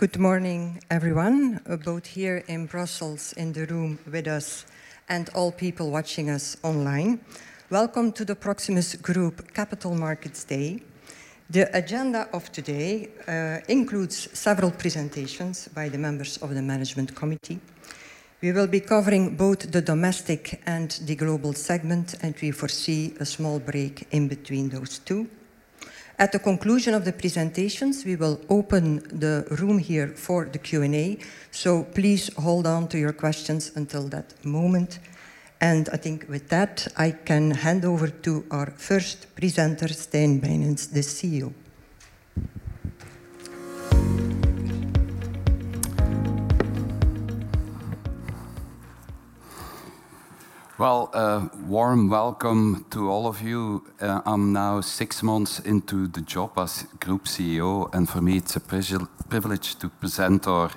Good morning, everyone, both here in Brussels in the room with us and all people watching us online. Welcome to the Proximus Group Capital Markets Day. The agenda of today includes several presentations by the members of the management committee. We will be covering both the domestic and the global segment, and we foresee a small break in between those two. At the conclusion of the presentations, we will open the room here for the Q&A, so please hold on to your questions until that moment. I think with that, I can hand over to our first presenter, Stijn Bijnens, the CEO. Well, a warm welcome to all of you. I'm now six months into the job as Group CEO, and for me, it's a privilege to present our,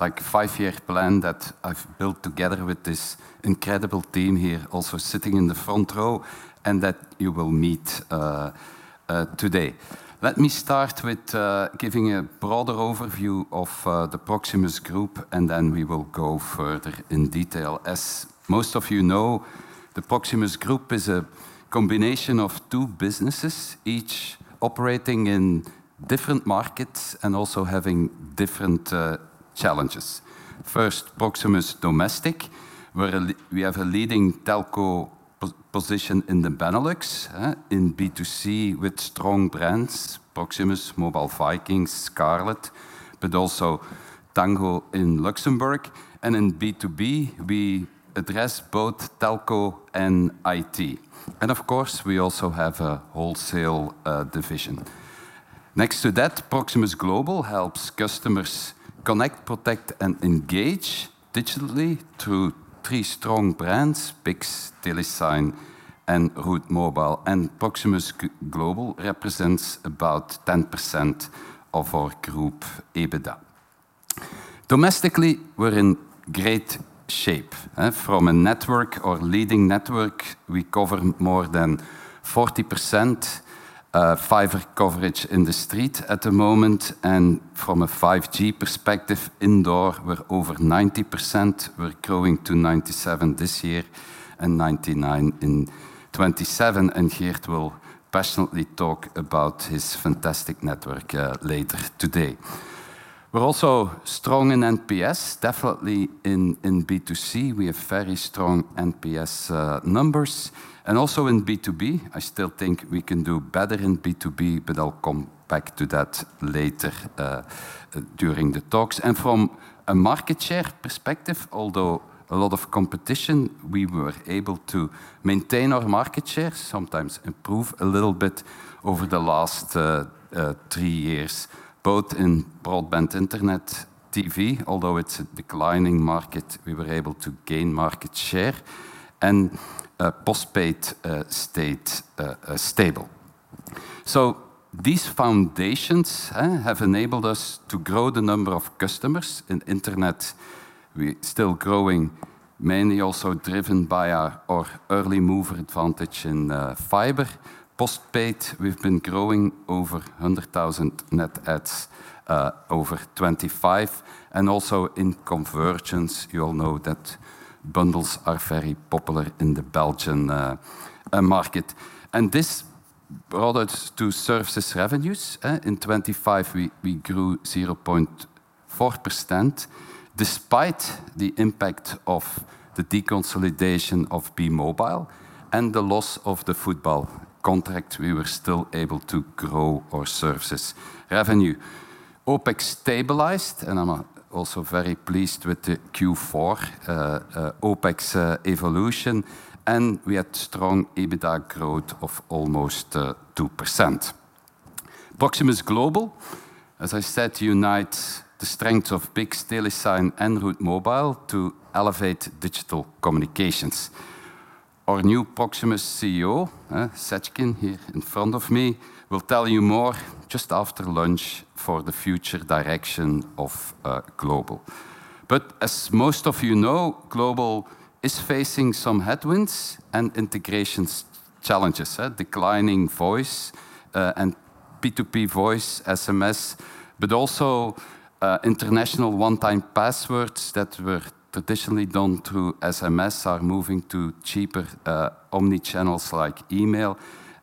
like, five-year plan that I've built together with this incredible team here, also sitting in the front row, and that you will meet today. Let me start with giving a broader overview of the Proximus Group, and then we will go further in detail. As most of you know, the Proximus Group is a combination of two businesses, each operating in different markets and also having different challenges. First, Proximus Domestic, where we have a leading telco position in the Benelux, in B2C, with strong brands, Proximus, Mobile Vikings, Scarlet, but also Tango in Luxembourg. In B2B, we address both telco and IT. Of course, we also have a wholesale division. Next to that, Proximus Global helps customers connect, protect, and engage digitally through three strong brands: BICS, Telesign, and Route Mobile. Proximus Global represents about 10% of our group EBITDA. Domestically, we're in great shape, eh? From a network or leading network, we cover more than 40% fiber coverage in the street at the moment, and from a 5G perspective, indoor, we're over 90%. We're growing to 97 this year and 99 in 2027, and Geert will passionately talk about his fantastic network later today. We're also strong in NPS, definitely in B2C, we have very strong NPS numbers, and also in B2B. I still think we can do better in B2B, but I'll come back to that later during the talks. From a market share perspective, although a lot of competition, we were able to maintain our market share, sometimes improve a little bit over the last three years, both in broadband internet, TV, although it's a declining market, we were able to gain market share, and postpaid stayed stable. These foundations have enabled us to grow the number of customers. In internet, we're still growing, mainly also driven by our early mover advantage in fiber. Postpaid, we've been growing over 100,000 net adds over 25. Also in convergence, you all know that bundles are very popular in the Belgian market. This brought us to services revenues? In 2025, we grew 0.4%. Despite the impact of the deconsolidation of Be-Mobile and the loss of the football contract, we were still able to grow our services revenue. OPEX stabilized, and I'm also very pleased with the Q4 OPEX evolution, and we had strong EBITDA growth of almost 2%. Proximus Global, as I said, unites the strength of BICS, Telesign, and Route Mobile to elevate digital communications. Our new Proximus CEO Seckin, here in front of me, will tell you more just after lunch for the future direction of Global. As most of you know, Global is facing some headwinds and integration challenges: declining voice and P2P voice, SMS, but also international one-time passwords that were traditionally done through SMS are moving to cheaper omnichannels like email.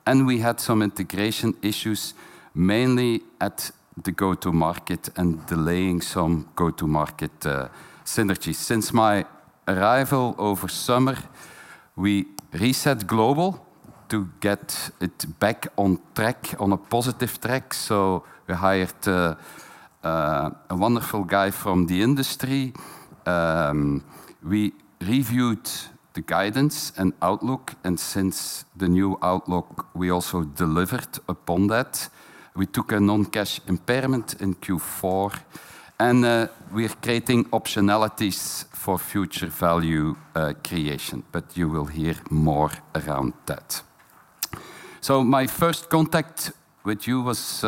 We had some integration issues, mainly at the go-to-market and delaying some go-to-market synergies. Since my arrival over summer, we reset Proximus Global to get it back on track, on a positive track, we hired a wonderful guy from the industry. We reviewed the guidance and outlook, since the new outlook, we also delivered upon that. We took a non-cash impairment in Q4, we're creating optionalities for future value creation, you will hear more around that. My first contact with you was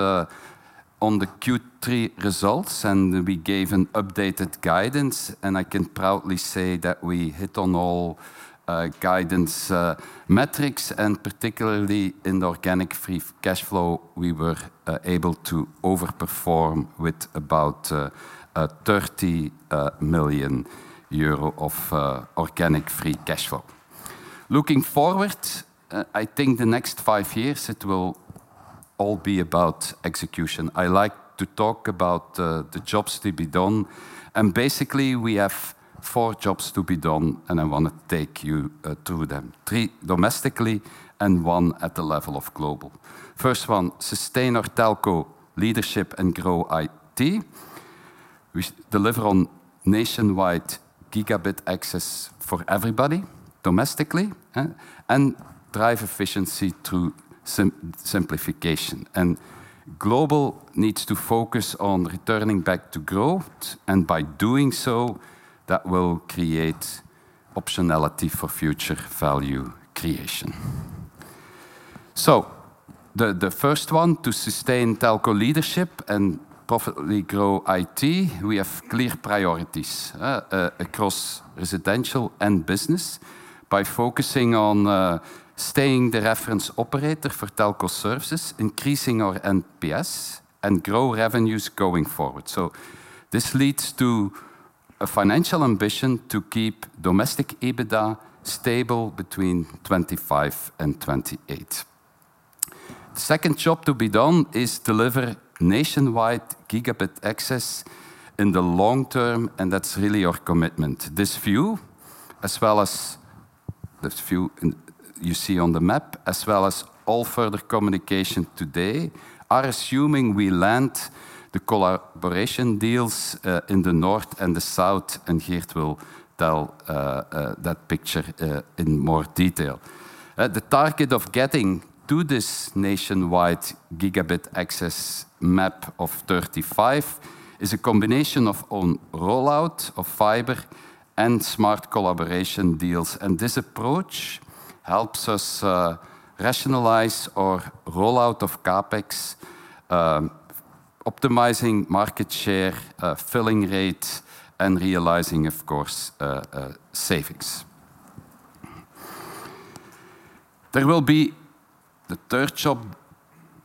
on the Q3 results, we gave an updated guidance, I can proudly say that we hit on all guidance metrics, particularly in the organic free cash flow, we were able to overperform with about 30 million euro of organic free cash flow. Looking forward, I think the next five years it will all be about execution. I like to talk about the jobs to be done, and basically, we have four jobs to be done, and I wanna take you through them. Three domestically and one at the level of Global. First one, sustain our telco leadership and grow IT. We deliver on nationwide gigabit access for everybody domestically. Drive efficiency through simplification. Global needs to focus on returning back to growth, and by doing so, that will create optionality for future value creation. The first one, to sustain telco leadership and profitably grow IT, we have clear priorities across residential and business. By focusing on staying the reference operator for telco services, increasing our NPS, and grow revenues going forward. This leads to a financial ambition to keep Domestic EBITDA stable between 2025 and 2028. The second job to be done is deliver nationwide gigabit access in the long term, and that's really our commitment. This view, as well as this view in you see on the map, as well as all further communication today, are assuming we land the collaboration deals in the north and the south, and Geert will tell that picture in more detail. The target of getting to this nationwide gigabit access map of 2035 is a combination of on rollout of fiber and smart collaboration deals. This approach helps us rationalize our rollout of CapEx, optimizing market share, filling rate, and realizing, of course, savings. There will be the third job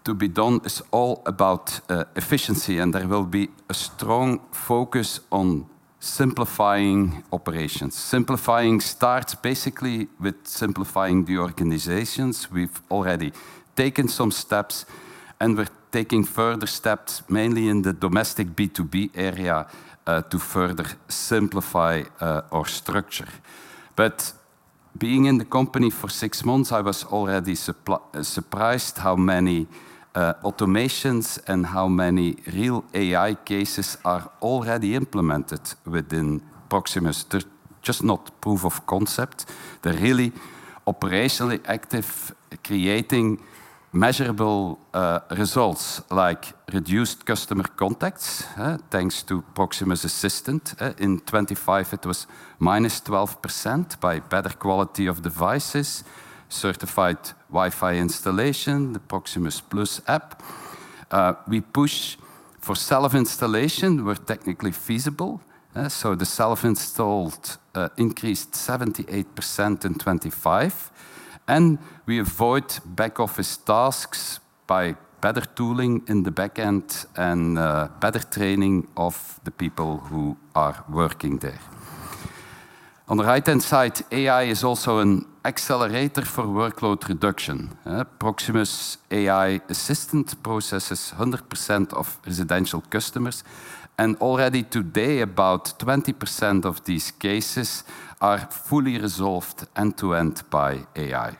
to be done is all about efficiency, and there will be a strong focus on simplifying operations. Simplifying starts basically with simplifying the organizations. We've already taken some steps, and we're taking further steps, mainly in the domestic B2B area, to further simplify our structure. Being in the company for six months, I was already surprised how many automations and how many real AI cases are already implemented within Proximus. They're just not proof of concept, they're really operationally active, creating measurable results, like reduced customer contacts, thanks to Proximus Assistant. In 25, it was -12% by better quality of devices, certified Wi-Fi installation, the Proximus+ app. We push for self-installation where technically feasible, so the self-installed increased 78% in 2025. We avoid back-office tasks by better tooling in the back end and better training of the people who are working there. On the right-hand side, AI is also an accelerator for workload reduction. Proximus AI Assistant processes 100% of residential customers, and already today, about 20% of these cases are fully resolved end-to-end by AI.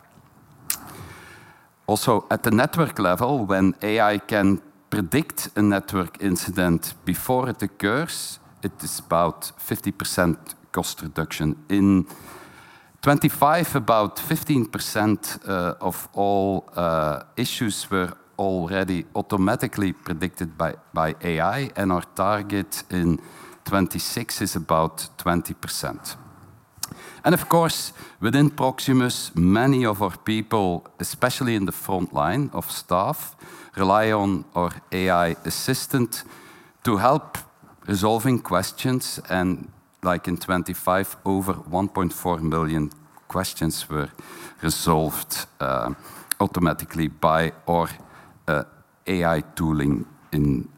At the network level, when AI can predict a network incident before it occurs, it is about 50% cost reduction. In 2025, about 15% of all issues were already automatically predicted by AI, and our target in 2026 is about 20%. Of course, within Proximus, many of our people, especially in the frontline of staff, rely on our AI Assistant to help resolving questions. Like in 25, over 1.4 million questions were resolved automatically by our AI tooling in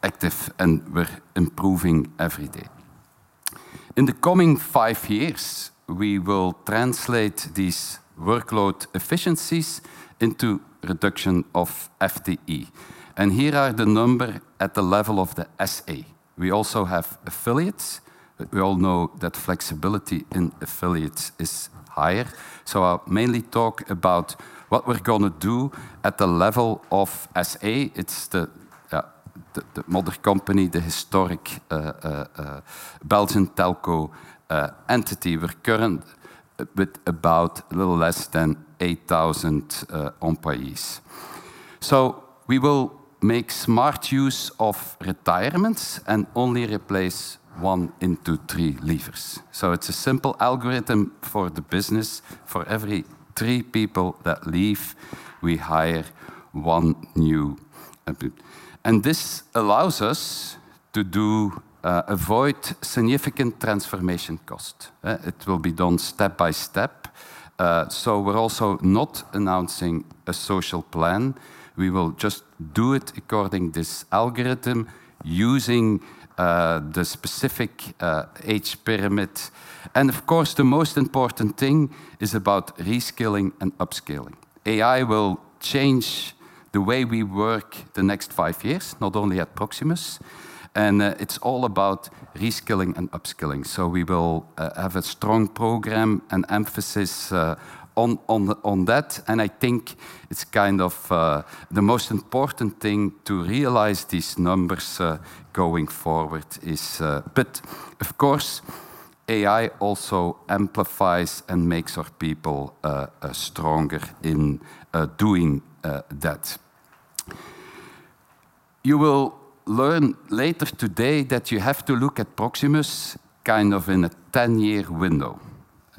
active, and we're improving every day. In the coming five years, we will translate these workload efficiencies into reduction of FTE, and here are the number at the level of the SA. We also have affiliates, but we all know that flexibility in affiliates is higher. I'll mainly talk about what we're gonna do at the level of SA. It's the mother company, the historic Belgian telco entity. We're current with about a little less than 8,000 employees. We will make smart use of retirements and only replace one into three leavers. It's a simple algorithm for the business. For every three people that leave, we hire one new employee. This allows us to do, avoid significant transformation cost. It will be done step by step. We're also not announcing a social plan, we will just do it according this algorithm, using the specific age pyramid. Of course, the most important thing is about reskilling and upskilling. AI will change the way we work the next five years, not only at Proximus, it's all about reskilling and upskilling. We will have a strong program and emphasis on that,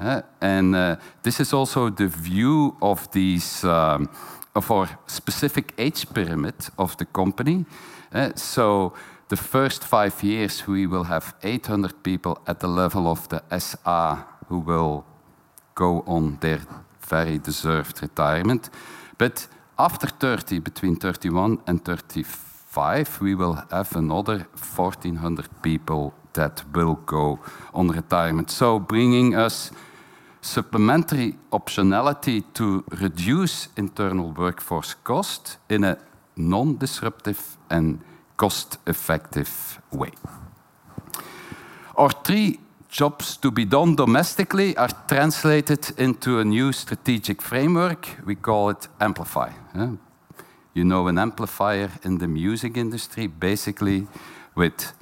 and I think it's kind of the most important thing to realize these numbers going forward is... Of course, AI also amplifies and makes our people stronger in doing that. You will learn later today that you have to look at Proximus kind of in a 10-year window. This is also the view of these of our specific age pyramid of the company. The first five years, we will have 800 people at the level of the Sr. who will go on their very deserved retirement. After 30, between 31 and 35, we will have another 1,400 people that will go on retirement, bringing us supplementary optionality to reduce internal workforce cost in a non-disruptive and cost-effective way. Our three jobs to be done domestically are translated into a new strategic framework. We call it Amplify. You know, an amplifier in the music industry, basically, with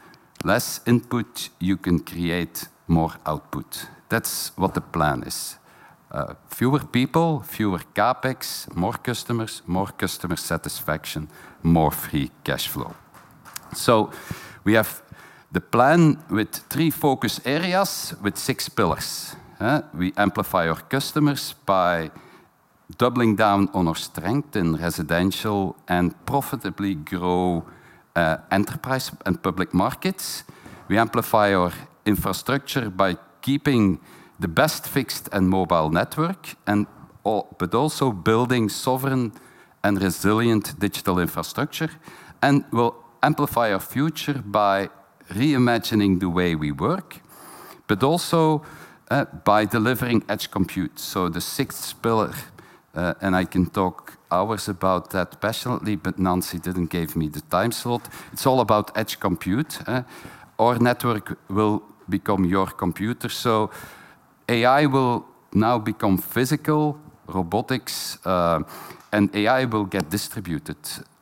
less input, you can create more output. That's what the plan is. Fewer people, fewer CapEx, more customers, more customer satisfaction, more free cash flow. We have the plan with three focus areas, with six pillars? We amplify our customers by doubling down on our strength in residential and profitably grow enterprise and public markets. We amplify our infrastructure by keeping the best fixed and mobile network, but also building sovereign and resilient digital infrastructure. We'll amplify our future by reimagining the way we work, but also by delivering edge compute. The sixth pillar, and I can talk hours about that passionately, but Nancy didn't give me the time slot. It's all about edge compute. Our network will become your computer, so AI will now become physical. Robotics, and AI will get distributed.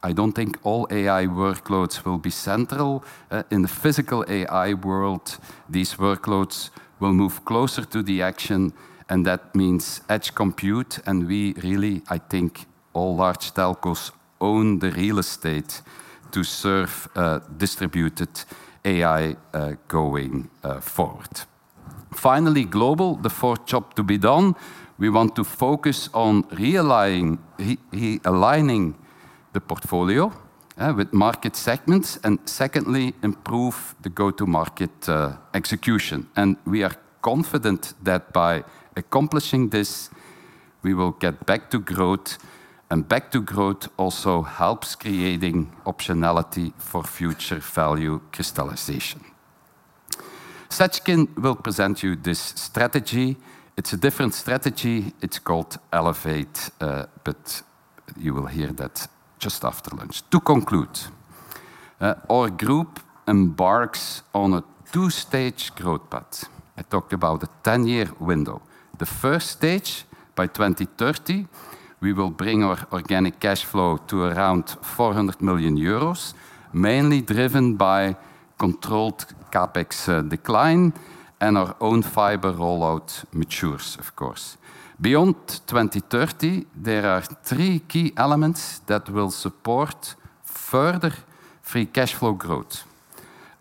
I don't think all AI workloads will be central. In the physical AI world, these workloads will move closer to the action, that means edge compute, I think all large telcos own the real estate to serve distributed AI going forward. Finally, Proximus Global, the 4th job to be done, we want to focus on realigning the portfolio with market segments, secondly, improve the go-to-market execution. We are confident that by accomplishing this, we will get back to growth, back to growth also helps creating optionality for future value crystallization. Seckin will present you this strategy. It's a different strategy. It's called Elevate, you will hear that just after lunch. To conclude, our group embarks on a two-stage growth path. I talked about a 10-year window. The first stage, by 2030, we will bring our organic cash flow to around 400 million euros, mainly driven by controlled CapEx decline and our own fiber rollout matures, of course. Beyond 2030, there are three key elements that will support further free cash flow growth: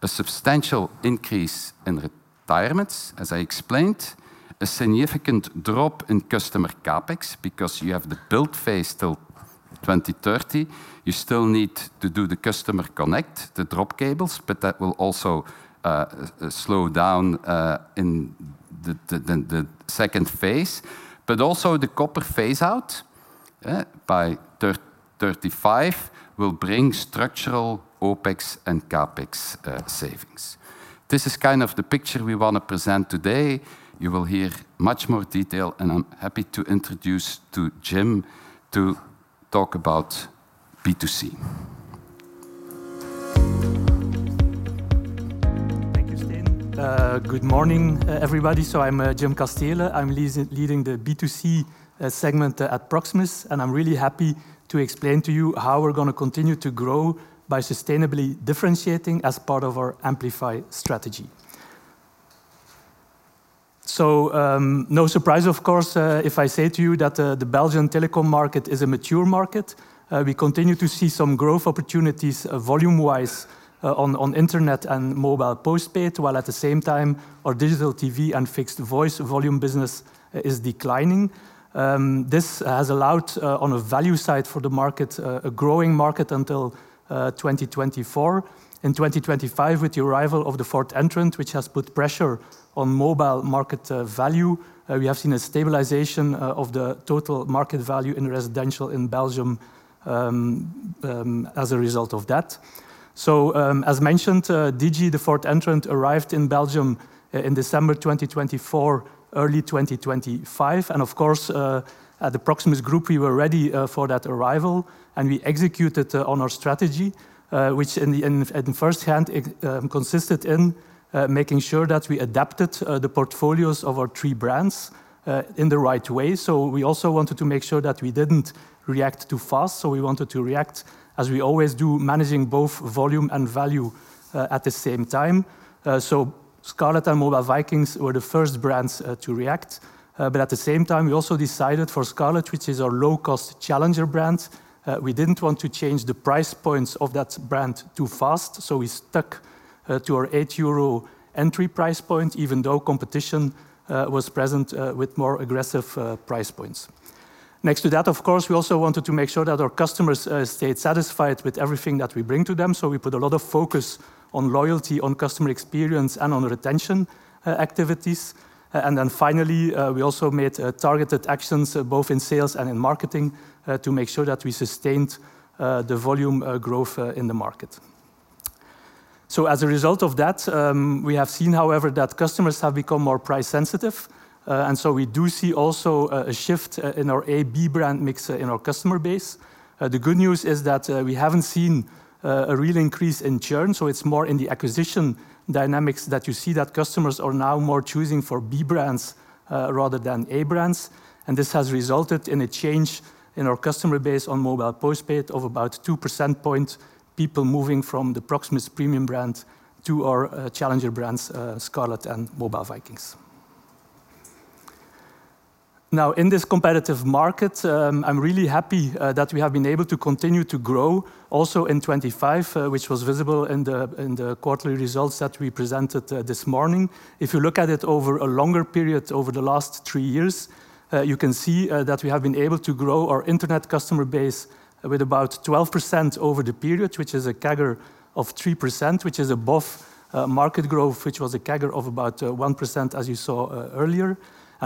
a substantial increase in retirements, as I explained; a significant drop in customer CapEx, because you have the build phase till 2030, you still need to do the customer connect, the drop cables, but that will also slow down in the second phase; but also the copper phase-out by 35, will bring structural OpEx and CapEx savings. This is kind of the picture we want to present today. You will hear much more detail, and I'm happy to introduce to Jim to talk about B2C. Thank you, Stijn. Good morning, everybody. I'm Jim Casteele. I'm leading the B2C segment at Proximus, and I'm really happy to explain to you how we're gonna continue to grow by sustainably differentiating as part of our Amplify strategy. No surprise, of course, if I say to you that the Belgian telecom market is a mature market. We continue to see some growth opportunities, volume-wise, on internet and mobile postpaid, while at the same time our digital TV and fixed voice volume business is declining. This has allowed, on a value side for the market, a growing market until 2024. In 2025, with the arrival of the fourth entrant, which has put pressure on mobile market value, we have seen a stabilization of the total market value in residential in Belgium as a result of that. As mentioned, Digi, the fourth entrant, arrived in Belgium in December 2024, early 2025. Of course, at the Proximus Group, we were ready for that arrival, and we executed on our strategy, which in the, in first hand, consisted in making sure that we adapted the portfolios of our three brands in the right way. We also wanted to make sure that we didn't react too fast, we wanted to react as we always do, managing both volume and value at the same time. Scarlet and Mobile Vikings were the first brands to react. At the same time, we also decided for Scarlet, which is our low-cost challenger brand, we didn't want to change the price points of that brand too fast, so we stuck to our 8 euro entry price point, even though competition was present with more aggressive price points. Next to that, of course, we also wanted to make sure that our customers stayed satisfied with everything that we bring to them, so we put a lot of focus on loyalty, on customer experience, and on retention activities. Finally, we also made targeted actions both in sales and in marketing to make sure that we sustained the volume growth in the market. As a result of that, we have seen, however, that customers have become more price sensitive. We do see also a shift in our A/B brand mix in our customer base. The good news is that we haven't seen a real increase in churn, so it's more in the acquisition dynamics that you see that customers are now more choosing for B brands, rather than A brands. This has resulted in a change in our customer base on mobile postpaid of about two percent point, people moving from the Proximus premium brand to our challenger brands, Scarlet and Mobile Vikings. In this competitive market, I'm really happy that we have been able to continue to grow also in 2025, which was visible in the quarterly results that we presented this morning. If you look at it over a longer period, over the last three years, you can see that we have been able to grow our internet customer base with about 12% over the period, which is a CAGR of 3%, which is above market growth, which was a CAGR of about 1%, as you saw earlier.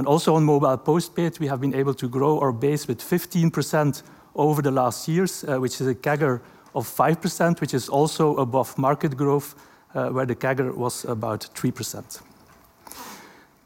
Also on mobile postpaid, we have been able to grow our base with 15% over the last years, which is a CAGR of 5%, which is also above market growth, where the CAGR was about 3%.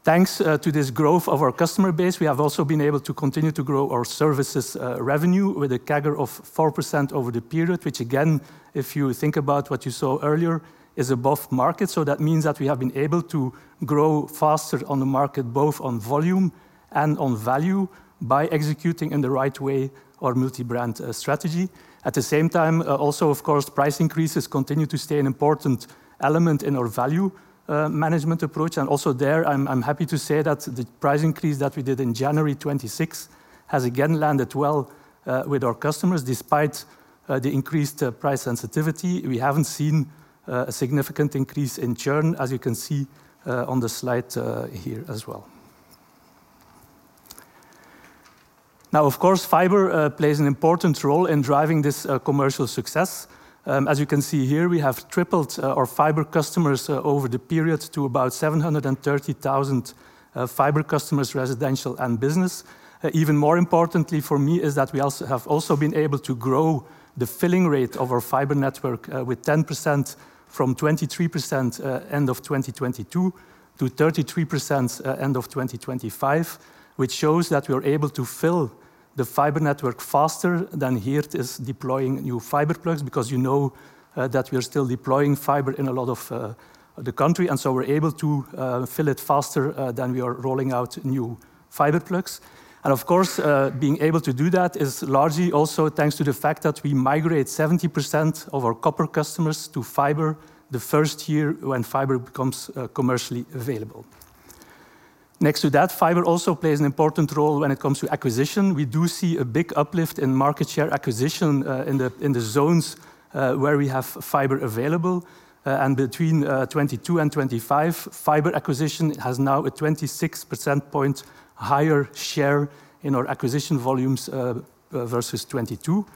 Thanks, to this growth of our customer base, we have also been able to continue to grow our services, revenue with a CAGR of 4% over the period, which again, if you think about what you saw earlier, is above market. That means that we have been able to grow faster on the market, both on volume and on value, by executing in the right way our multi-brand strategy. At the same time, also, of course, price increases continue to stay an important element in our value management approach. Also there, I'm happy to say that the price increase that we did in January 2026 has again landed well with our customers. Despite the increased price sensitivity, we haven't seen a significant increase in churn, as you can see on the slide here as well. Of course, fiber plays an important role in driving this commercial success. As you can see here, we have tripled our fiber customers over the period to about 730,000 fiber customers, residential and business. Even more importantly for me is that we also have also been able to grow the filling rate of our fiber network with 10% from 23% end of 2022, to 33% end of 2025, which shows that we are able to fill the fiber network faster than here it is deploying new fiber plugs, because you know, that we are still deploying fiber in a lot of the country, and so we're able to fill it faster than we are rolling out new fiber plugs. Of course, being able to do that is largely also thanks to the fact that we migrate 70% of our copper customers to fiber the first year when fiber becomes commercially available. Next to that, fiber also plays an important role when it comes to acquisition. We do see a big uplift in market share acquisition in the zones where we have fiber available. Between 2022 and 2025, fiber acquisition has now a 26 percentage point higher share in our acquisition volumes versus 2022.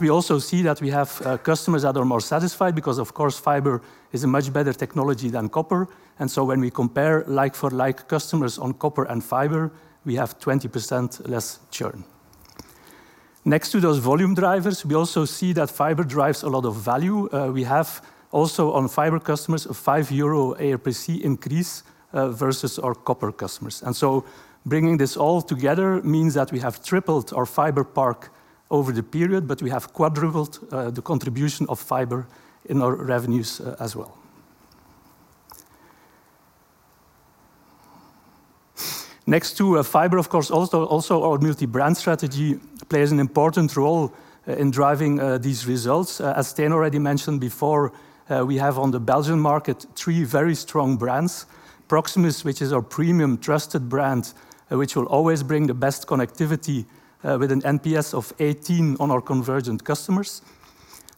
We also see that we have customers that are more satisfied, because, of course, fiber is a much better technology than copper. When we compare like for like customers on copper and fiber, we have 20% less churn. Next to those volume drivers, we also see that fiber drives a lot of value. We have also on fiber customers, a 5 euro ARPC increase versus our copper customers. Bringing this all together means that we have tripled our fiber park over the period, but we have quadrupled the contribution of fiber in our revenues as well. Next to a fiber, of course, also our multi-brand strategy plays an important role in driving these results. As Stijn already mentioned before, we have on the Belgian market three very strong brands: Proximus, which is our premium trusted brand, which will always bring the best connectivity, with an NPS of 18 on our convergent customers,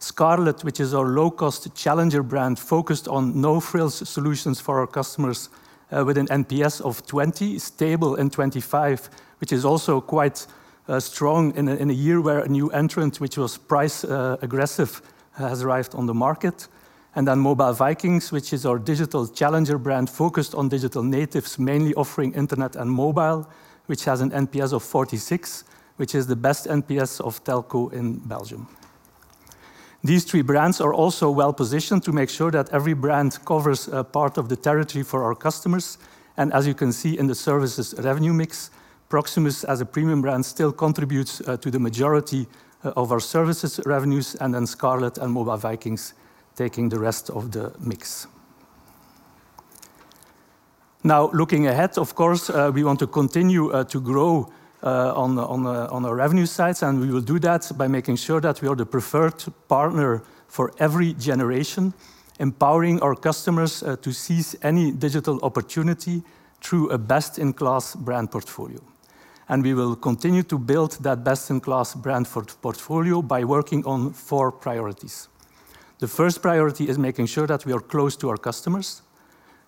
Scarlet, which is our low-cost challenger brand, focused on no-frills solutions for our customers, with an NPS of 20, stable in 25, which is also quite strong in a year where a new entrant, which was price aggressive, has arrived on the market, Mobile Vikings, which is our digital challenger brand, focused on digital natives, mainly offering internet and mobile, which has an NPS of 46, which is the best NPS of telco in Belgium. These three brands are also well-positioned to make sure that every brand covers a part of the territory for our customers. As you can see in the services revenue mix, Proximus, as a premium brand, still contributes to the majority of our services revenues, then Scarlet and Mobile Vikings taking the rest of the mix. Looking ahead, of course, we want to continue to grow on the revenue sides. We will do that by making sure that we are the preferred partner for every generation, empowering our customers to seize any digital opportunity through a best-in-class brand portfolio. We will continue to build that best-in-class brand portfolio by working on four priorities. The first priority is making sure that we are close to our customers.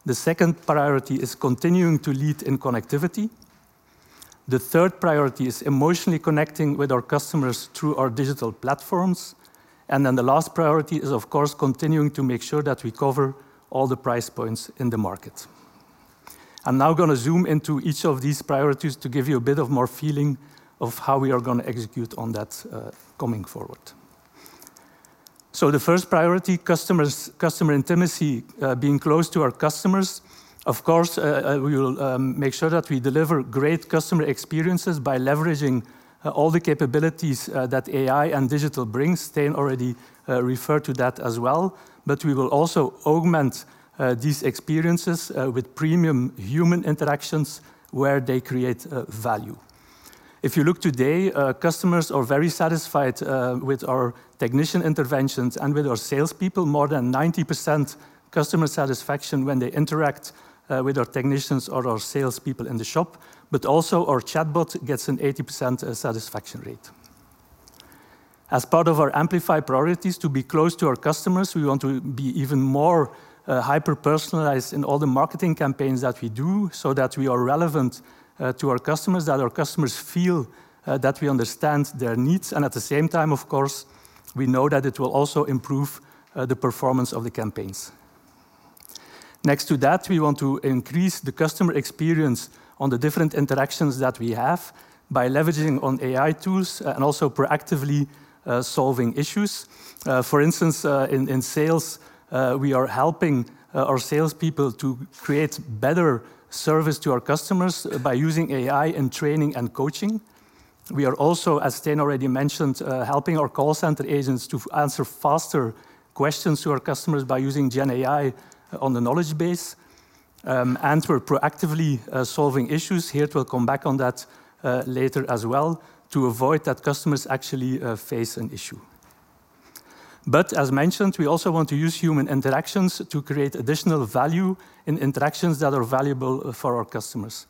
The second priority is continuing to lead in connectivity. The third priority is emotionally connecting with our customers through our digital platforms. The last priority is, of course, continuing to make sure that we cover all the price points in the market. I'm now gonna zoom into each of these priorities to give you a bit of more feeling of how we are gonna execute on that coming forward. The first priority, customers, customer intimacy, being close to our customers. Of course, we will make sure that we deliver great customer experiences by leveraging all the capabilities that AI and digital brings. Stijn already referred to that as well. We will also augment these experiences with premium human interactions where they create value. If you look today, customers are very satisfied with our technician interventions and with our salespeople. More than 90% customer satisfaction when they interact with our technicians or our salespeople in the shop, but also our chatbot gets an 80% satisfaction rate. As part of our Amplify priorities to be close to our customers, we want to be even more hyper-personalized in all the marketing campaigns that we do, so that we are relevant to our customers, that our customers feel that we understand their needs. At the same time, of course, we know that it will also improve the performance of the campaigns. Next to that, we want to increase the customer experience on the different interactions that we have by leveraging on AI tools and also proactively solving issues. For instance, in sales, we are helping our salespeople to create better service to our customers by using AI in training and coaching. We are also, as Stijn already mentioned, helping our call center agents to answer faster questions to our customers by using GenAI on the knowledge base. We're proactively solving issues here, we'll come back on that later as well, to avoid that customers actually face an issue. As mentioned, we also want to use human interactions to create additional value in interactions that are valuable for our customers.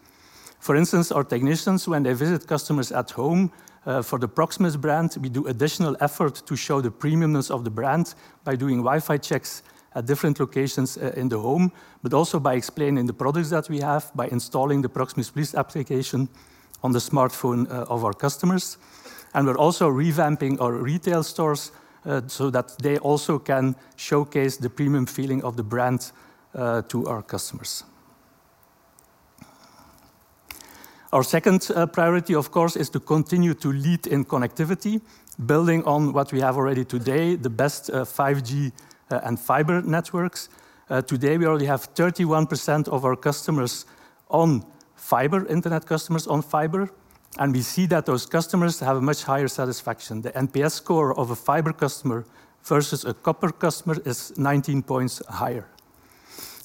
For instance, our technicians, when they visit customers at home, for the Proximus brand, we do additional effort to show the premiumness of the brand by doing Wi-Fi checks at different locations in the home, but also by explaining the products that we have, by installing the Proximus Police application on the smartphone of our customers. We're also revamping our retail stores, so that they also can showcase the premium feeling of the brand to our customers. Our second priority, of course, is to continue to lead in connectivity, building on what we have already today, the best 5G and fiber networks. Today, we already have 31% of our customers on fiber, internet customers on fiber, and we see that those customers have a much higher satisfaction. The NPS score of a fiber customer versus a copper customer is 19 points higher.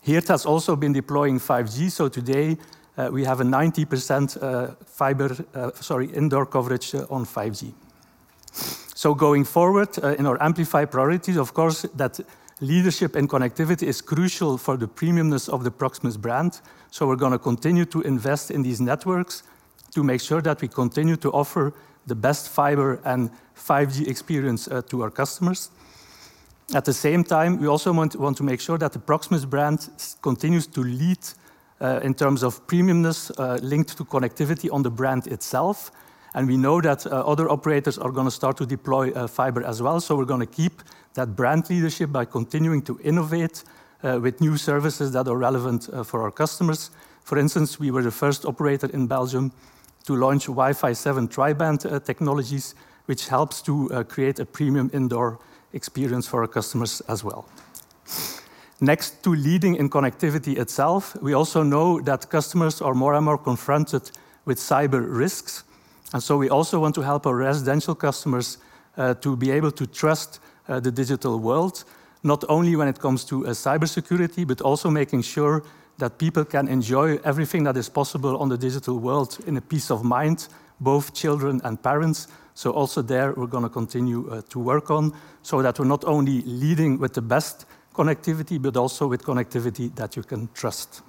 Here, it has also been deploying 5G. Today, we have a 90% fiber, sorry, indoor coverage on 5G. Going forward, in our Amplify priorities, of course, that leadership and connectivity is crucial for the premiumness of the Proximus brand. We're gonna continue to invest in these networks to make sure that we continue to offer the best fiber and 5G experience to our customers. At the same time, we also want to make sure that the Proximus brand continues to lead in terms of premiumness linked to connectivity on the brand itself, and we know that other operators are gonna start to deploy fiber as well. We're gonna keep that brand leadership by continuing to innovate, with new services that are relevant, for our customers. For instance, we were the first operator in Belgium to launch Wi-Fi 7 tri-band technologies, which helps to create a premium indoor experience for our customers as well. Next to leading in connectivity itself, we also know that customers are more and more confronted with cyber risks. We also want to help our residential customers, to be able to trust, the digital world, not only when it comes to, cybersecurity, but also making sure that people can enjoy everything that is possible on the digital world in a peace of mind, both children and parents. Also there, we're gonna continue to work on, so that we're not only leading with the best connectivity, but also with connectivity that you can trust.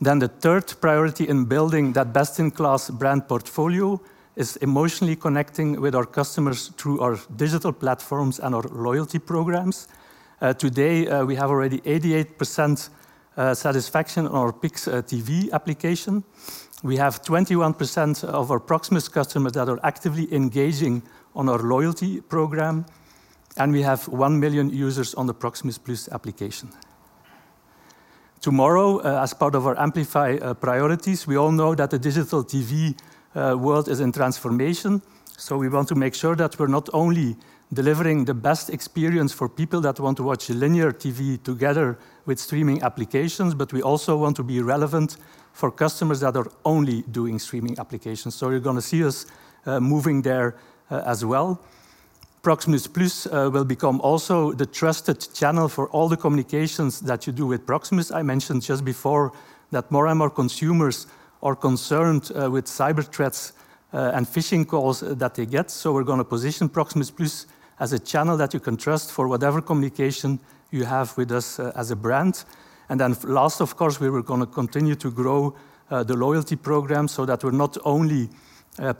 The third priority in building that best-in-class brand portfolio is emotionally connecting with our customers through our digital platforms and our loyalty programs. Today, we have already 88% satisfaction on our Pickx TV application. We have 21% of our Proximus customers that are actively engaging on our loyalty program, and we have one million users on the Proximus+ application. Tomorrow, as part of our Amplify priorities, we all know that the digital TV world is in transformation. We want to make sure that we're not only delivering the best experience for people that want to watch linear TV together with streaming applications, but we also want to be relevant for customers that are only doing streaming applications. You're gonna see us moving there as well. Proximus+ will become also the trusted channel for all the communications that you do with Proximus. I mentioned just before that more and more consumers are concerned with cyber threats and phishing calls that they get, so we're gonna position Proximus+ as a channel that you can trust for whatever communication you have with us as a brand. Last, of course, we are gonna continue to grow the loyalty program, so that we're not only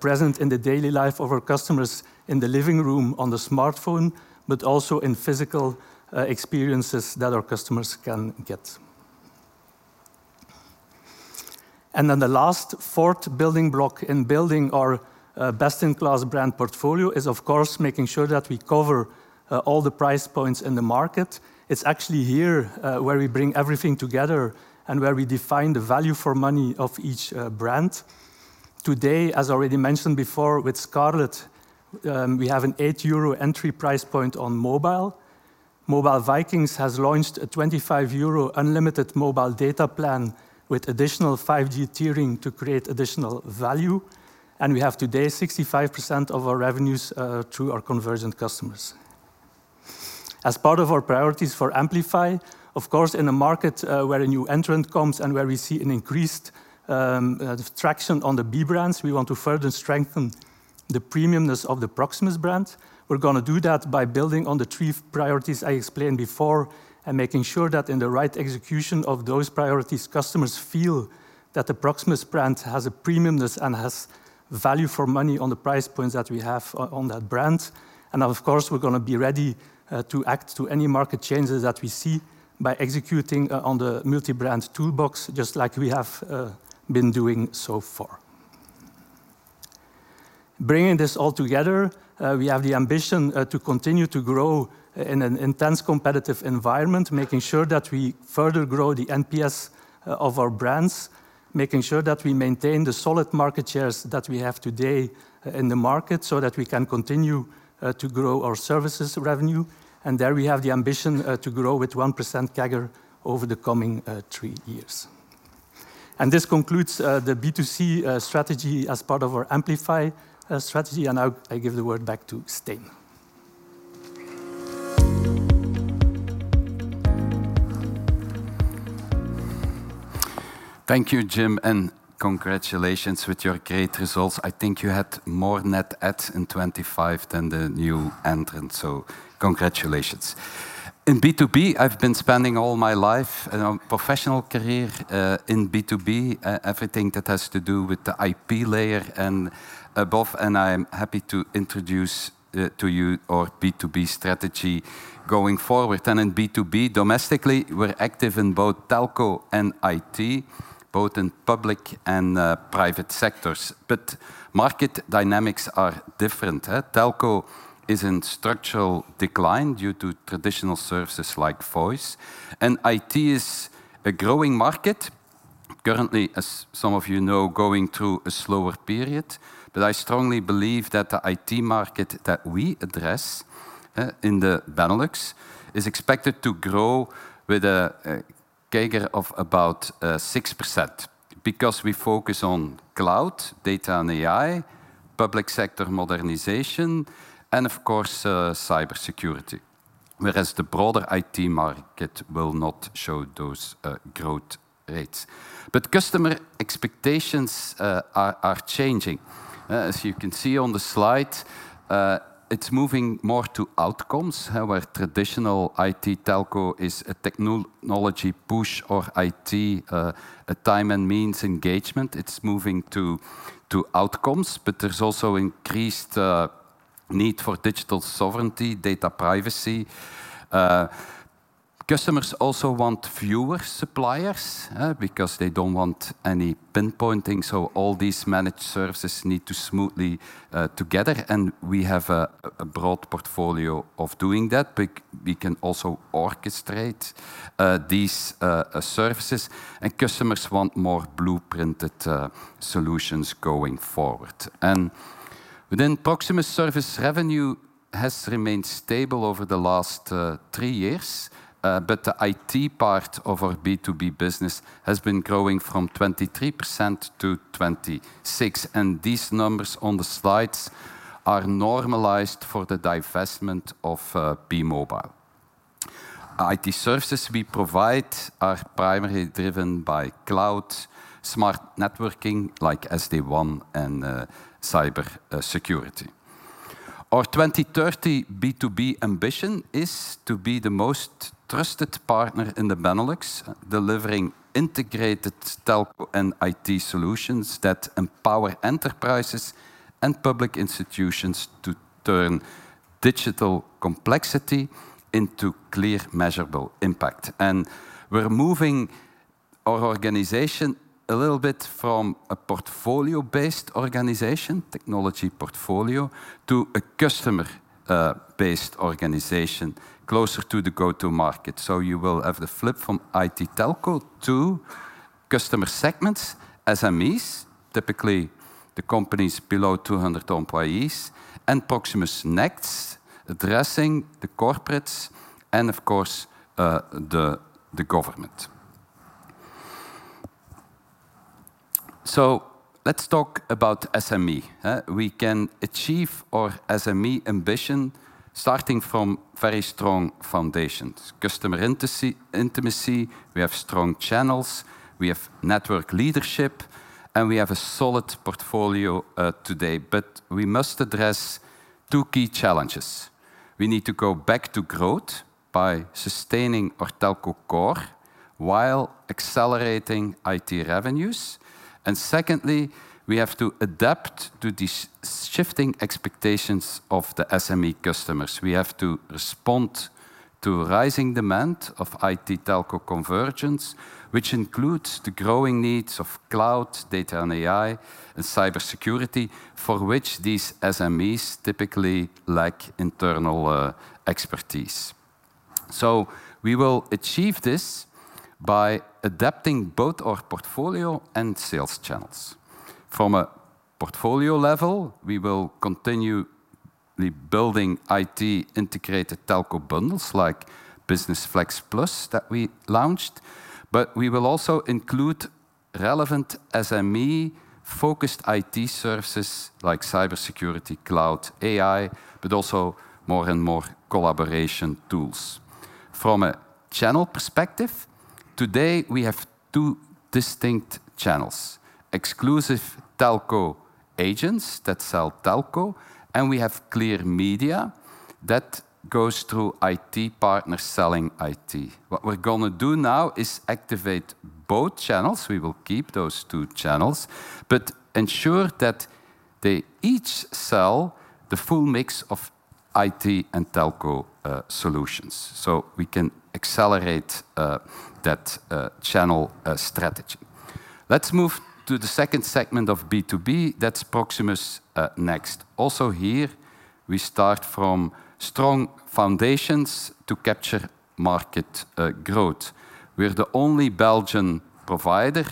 present in the daily life of our customers in the living room, on the smartphone, but also in physical experiences that our customers can get. The last fourth building block in building our best-in-class brand portfolio is, of course, making sure that we cover all the price points in the market. It's actually here, where we bring everything together and where we define the value for money of each brand. Today, as already mentioned before, with Scarlet, we have an 8 euro entry price point on mobile. Mobile Vikings has launched a 25 euro unlimited mobile data plan with additional 5G tiering to create additional value, and we have today 65% of our revenues through our convergent customers. As part of our priorities for Amplify, of course, in a market, where a new entrant comes and where we see an increased, traction on the B brands, we want to further strengthen the premiumness of the Proximus brand. We're gonna do that by building on the three priorities I explained before and making sure that in the right execution of those priorities, customers feel that the Proximus brand has a premiumness and has value for money on the price points that we have on that brand. Of course, we're gonna be ready, to act to any market changes that we see by executing on the multi-brand toolbox, just like we have, been doing so far. Bringing this all together, we have the ambition to continue to grow in an intense competitive environment, making sure that we further grow the NPS of our brands, making sure that we maintain the solid market shares that we have today in the market, so that we can continue to grow our services revenue. There, we have the ambition to grow with 1% CAGR over the coming three years. This concludes the B2C strategy as part of our Amplify strategy, and now I give the word back to Stijn. Thank you, Jim, and congratulations with your great results. I think you had more net adds in 2025 than the new entrant, so congratulations. In B2B, I've been spending all my life and my professional career in B2B, everything that has to do with the IP layer and above, and I'm happy to introduce to you our B2B strategy going forward. In B2B, domestically, we're active in both telco and IT, both in public and private sectors. Market dynamics are different? Telco is in structural decline due to traditional services like voice, and IT is a growing market. Currently, as some of you know, going through a slower period, but I strongly believe that the IT market that we address in the Benelux, is expected to grow with a CAGR of about 6%. We focus on cloud, data and AI, public sector modernization, and of course, cybersecurity, whereas the broader IT market will not show those growth rates. Customer expectations are changing. As you can see on the slide, it's moving more to outcomes, where traditional IT telco is a technology push or IT, a time and means engagement. It's moving to outcomes, but there's also increased need for digital sovereignty, data privacy. Customers also want fewer suppliers, because they don't want any pinpointing, so all these managed services need to smoothly together, and we have a broad portfolio of doing that. We can also orchestrate these services, and customers want more blueprinted solutions going forward. Within Proximus, service revenue has remained stable over the last three years, but the IT part of our B2B business has been growing from 23%-26%, and these numbers on the slides are normalized for the divestment of Be-Mobile. IT services we provide are primarily driven by cloud, smart networking, like SD-WAN and cybersecurity. Our 2030 B2B ambition is to be the most trusted partner in the Benelux, delivering integrated telco and IT solutions that empower enterprises and public institutions to turn digital complexity into clear, measurable impact. We're moving our organization a little bit from a portfolio-based organization, technology portfolio, to a customer based organization, closer to the go-to market. You will have the flip from IT telco to customer segments, SMEs, typically the companies below 200 employees, and Proximus NXT, addressing the corporates and of course, the government. Let's talk about SME. We can achieve our SME ambition, starting from very strong foundations: customer intimacy, we have strong channels, we have network leadership, and we have a solid portfolio today. We must address two key challenges. We need to go back to growth by sustaining our telco core while accelerating IT revenues. Secondly, we have to adapt to these shifting expectations of the SME customers. We have to respond to rising demand of IT/telco convergence, which includes the growing needs of cloud, data, and AI, and cybersecurity, for which these SMEs typically lack internal expertise. We will achieve this by adapting both our portfolio and sales channels. From a portfolio level, we will continue building IT-integrated telco bundles, like Business Flex+, that we launched, but we will also include relevant SME-focused IT services like cybersecurity, cloud, AI, but also more and more collaboration tools. From a channel perspective, today, we have two distinct channels: exclusive telco agents that sell telco, and we have ClearMedia that goes through IT partners selling IT. What we're gonna do now is activate both channels. We will keep those two channels, but ensure that they each sell the full mix of IT and telco solutions, so we can accelerate that channel strategy. Let's move to the second segment of B2B, that's Proximus NXT. Also here, we start from strong foundations to capture market growth. We're the only Belgian provider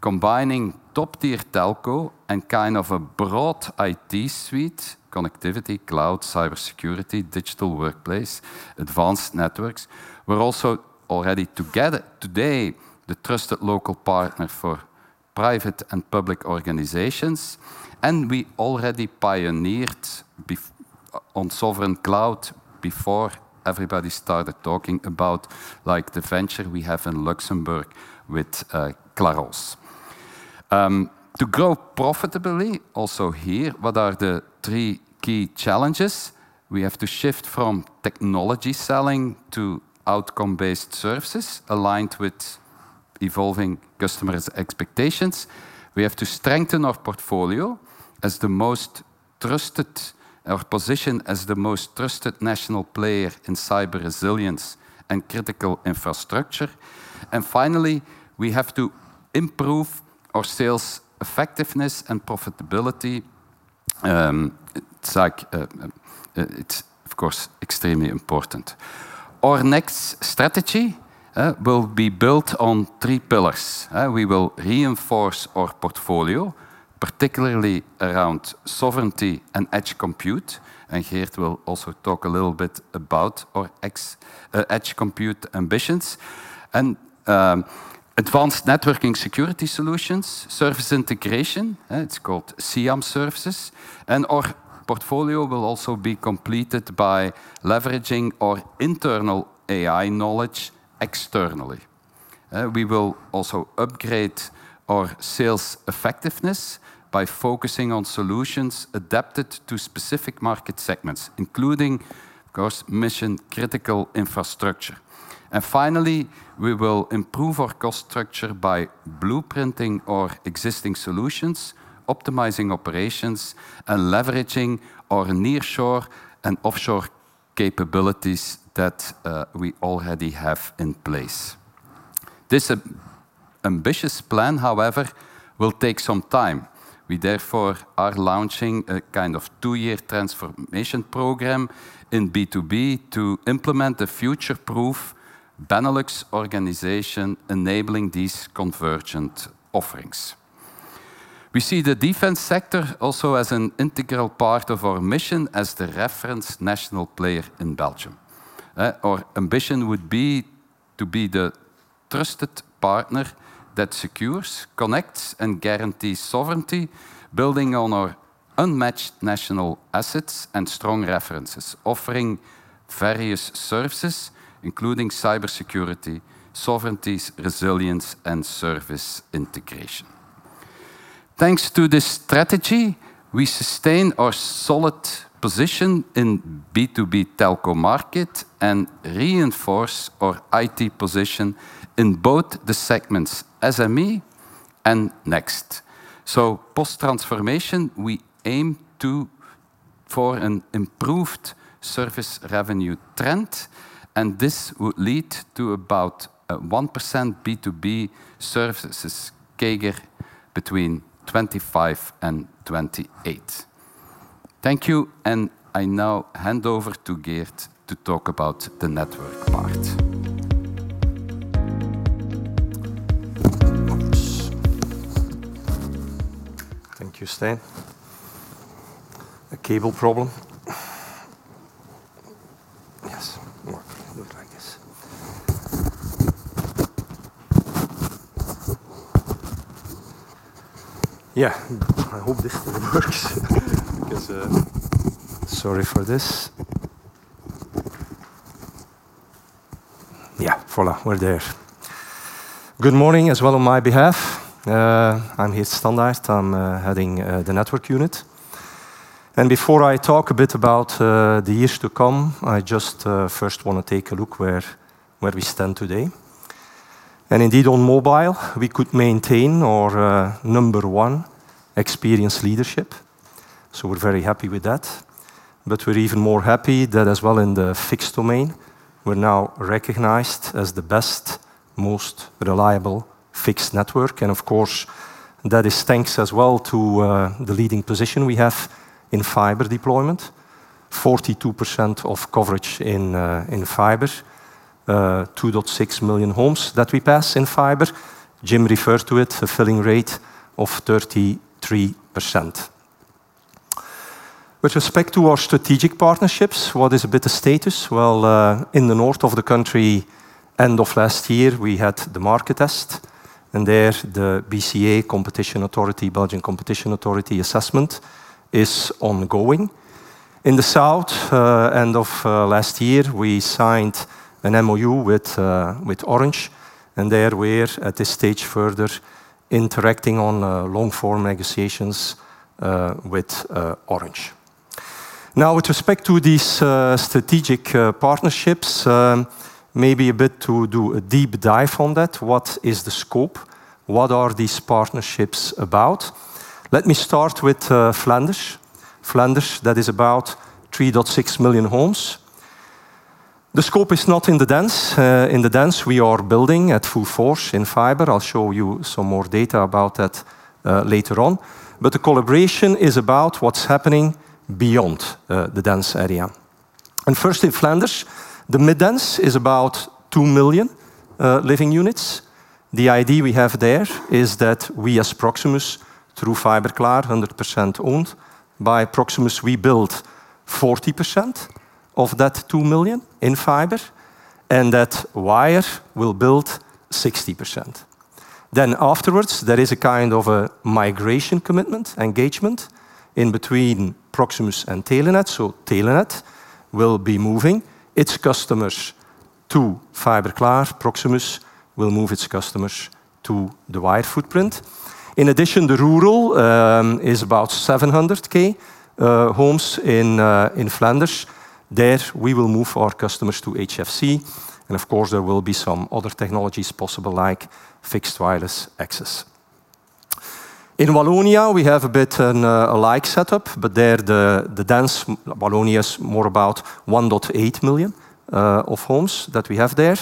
combining top-tier telco and kind of a broad IT suite: connectivity, cloud, cybersecurity, digital workplace, advanced networks. We're also already together today, the trusted local partner for private and public organizations, and we already pioneered on sovereign cloud before everybody started talking about, like, the venture we have in Luxembourg with Clarence. To grow profitably, also here, what are the three key challenges? We have to shift from technology selling to outcome-based services aligned with evolving customers' expectations. We have to strengthen our portfolio as the most trusted our position as the most trusted national player in cyber resilience and critical infrastructure. Finally, we have to improve our sales effectiveness and profitability. it's like it's, of course, extremely important. Our next strategy will be built on three pillars. We will reinforce our portfolio, particularly around sovereignty and edge compute, and Geert will also talk a little bit about our ex, edge compute ambitions and advanced networking security solutions, service integration, it's called SIAM services, and our portfolio will also be completed by leveraging our internal AI knowledge externally. We will also upgrade our sales effectiveness by focusing on solutions adapted to specific market segments, including, of course, mission-critical infrastructure. Finally, we will improve our cost structure by blueprinting our existing solutions, optimizing operations, and leveraging our nearshore and offshore capabilities that we already have in place. This ambitious plan, however, will take some time. We therefore are launching a kind of two-year transformation program in B2B to implement a future-proof Benelux organization, enabling these convergent offerings.... We see the defense sector also as an integral part of our mission as the reference national player in Belgium. Our ambition would be to be the trusted partner that secures, connects, and guarantees sovereignty, building on our unmatched national assets and strong references, offering various services, including cybersecurity, sovereignties, resilience, and service integration. Thanks to this strategy, we sustain our solid position in B2B telco market and reinforce our IT position in both the segments SME and NXT. So post-transformation, we aim for an improved service revenue trend, and this will lead to about 1% B2B services CAGR between 2025 and 2028. Thank you, and I now hand over to Geert to talk about the network part. Thank you, Stijn. A cable problem. Yes, well, look like this. Yeah, I hope this works. Sorry for this. Yeah, voila, we're there. Good morning, as well on my behalf. I'm Geert Standaert. I'm heading the network unit. Before I talk a bit about the years to come, I just first wanna take a look where we stand today. Indeed, on mobile, we could maintain our number one experience leadership, so we're very happy with that. We're even more happy that as well in the fixed domain, we're now recognized as the best, most reliable fixed network. Of course, that is thanks as well to the leading position we have in fiber deployment. 42% of coverage in fiber, 2.6 million homes that we pass in fiber. Jim referred to it, fulfilling rate of 33%. With respect to our strategic partnerships, what is a bit of status? Well, in the north of the country, end of last year, we had the market test, and there the BCA, Competition Authority, Belgian Competition Authority assessment is ongoing. In the south, end of last year, we signed an MOU with Orange, and there we're at this stage further interacting on long-form negotiations with Orange. With respect to these strategic partnerships, maybe a bit to do a deep dive on that. What is the scope? What are these partnerships about? Let me start with Flanders. Flanders, that is about 3.6 million homes. The scope is not in the dense. In the dense, we are building at full force in fiber. I'll show you some more data about that later on, but the collaboration is about what's happening beyond the dense area. First, in Flanders, the mid dense is about two million living units. The idea we have there is that we as Proximus, through Fiberklaar, 100% owned by Proximus, we build 40% of that two million in fiber, and that Wyre will build 60%. Afterwards, there is a kind of a migration commitment, engagement in between Proximus and Telenet. Telenet will be moving its customers to Fiberklaar. Proximus will move its customers to the Wyre footprint. In addition, the rural is about 700K homes in Flanders. There, we will move our customers to HFC, and of course, there will be some other technologies possible, like fixed wireless access. In Wallonia, we have a bit a like setup, but there the dense Wallonia is more about 1.8 million of homes that we have there.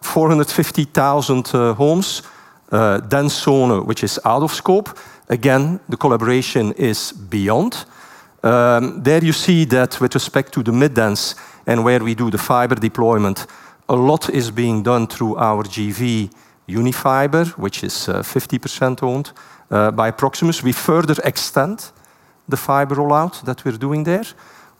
450,000 homes, dense zone, which is out of scope. Again, the collaboration is beyond. There you see that with respect to the mid dense and where we do the fiber deployment, a lot is being done through our GV Unifiber, which is 50% owned by Proximus. We further extend the fiber rollout that we're doing there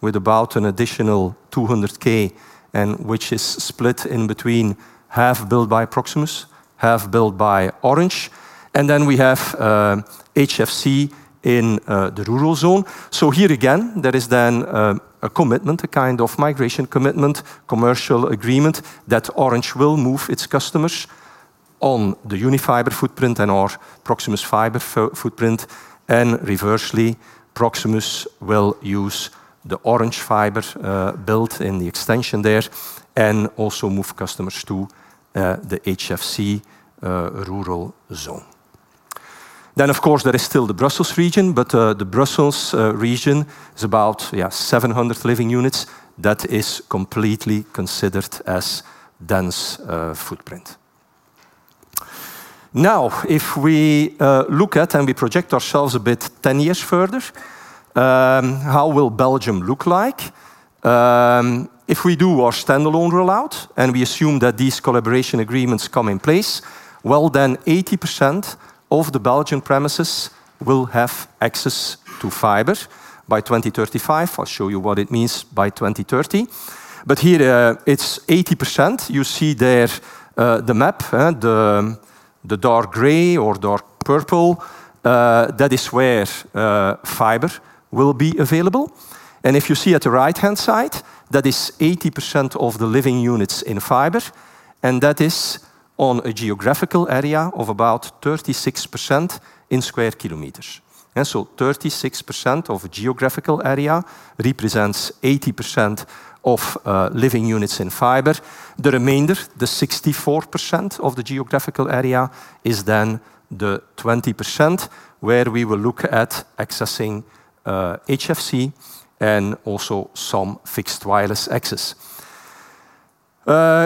with about an additional 200K, and which is split in between half built by Proximus, half built by Orange, and then we have HFC in the rural zone. Here again, there is a commitment, a kind of migration commitment, commercial agreement, that Orange will move its customers on the Unifiber footprint and/or Proximus fiber footprint, and reversely, Proximus will use the Orange fiber built in the extension there, and also move customers to the HFC rural zone. Of course, there is still the Brussels region, the Brussels region is about 700 living units that is completely considered as dense footprint. If we look at and we project ourselves a bit 10 years further, how will Belgium look like? If we do our standalone rollout, we assume that these collaboration agreements come in place, 80% of the Belgian premises will have access to fiber by 2035. I'll show you what it means by 2030. Here, it's 80%. You see there, the map, the dark gray or dark purple, that is where fiber will be available. If you see at the right-hand side, that is 80% of the living units in fiber, and that is on a geographical area of about 36% in square kilometers. 36% of geographical area represents 80% of living units in fiber. The remainder, the 64% of the geographical area, is then the 20% where we will look at accessing HFC and also some fixed wireless access.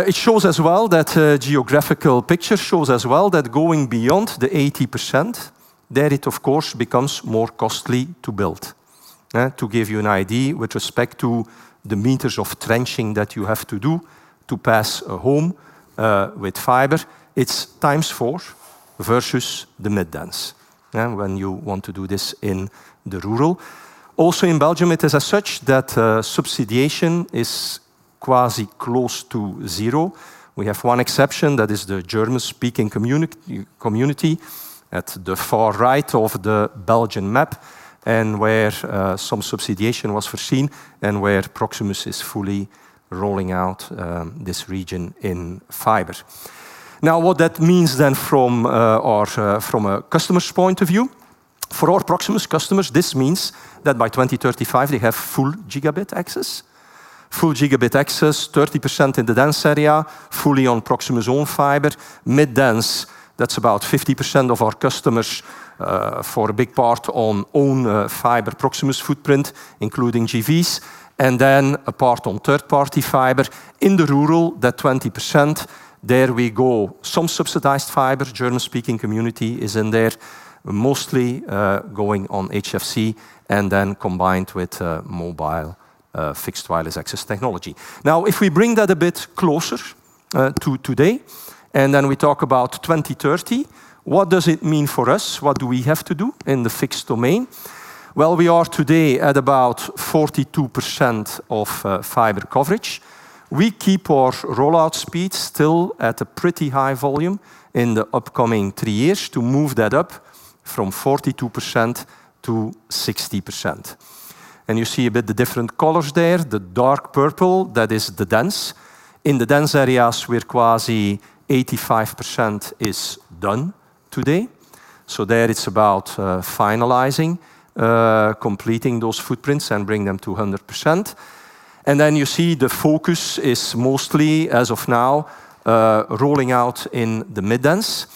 It shows as well that geographical picture shows as well that going beyond the 80%, of course, becomes more costly to build. To give you an idea with respect to the meters of trenching that you have to do to pass a home, with fiber, it's times four versus the mid-dense, when you want to do this in the rural. In Belgium, it is as such that subsidization is quasi close to zero. We have one exception, that is the German-speaking Community at the far right of the Belgian map, and where some subsidization was foreseen, and where Proximus is fully rolling out this region in fiber. What that means then from a customer's point of view, for our Proximus customers, this means that by 2035, they have full gigabit access. Full gigabit access, 30% in the dense area, fully on Proximus' own fiber. Mid-dense, that's about 50% of our customers, for a big part on own fiber Proximus footprint, including GVs, and then a part on third-party fiber. In the rural, that 20%, there we go. Some subsidized fiber, German-speaking Community is in there, mostly going on HFC, and then combined with mobile fixed wireless access technology. If we bring that a bit closer to today, then we talk about 2030, what does it mean for us? What do we have to do in the fixed domain? We are today at about 42% of fiber coverage. We keep our rollout speed still at a pretty high volume in the upcoming three years to move that up from 42%-60%. You see a bit the different colors there. The dark purple, that is the dense. In the dense areas, we're quasi 85% is done today. There it's about finalizing completing those footprints and bring them to 100%. Then you see the focus is mostly, as of now, rolling out in the mid-dense.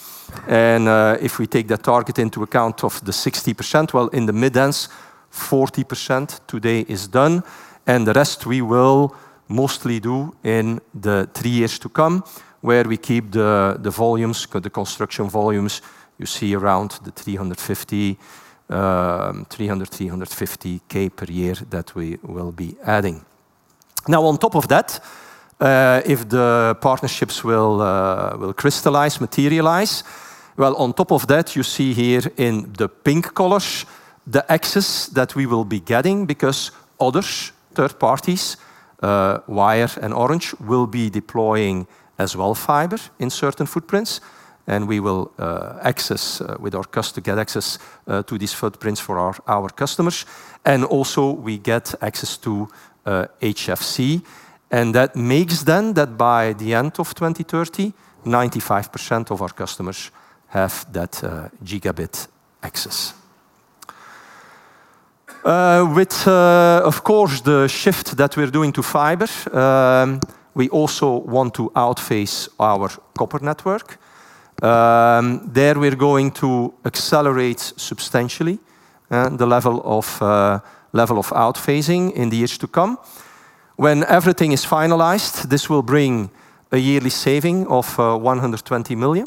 If we take that target into account of the 60%, well, in the mid-dense, 40% today is done, and the rest we will mostly do in the 3 years to come, where we keep the volumes, the construction volumes, you see around the 350 K per year that we will be adding. On top of that, if the partnerships will crystallize, materialize, well, on top of that, you see here in the pink colors, the access that we will be getting because others, third parties, Wyre and Orange, will be deploying as well fiber in certain footprints. We will get access to these footprints for our customers. We get access to HFC, and that makes then that by the end of 2030, 95% of our customers have that gigabit access. With, of course, the shift that we're doing to fiber, we also want to outphase our copper network. There, we're going to accelerate substantially the level of outphasing in the years to come. When everything is finalized, this will bring a yearly saving of 120 million.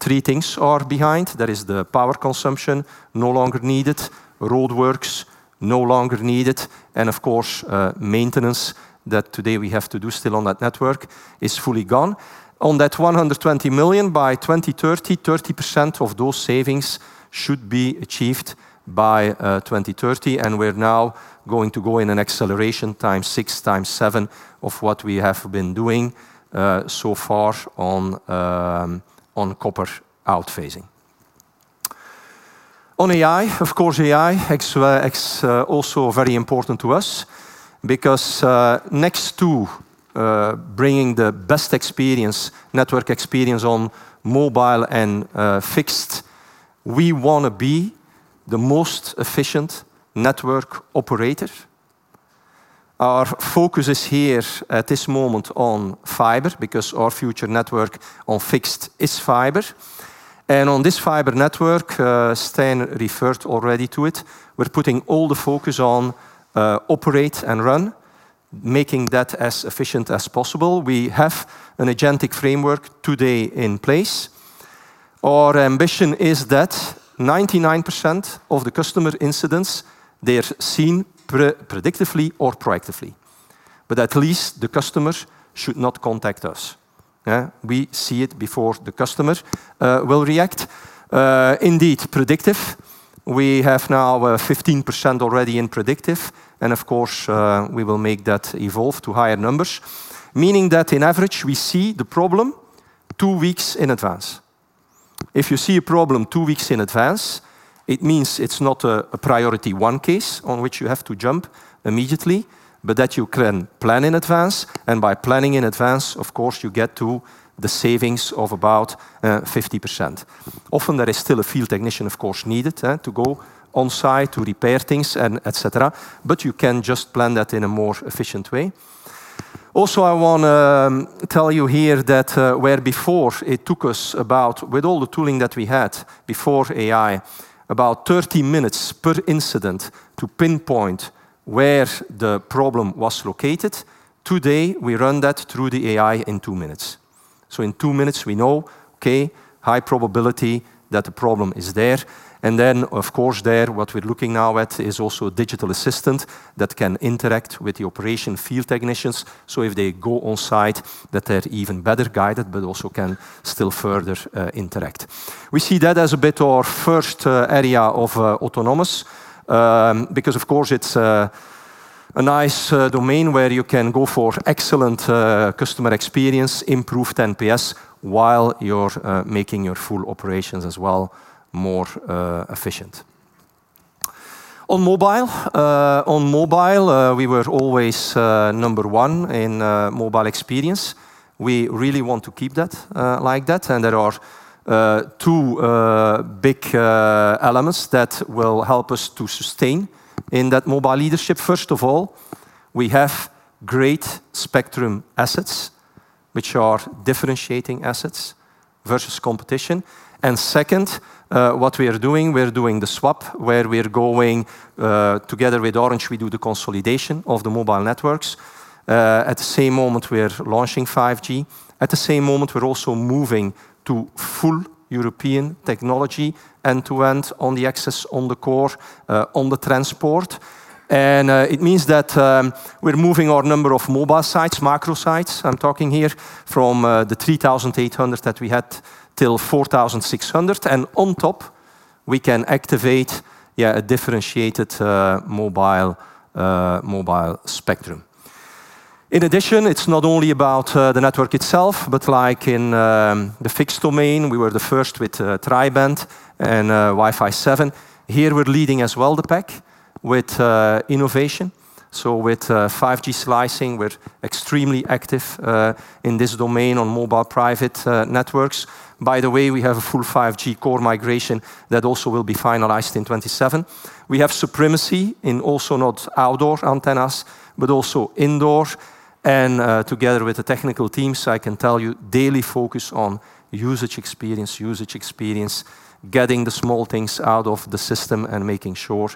Three things are behind. There is the power consumption, no longer needed, roadworks, no longer needed, and of course, maintenance, that today we have to do still on that network, is fully gone. On that 120 million by 2030, 30% of those savings should be achieved by 2030, we're now going to go in an acceleration 6x, 7x of what we have been doing so far on copper outphasing. On AI, of course, AI also very important to us because next to bringing the best experience, network experience on mobile and fixed, we want to be the most efficient network operator. Our focus is here at this moment on fiber, because our future network on fixed is fiber. On this fiber network, Stijn referred already to it, we're putting all the focus on operate and run, making that as efficient as possible. We have an agentic framework today in place. Our ambition is that 99% of the customer incidents, they are seen predictively or proactively, but at least the customers should not contact us. We see it before the customer will react. Indeed, predictive, we have now 15% already in predictive, and of course, we will make that evolve to higher numbers. Meaning that in average, we see the problem two weeks in advance. If you see a problem two weeks in advance, it means it's not a priority one case on which you have to jump immediately, but that you can plan in advance, and by planning in advance, of course, you get to the savings of about 50%. Often, there is still a field technician, of course, needed, to go on site to repair things and et cetera, but you can just plan that in a more efficient way. I wanna tell you here that where before it took us about, with all the tooling that we had before AI, about 30 minutes per incident to pinpoint where the problem was located, today, we run that through the AI in two minutes. In two minutes, we know, okay, high probability that the problem is there. Of course, there, what we're looking now at is also a digital assistant that can interact with the operation field technicians, so if they go on site, that they're even better guided, but also can still further, interact. We see that as a bit our first area of autonomous, because of course it's a nice domain where you can go for excellent customer experience, improved NPS, while you're making your full operations as well more efficient. On mobile, we were always number one in mobile experience. We really want to keep that like that, and there are two big elements that will help us to sustain in that mobile leadership. First of all, we have great spectrum assets, which are differentiating assets versus competition. Second, what we are doing, we're doing the swap, where we're going together with Orange, we do the consolidation of the mobile networks. At the same moment, we are launching 5G. At the same moment, we're also moving to full European technology, end-to-end on the access, on the core, on the transport. It means that we're moving our number of mobile sites, macro sites, I'm talking here, from the 3,800 that we had till 4,600, and on top, we can activate a differentiated mobile mobile spectrum. In addition, it's not only about the network itself, but like in the fixed domain, we were the first with tri-band and Wi-Fi 7. Here, we're leading as well the pack with innovation. With 5G slicing, we're extremely active in this domain on mobile private networks. By the way, we have a full 5G core migration that also will be finalized in 2027. We have supremacy in also not outdoor antennas, but also indoor, and together with the technical teams, I can tell you, daily focus on usage experience, getting the small things out of the system, and making sure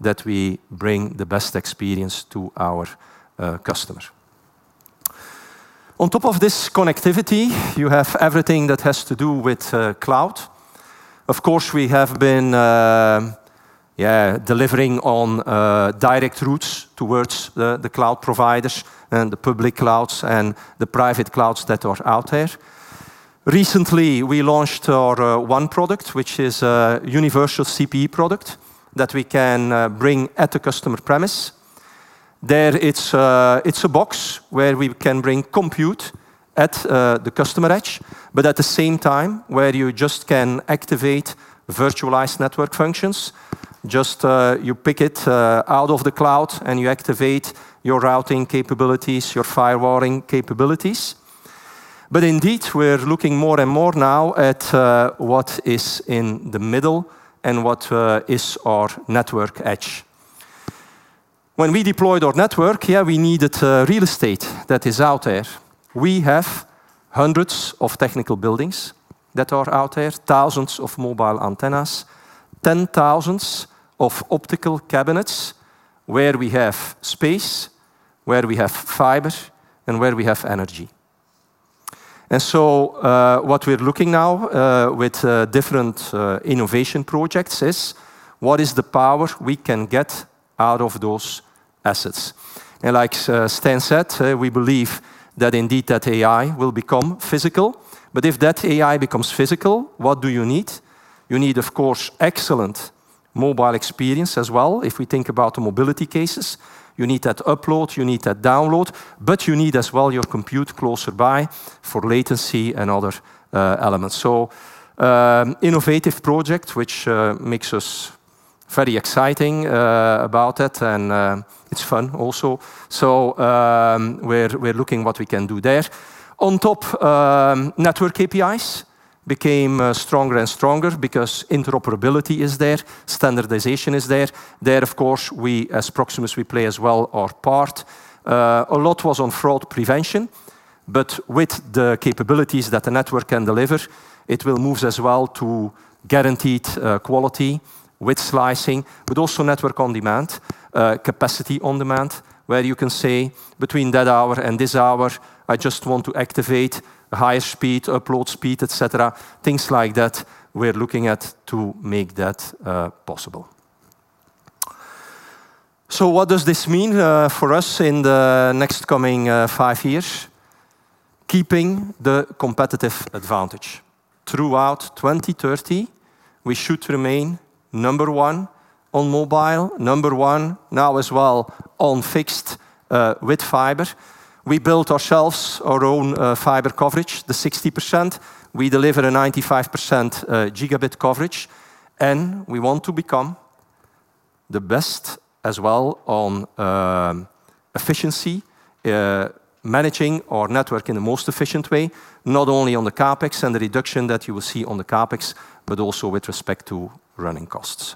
that we bring the best experience to our customers. On top of this connectivity, you have everything that has to do with cloud. Of course, we have been, yeah, delivering on direct routes towards the cloud providers and the public clouds and the private clouds that are out there. Recently, we launched our one product, which is a universal CPE product that we can bring at the customer premise. There, it's a box where we can bring compute at the customer edge, but at the same time, where you just can activate virtualized network functions. Just, you pick it out of the cloud, and you activate your routing capabilities, your firewalling capabilities. Indeed, we're looking more and more now at what is in the middle and what is our network edge. When we deployed our network, yeah, we needed real estate that is out there. We have hundreds of technical buildings that are out there, thousands of mobile antennas, 10 thousands of optical cabinets, where we have space, where we have fiber, and where we have energy. What we're looking now with different innovation projects is, what is the power we can get out of those assets? Like Stijn said, we believe that indeed, that AI will become physical, but if that AI becomes physical, what do you need? You need, of course, excellent mobile experience as well. If we think about the mobility cases, you need that upload, you need that download, but you need as well your compute closer by for latency and other elements. Innovative project, which makes us very exciting about it, and it's fun also. We're looking what we can do there. On top, Network APIs became stronger and stronger because interoperability is there, standardization is there. Of course, we as Proximus, we play as well our part. A lot was on fraud prevention, but with the capabilities that the network can deliver, it will move as well to guaranteed quality with slicing, but also network on demand, capacity on demand, where you can say, between that hour and this hour, I just want to activate a higher speed, upload speed, et cetera. Things like that, we're looking at to make that possible. What does this mean for us in the next coming five years? Keeping the competitive advantage. Throughout 2030, we should remain number one on mobile, number one now as well on fixed with fiber. We built ourselves our own fiber coverage, the 60%. We deliver a 95% gigabit coverage, we want to become the best as well on efficiency, managing our network in the most efficient way, not only on the CapEx and the reduction that you will see on the CapEx, but also with respect to running costs.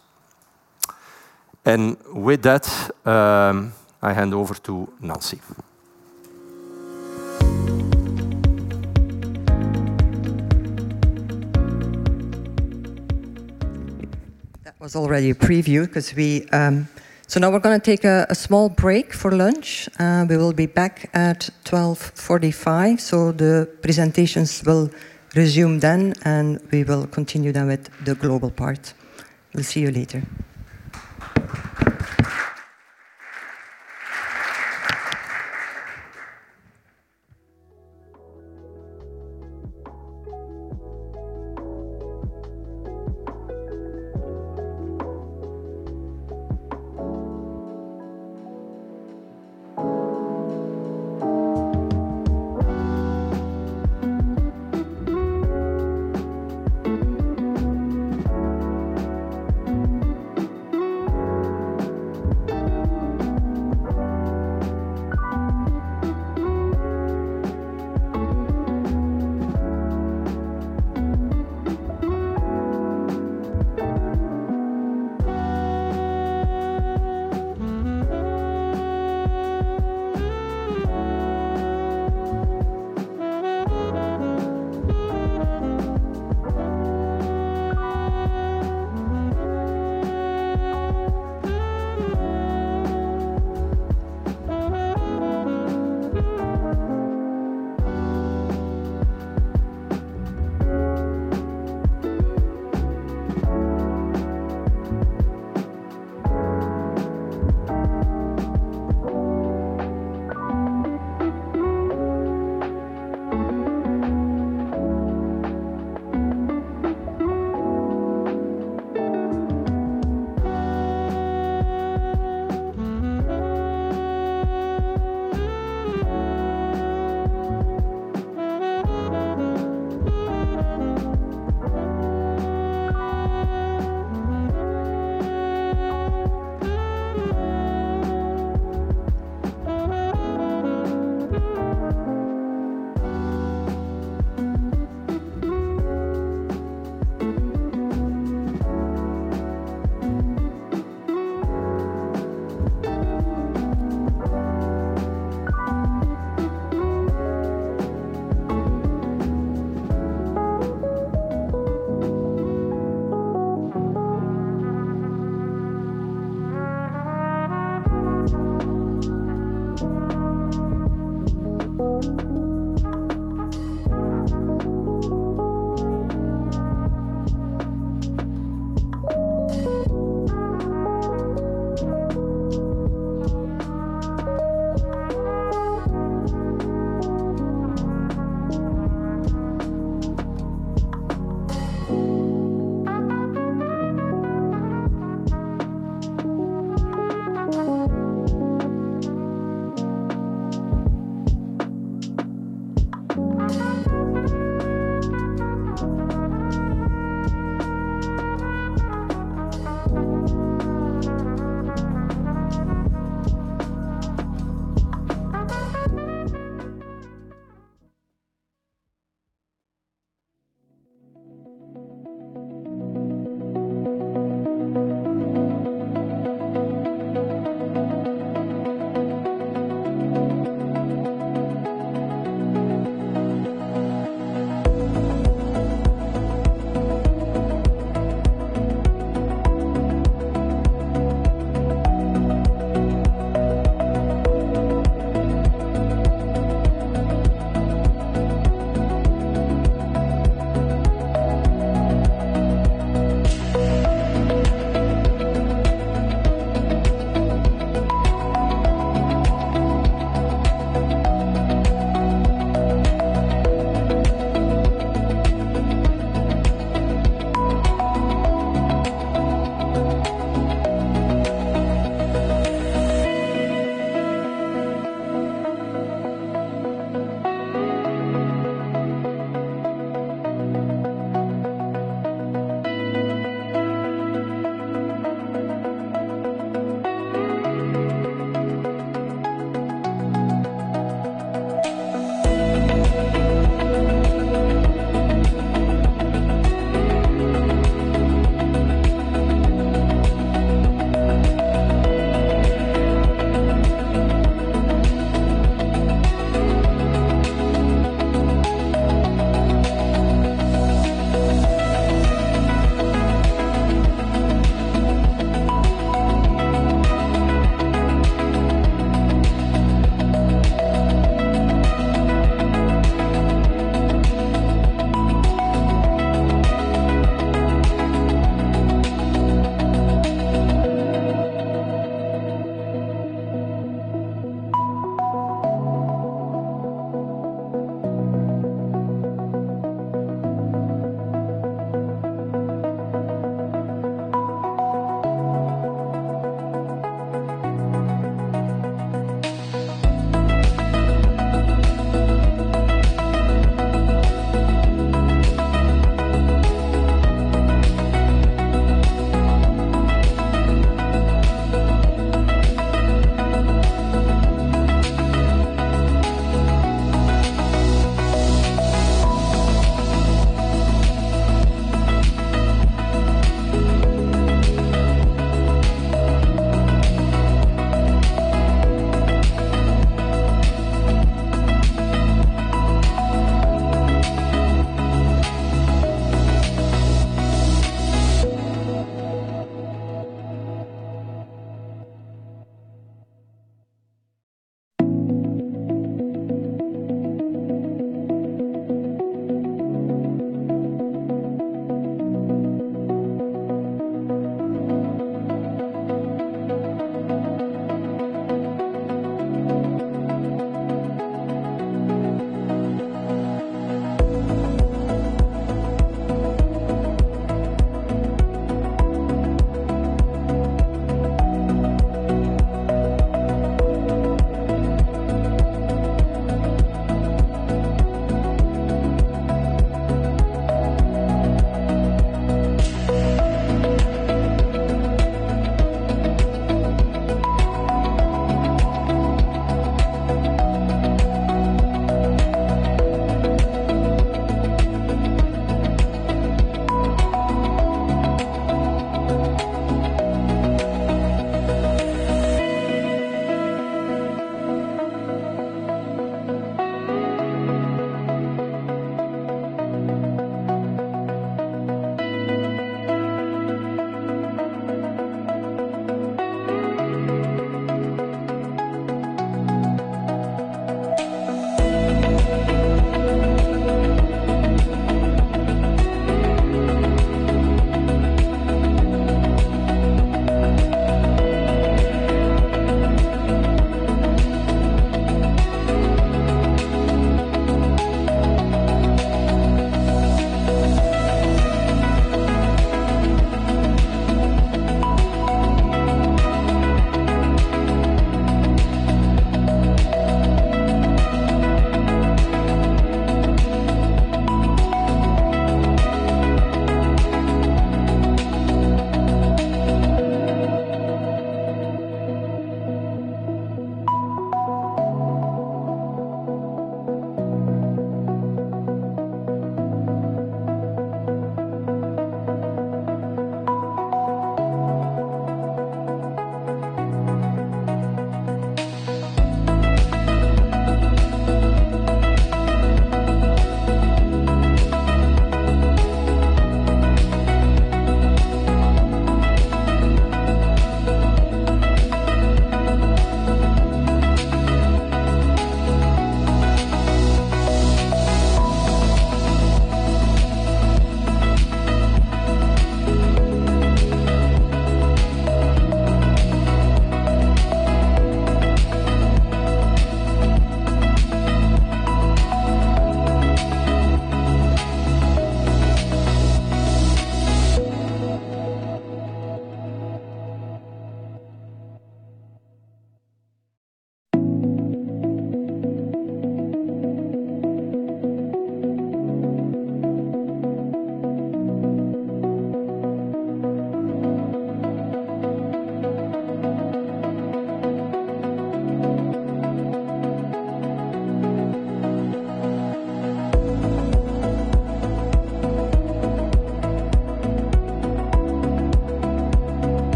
With that, I hand over to Nancy. That was already a preview, 'cause we. Now we're gonna take a small break for lunch. We will be back at 12:45. The presentations will resume then. We will continue then with the global part. We'll see you later.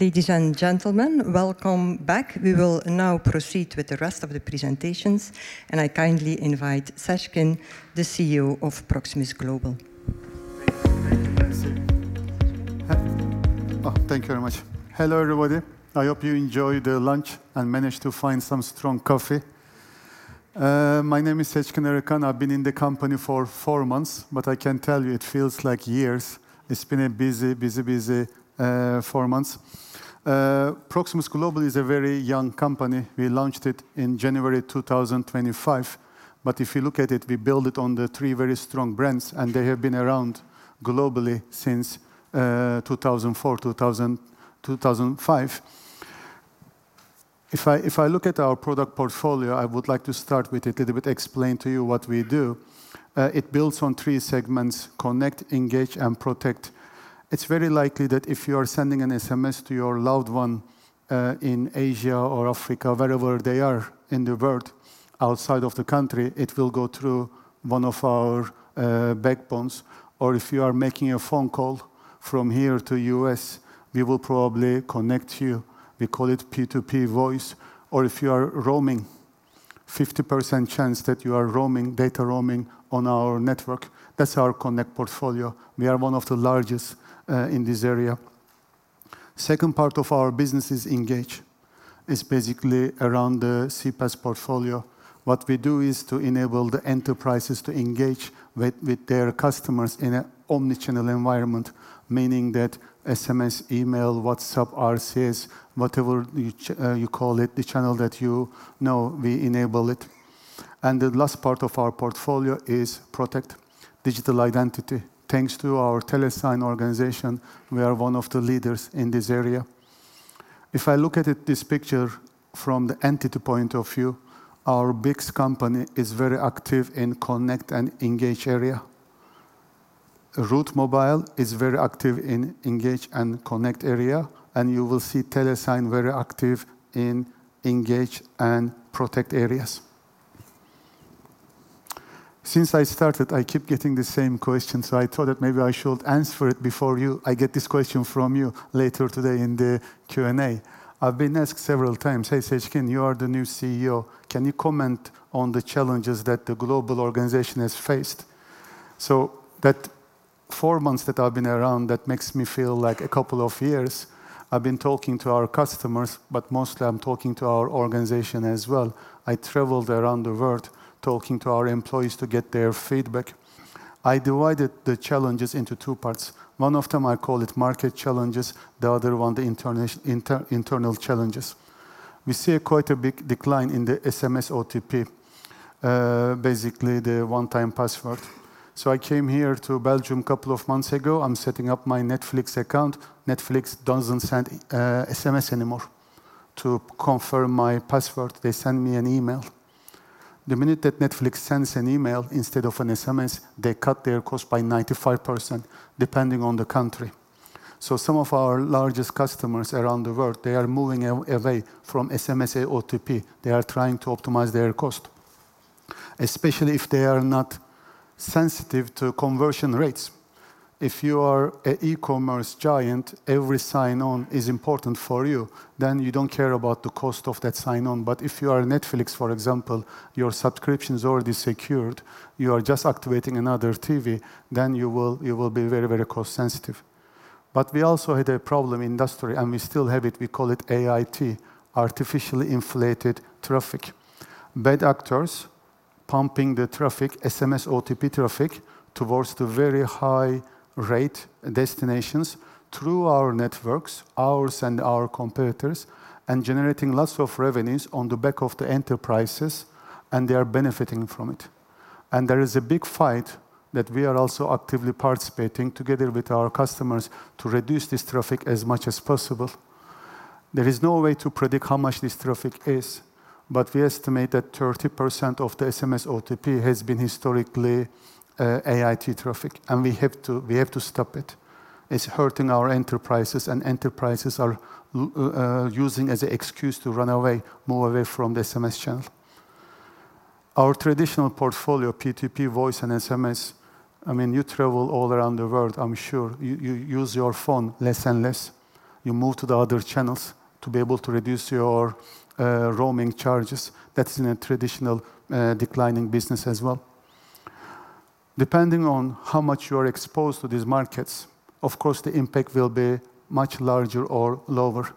Ladies and gentlemen, welcome back. We will now proceed with the rest of the presentations. I kindly invite Seckin, the CEO of Proximus Global. Thank you very much. Hello, everybody. I hope you enjoyed the lunch and managed to find some strong coffee. My name is Seckin Arikan. I've been in the company for four months, but I can tell you it feels like years. It's been a busy four months. Proximus Global is a very young company. We launched it in January 2025. If you look at it, we build it on the three very strong brands. They have been around globally since 2004, 2000, 2005. If I look at our product portfolio, I would like to start with a little bit, explain to you what we do. It builds on three segments: connect, engage, and protect. It's very likely that if you are sending an SMS to your loved one, in Asia or Africa, wherever they are in the world, outside of the country, it will go through one of our backbones. Or if you are making a phone call from here to U.S., we will probably connect you. We call it P2P voice. Or if you are roaming, 50% chance that you are roaming, data roaming on our network. That's our Connect portfolio. We are one of the largest in this area. Second part of our business is Engage. It's basically around the CPaaS portfolio. What we do is to enable the enterprises to engage with their customers in an omnichannel environment, meaning that SMS, email, WhatsApp, RCS, whatever you call it, the channel that you know, we enable it. The last part of our portfolio is protect digital identity. Thanks to our Telesign organization, we are one of the leaders in this area. If I look at it, this picture from the entity point of view, our BICS company is very active in connect and engage area. Route Mobile is very active in engage and connect area, and you will see Telesign very active in engage and protect areas. Since I started, I keep getting the same question, so I thought that maybe I should answer it before I get this question from you later today in the Q&A. I've been asked several times: "Hey, Seckin, you are the new CEO. Can you comment on the challenges that the global organization has faced?" That four months that I've been around, that makes me feel like a couple of years. I've been talking to our customers, but mostly I'm talking to our organization as well. I traveled around the world talking to our employees to get their feedback. I divided the challenges into two parts. One of them, I call it market challenges, the other one, the internal challenges. We see quite a big decline in the SMS OTP, basically the one-time password. I came here to Belgium a couple of months ago. I'm setting up my Netflix account. Netflix doesn't send SMS anymore. To confirm my password, they send me an email. The minute that Netflix sends an email instead of an SMS, they cut their cost by 95%, depending on the country. Some of our largest customers around the world, they are moving away from SMS OTP. They are trying to optimize their cost, especially if they are not sensitive to conversion rates. If you are a e-commerce giant, every sign-on is important for you, then you don't care about the cost of that sign-on. If you are Netflix, for example, your subscription is already secured, you are just activating another TV, then you will be very, very cost sensitive. We also had a problem in industry, and we still have it. We call it AIT, artificially inflated traffic. Bad actors pumping the traffic, SMS OTP traffic, towards the very high rate destinations through our networks, ours and our competitors, and generating lots of revenues on the back of the enterprises, and they are benefiting from it. There is a big fight that we are also actively participating together with our customers to reduce this traffic as much as possible. There is no way to predict how much this traffic is. We estimate that 30% of the SMS OTP has been historically, AIT traffic. We have to stop it. It's hurting our enterprises. Enterprises are using as an excuse to run away, move away from the SMS channel. Our traditional portfolio, P2P, voice, and SMS, I mean, you travel all around the world, I'm sure. You, you use your phone less and less. You move to the other channels to be able to reduce your roaming charges. That's in a traditional, declining business as well. Depending on how much you are exposed to these markets, of course, the impact will be much larger or lower.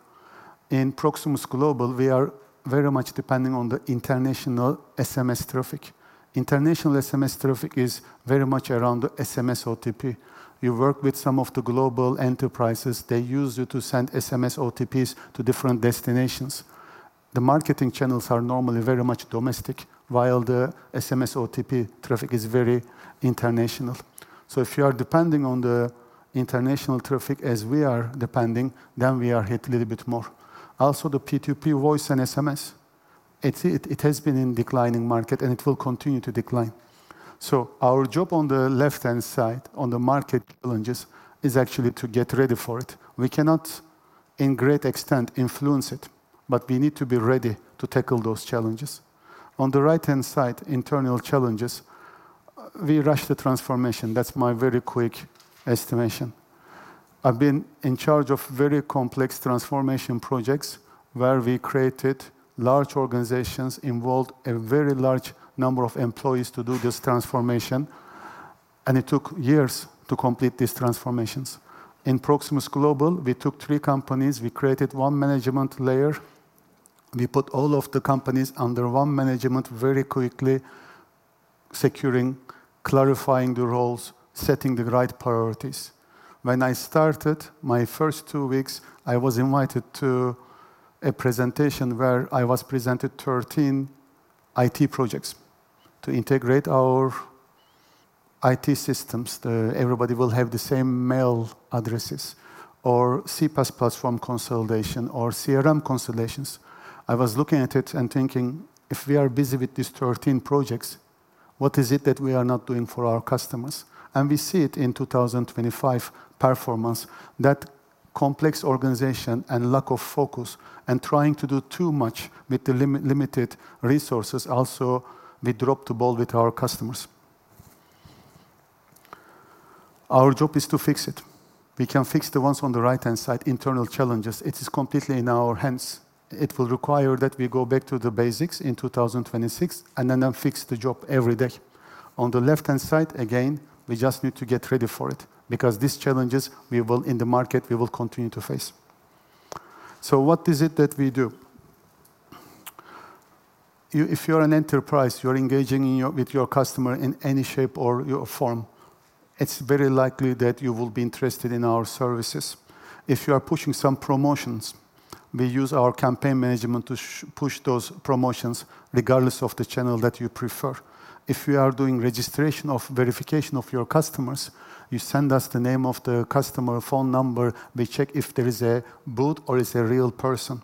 In Proximus Global, we are very much depending on the international SMS traffic. International SMS traffic is very much around the SMS OTP. You work with some of the global enterprises, they use you to send SMS OTPs to different destinations. The marketing channels are normally very much domestic, while the SMS OTP traffic is very international. If you are depending on the international traffic as we are depending, then we are hit a little bit more. The P2P voice and SMS, it has been in declining market and it will continue to decline. Our job on the left-hand side, on the market challenges, is actually to get ready for it. We cannot, in great extent, influence it, but we need to be ready to tackle those challenges. On the right-hand side, internal challenges, we rush the transformation. That's my very quick estimation. I've been in charge of very complex transformation projects, where we created large organizations, involved a very large number of employees to do this transformation, and it took years to complete these transformations. In Proximus Global, we took three companies, we created one management layer. We put all of the companies under one management very quickly, securing, clarifying the roles, setting the right priorities. When I started, my first two weeks, I was invited to a presentation where I was presented 13 IT projects to integrate our IT systems, everybody will have the same mail addresses, or CPaaS platform consolidation or CRM consolidations. I was looking at it and thinking, "If we are busy with these 13 projects, what is it that we are not doing for our customers?" We see it in 2025 performance, that complex organization and lack of focus and trying to do too much with the limited resources, also, we dropped the ball with our customers. Our job is to fix it. We can fix the ones on the right-hand side, internal challenges. It is completely in our hands. It will require that we go back to the basics in 2026, then fix the job every day. On the left-hand side, again, we just need to get ready for it, because these challenges, we will, in the market, we will continue to face. What is it that we do? If you're an enterprise, you're engaging with your customer in any shape or form, it's very likely that you will be interested in our services. If you are pushing some promotions, we use our campaign management to push those promotions regardless of the channel that you prefer. If you are doing registration of verification of your customers, you send us the name of the customer, phone number, we check if there is a bot or it's a real person.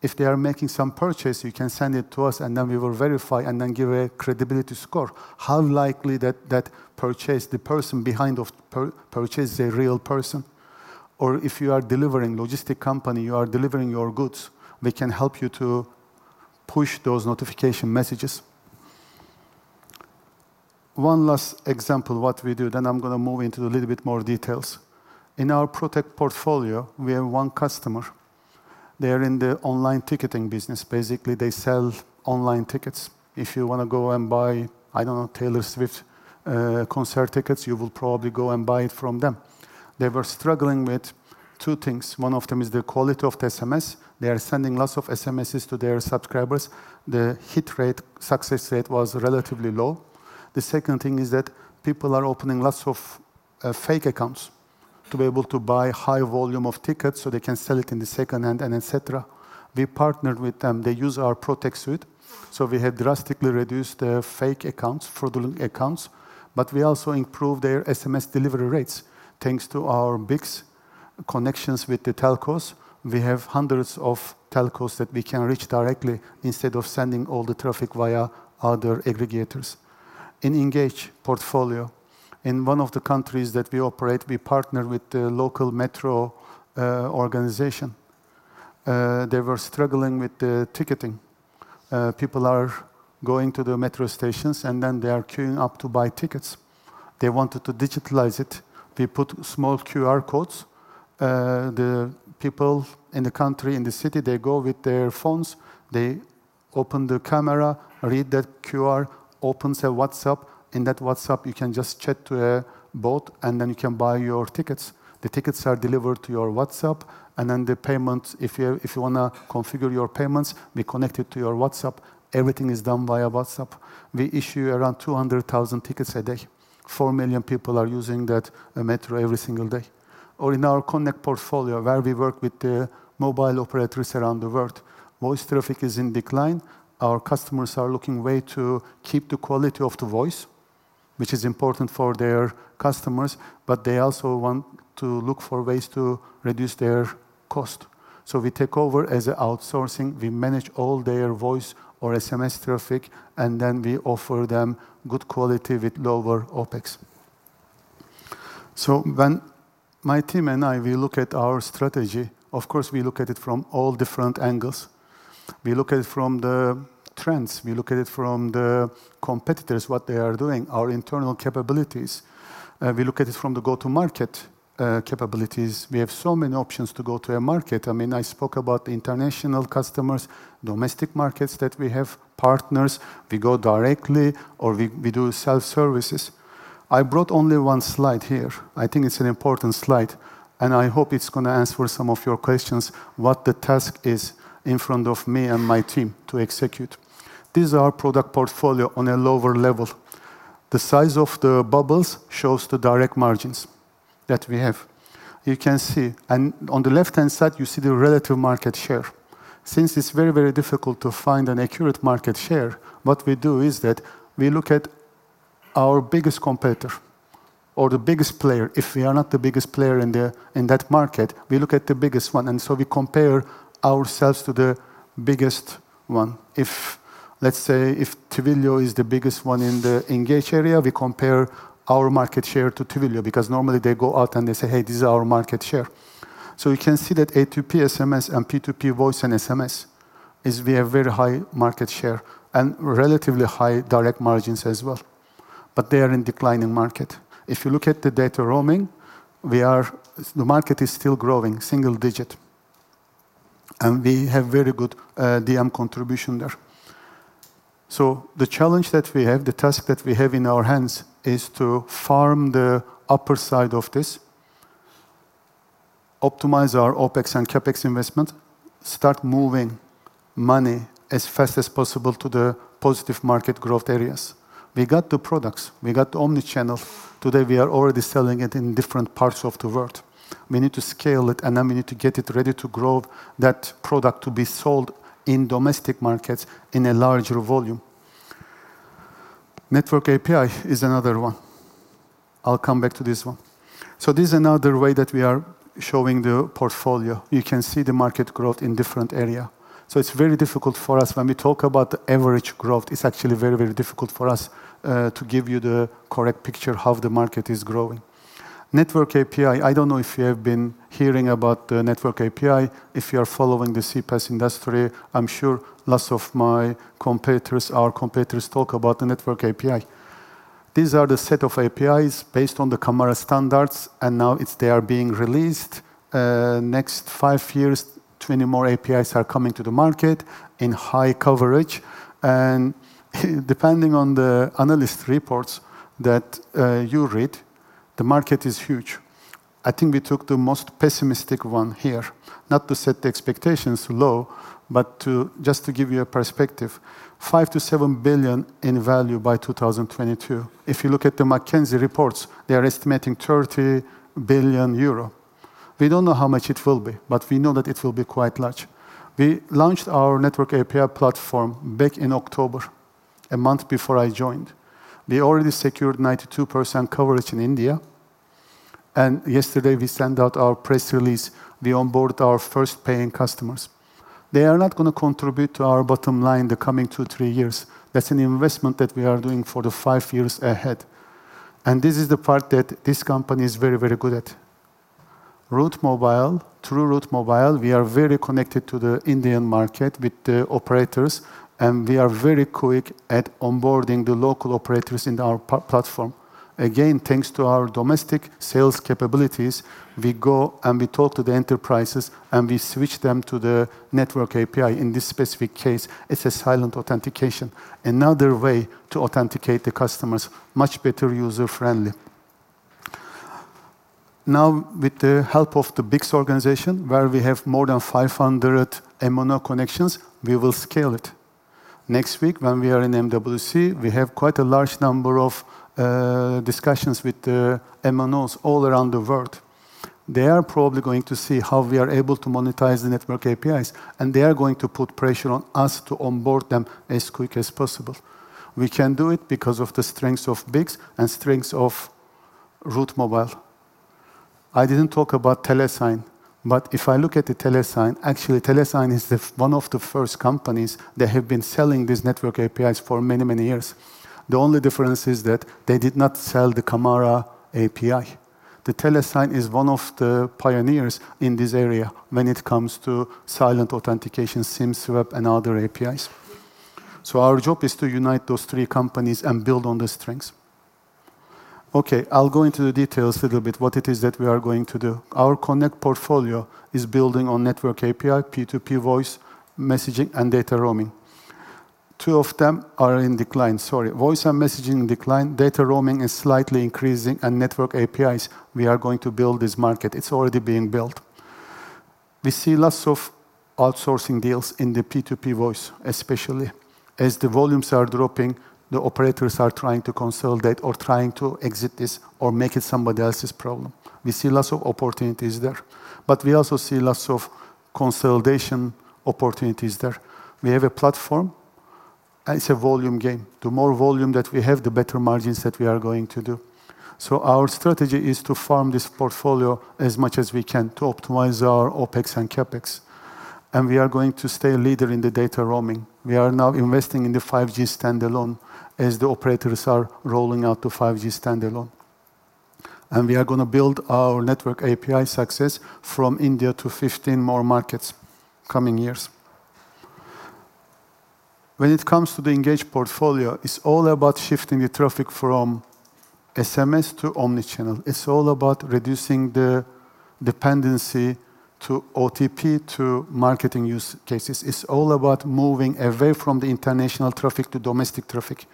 If they are making some purchase, you can send it to us, and then we will verify and then give a credibility score. How likely that purchase, the person behind of purchase is a real person? If you are delivering, logistic company, you are delivering your goods, we can help you to push those notification messages. One last example what we do. I'm gonna move into a little bit more details. In our Protect portfolio, we have one customer. They are in the online ticketing business. Basically, they sell online tickets. If you want to go and buy, I don't know, Taylor Swift concert tickets, you will probably go and buy it from them. They were struggling with two things. One of them is the quality of the SMS. They are sending lots of SMSs to their subscribers. The hit rate, success rate was relatively low. The second thing is that people are opening lots of fake accounts to be able to buy high volume of tickets, so they can sell it in the second-hand and et cetera. We partnered with them. They use our Protect suite, so we have drastically reduced the fake accounts, fraudulent accounts, but we also improved their SMS delivery rates. Thanks to our big connections with the telcos, we have hundreds of telcos that we can reach directly instead of sending all the traffic via other aggregators. In Engage portfolio, in one of the countries that we operate, we partner with the local metro organization. They were struggling with the ticketing. People are going to the metro stations, they are queuing up to buy tickets. They wanted to digitalize it. We put small QR codes. The people in the country, in the city, they go with their phones, they open the camera, read that QR, opens their WhatsApp. In that WhatsApp, you can just chat to a bot, you can buy your tickets. The tickets are delivered to your WhatsApp, and then the payment, if you wanna configure your payments, we connect it to your WhatsApp. Everything is done via WhatsApp. We issue around 200,000 tickets a day. Four million people are using that metro every single day. In our Connect portfolio, where we work with the mobile operators around the world, voice traffic is in decline. Our customers are looking way to keep the quality of the voice, which is important for their customers, but they also want to look for ways to reduce their cost. We take over as a outsourcing, we manage all their voice or SMS traffic, and then we offer them good quality with lower OpEx. When my team and I, we look at our strategy, of course, we look at it from all different angles. We look at it from the trends, we look at it from the competitors, what they are doing, our internal capabilities. We look at it from the go-to-market capabilities. We have so many options to go to a market. I mean, I spoke about the international customers, domestic markets that we have, partners, we go directly or we do self-services. I brought only one slide here. I think it's an important slide, and I hope it's gonna answer some of your questions, what the task is in front of me and my team to execute. These are our product portfolio on a lower level. The size of the bubbles shows the direct margins that we have. You can see, on the left-hand side, you see the relative market share. It's very, very difficult to find an accurate market share, what we do is that we look at our biggest competitor or the biggest player. If we are not the biggest player in that market, we look at the biggest one, we compare ourselves to the biggest one. If, let's say, if Twilio is the biggest one in the engage area, we compare our market share to Twilio, normally they go out and they say, "Hey, this is our market share." We can see that P2P SMS and P2P voice and SMS we have very high market share and relatively high direct margins as well, they are in declining market. If you look at the data roaming, the market is still growing, single digit, we have very good DM contribution there. The challenge that we have, the task that we have in our hands, is to farm the upper side of this, optimize our OpEx and CapEx investment, start moving money as fast as possible to the positive market growth areas. We got the products, we got omni-channel. Today, we are already selling it in different parts of the world. We need to scale it, and then we need to get it ready to grow that product to be sold in domestic markets in a larger volume. Network API is another one. I'll come back to this one. This is another way that we are showing the portfolio. You can see the market growth in different area. It's very difficult for us when we talk about the average growth, it's actually very, very difficult for us to give you the correct picture of how the market is growing. Network API, I don't know if you have been hearing about the Network API. If you are following the CPaaS industry, I'm sure lots of my competitors, our competitors, talk about the Network API. These are the set of APIs based on the CAMARA standards, and now it's they are being released. Next five years, 20 more APIs are coming to the market in high coverage. Depending on the analyst reports that you read, the market is huge. I think we took the most pessimistic one here. Not to set the expectations low, but to just to give you a perspective, 5 billion-7 billion in value by 2022. If you look at the McKinsey reports, they are estimating 30 billion euro. We don't know how much it will be, but we know that it will be quite large. We launched our Network API platform back in October, a month before I joined. We already secured 92% coverage in India. Yesterday we sent out our press release. We onboard our first paying customers. They are not gonna contribute to our bottom line the coming two, three years. That's an investment that we are doing for the five years ahead, and this is the part that this company is very, very good at. Route Mobile, through Route Mobile, we are very connected to the Indian market with the operators, and we are very quick at onboarding the local operators in our platform. Thanks to our domestic sales capabilities, we go and we talk to the enterprises, and we switch them to the Network API. In this specific case, it's a silent authentication. Another way to authenticate the customers, much better user-friendly. With the help of the BICS organization, where we have more than 500 MNO connections, we will scale it. Next week, when we are in MWC, we have quite a large number of discussions with the MNOs all around the world. They are probably going to see how we are able to monetize the Network APIs, and they are going to put pressure on us to onboard them as quick as possible. We can do it because of the strengths of BICS and strengths of Route Mobile. I didn't talk about Telesign. If I look at the Telesign, actually, Telesign is one of the first companies that have been selling these Network APIs for many, many years. The only difference is that they did not sell the CAMARA API. The Telesign is one of the pioneers in this area when it comes to silent authentication, SIM swap, and other APIs. Our job is to unite those three companies and build on the strengths. Okay, I'll go into the details a little bit, what it is that we are going to do. Our connect portfolio is building on Network API, P2P voice, messaging, and data roaming. Two of them are in decline, sorry. Voice and messaging in decline, data roaming is slightly increasing. Network APIs, we are going to build this market. It's already being built. We see lots of outsourcing deals in the P2P voice, especially. As the volumes are dropping, the operators are trying to consolidate or trying to exit this or make it somebody else's problem. We see lots of opportunities there, but we also see lots of consolidation opportunities there. It's a volume game. The more volume that we have, the better margins that we are going to do. Our strategy is to farm this portfolio as much as we can to optimize our OpEx and CapEx, and we are going to stay a leader in the data roaming. We are now investing in the 5G standalone as the operators are rolling out the 5G standalone. We are gonna build our network API success from India to 15 more markets coming years. When it comes to the Engage portfolio, it's all about shifting the traffic from SMS to omni-channel. It's all about reducing the dependency to OTP, to marketing use cases. It's all about moving away from the international traffic to domestic traffic.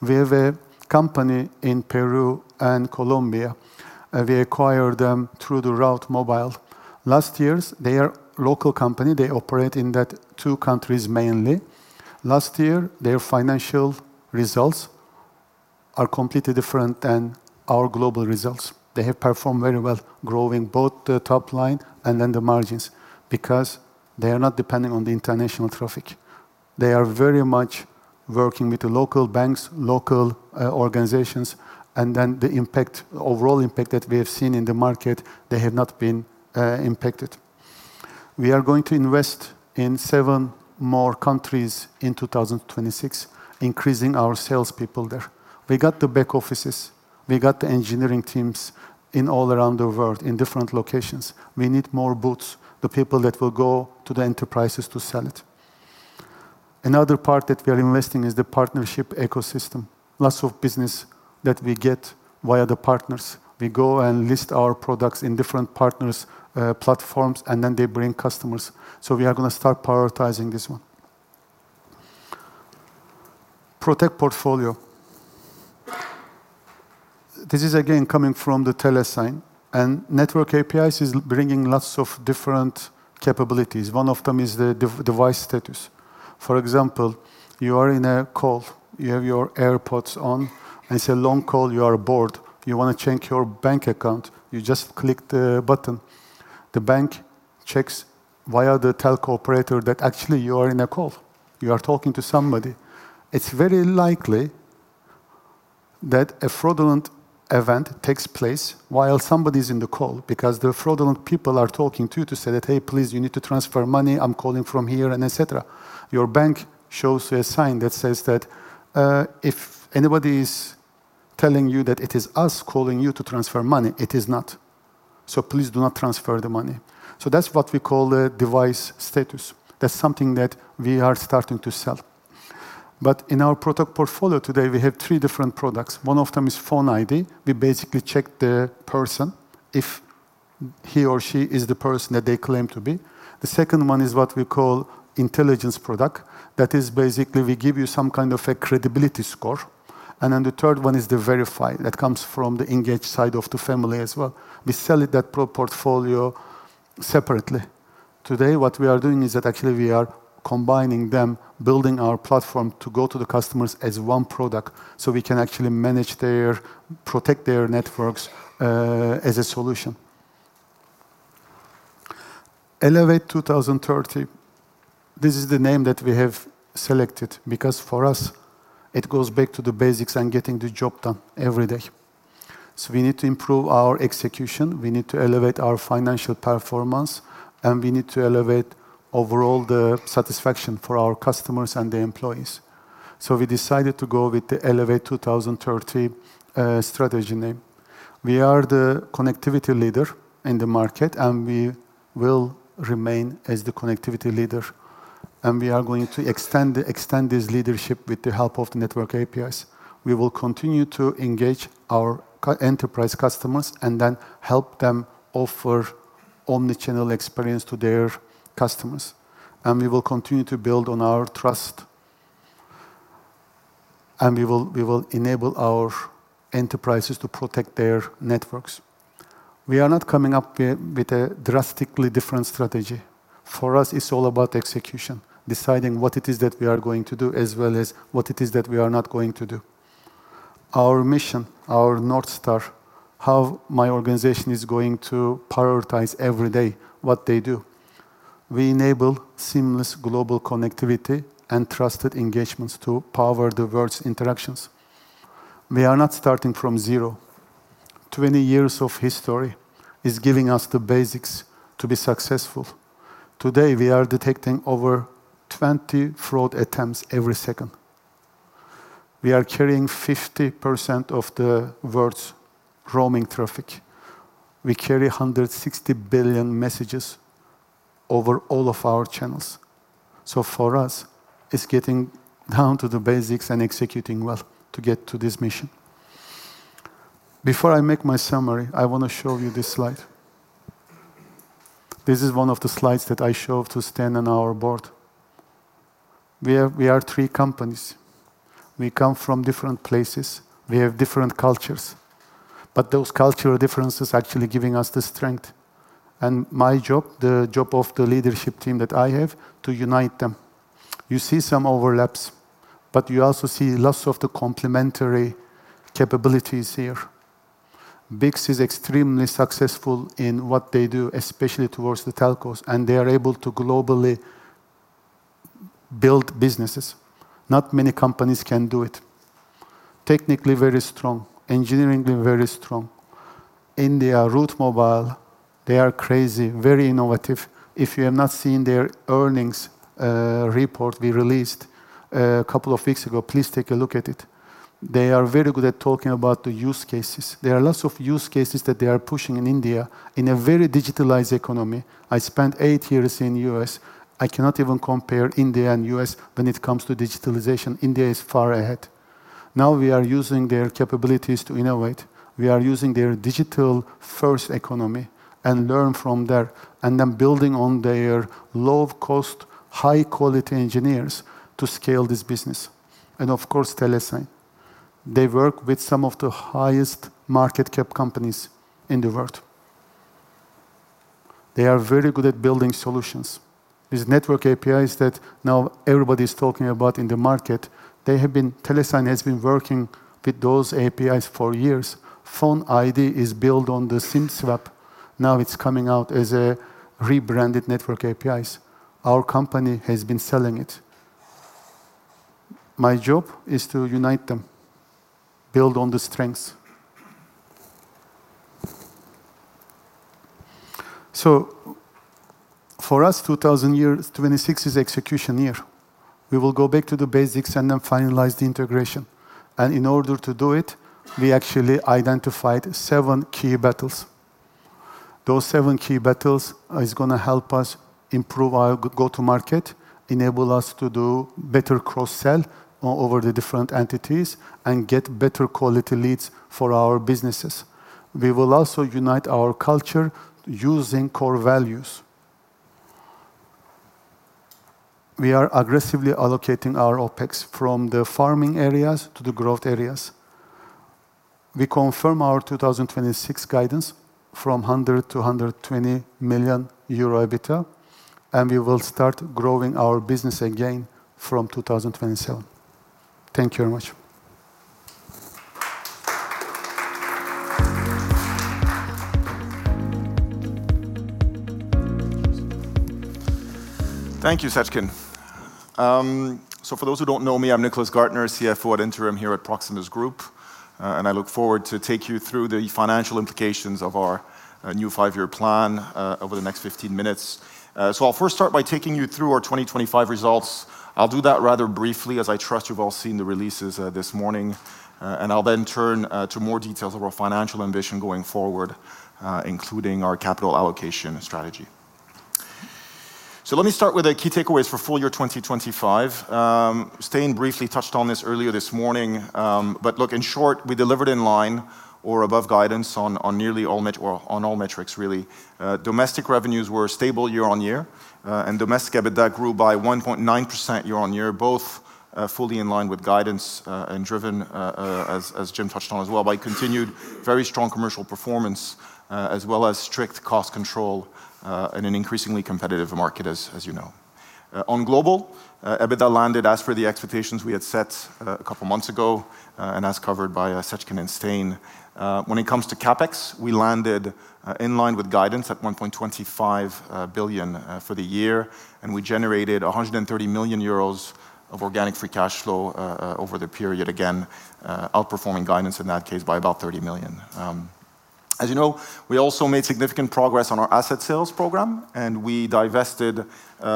We have a company in Peru and Colombia, and we acquired them through the Route Mobile. Last years, they are local company, they operate in that two countries mainly. Last year, their financial results are completely different than our global results. They have performed very well, growing both the top line and then the margins, because they are not depending on the international traffic. They are very much working with the local banks, local, organizations, and then the impact, overall impact that we have seen in the market, they have not been impacted. We are going to invest in seven more countries in 2026, increasing our sales people there. We got the back offices, we got the engineering teams in all around the world in different locations. We need more boots, the people that will go to the enterprises to sell it. Another part that we are investing is the partnership ecosystem. Lots of business that we get via the partners. We go and list our products in different partners' platforms, and then they bring customers. We are gonna start prioritizing this one. Protect portfolio. This is again, coming from the Telesign, and Network APIs is bringing lots of different capabilities. One of them is the device status. For example, you are in a call, you have your AirPods on, and it's a long call, you are bored, you wanna check your bank account, you just click the button. The bank checks via the telco operator that actually you are in a call, you are talking to somebody. It's very likely that a fraudulent event takes place while somebody is in the call, because the fraudulent people are talking to you to say that, "Hey, please, you need to transfer money. I'm calling from here," and et cetera. Your bank shows a sign that says that, "If anybody is telling you that it is us calling you to transfer money, it is not. Please do not transfer the money." That's what we call a device status. That's something that we are starting to sell. In our product portfolio today, we have three different products. One of them is Phone ID. We basically check the person if he or she is the person that they claim to be. The second one is what we call intelligence product. That is basically, we give you some kind of a credibility score. The third one is the Verify. That comes from the Engage side of the family as well. We sell it, that pro portfolio, separately. Today, what we are doing is that actually we are combining them, building our platform to go to the customers as one product, so we can actually manage their protect their networks as a solution. Elevate 2030, this is the name that we have selected, because for us, it goes back to the basics and getting the job done every day. We need to improve our execution, we need to elevate our financial performance, and we need to elevate overall the satisfaction for our customers and the employees. We decided to go with the Elevate 2030 strategy name. We are the connectivity leader in the market, and we will remain as the connectivity leader, and we are going to extend this leadership with the help of the Network APIs. We will continue to engage our enterprise customers, and then help them offer omnichannel experience to their customers. We will continue to build on our trust, and we will enable our enterprises to protect their networks. We are not coming up with a drastically different strategy. For us, it's all about execution, deciding what it is that we are going to do, as well as what it is that we are not going to do. Our mission, our North Star, how my organization is going to prioritize every day, what they do. We enable seamless global connectivity and trusted engagements to power the world's interactions. We are not starting from zero. 20 years of history is giving us the basics to be successful. Today, we are detecting over 20 fraud attempts every second. We are carrying 50% of the world's roaming traffic. We carry 160 billion messages over all of our channels. For us, it's getting down to the basics and executing well to get to this mission. Before I make my summary, I want to show you this slide. This is one of the slides that I show to Stijn and our board. We are three companies. We come from different places, we have different cultures, those cultural differences are actually giving us the strength. My job, the job of the leadership team that I have, to unite them. You see some overlaps, you also see lots of the complementary capabilities here. BICS is extremely successful in what they do, especially towards the telcos, they are able to globally build businesses. Not many companies can do it. Technically very strong, engineeringly very strong. India, Route Mobile, they are crazy, very innovative. If you have not seen their earnings report we released a couple of weeks ago, please take a look at it. They are very good at talking about the use cases. There are lots of use cases that they are pushing in India in a very digitalized economy. I spent eight years in U.S.. I cannot even compare India and U.S. when it comes to digitalization. India is far ahead. We are using their capabilities to innovate. We are using their digital-first economy and learn from there, and then building on their low-cost, high-quality engineers to scale this business. Of course, Telesign. They work with some of the highest market cap companies in the world. They are very good at building solutions. These network APIs that now everybody's talking about in the market, Telesign has been working with those APIs for years. Phone ID is built on the SIM swap. It's coming out as a rebranded network APIs. Our company has been selling it. My job is to unite them, build on the strengths. For us, 2026 is execution year. We will go back to the basics and then finalize the integration. In order to do it, we actually identified seven key battles. Those seven key battles is gonna help us improve our go-to-market, enable us to do better cross-sell over the different entities, and get better quality leads for our businesses. We will also unite our culture using core values. We are aggressively allocating our OpEx from the farming areas to the growth areas. We confirm our 2026 guidance from 100 million-120 million euro EBITDA, and we will start growing our business again from 2027. Thank you very much. Thank you, Seckin. For those who don't know me, I'm Nicolas Gaertner, CFO at Interim here at Proximus Group, and I look forward to take you through the financial implications of our new five-year plan over the next 15 minutes. I'll first start by taking you through our 2025 results. I'll do that rather briefly, as I trust you've all seen the releases this morning. I'll then turn to more details of our financial ambition going forward, including our capital allocation strategy. Let me start with the key takeaways for full year 2025. Stijn briefly touched on this earlier this morning, but look, in short, we delivered in line or above guidance on nearly all metrics, really. Domestic revenues were stable year-over-year, and domestic EBITDA grew by 1.9% year-over-year, both fully in line with guidance, and driven as Jim touched on as well, by continued very strong commercial performance, as well as strict cost control, in an increasingly competitive market, as you know. On Global, EBITDA landed as per the expectations we had set a couple months ago, and as covered by Seckin and Stijn. When it comes to CapEx, we landed in line with guidance at 1.25 billion for the year, and we generated 130 million euros of organic free cash flow over the period, again, outperforming guidance in that case by about 30 million. As you know, we also made significant progress on our asset sales program, we divested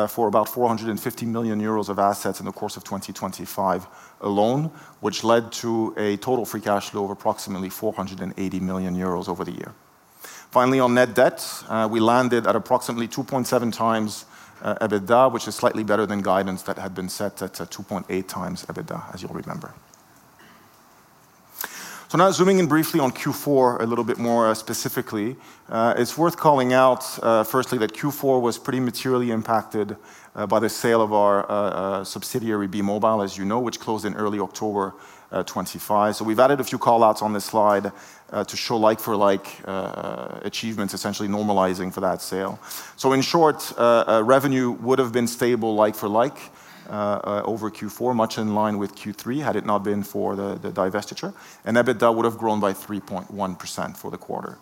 for about 450 million euros of assets in the course of 2025 alone, which led to a total free cash flow of approximately 480 million euros over the year. Finally, on net debt, we landed at approximately 2.7 times EBITDA, which is slightly better than guidance that had been set at 2.8 times EBITDA, as you'll remember. Now zooming in briefly on Q4, a little bit more specifically. It's worth calling out, firstly, that Q4 was pretty materially impacted by the sale of our subsidiary, Be-Mobile, as you know, which closed in early October 25. We've added a few call-outs on this slide to show like-for-like achievements, essentially normalizing for that sale. In short, revenue would have been stable like-for-like over Q4, much in line with Q3, had it not been for the divestiture, and EBITDA would have grown by 3.1% for the quarter.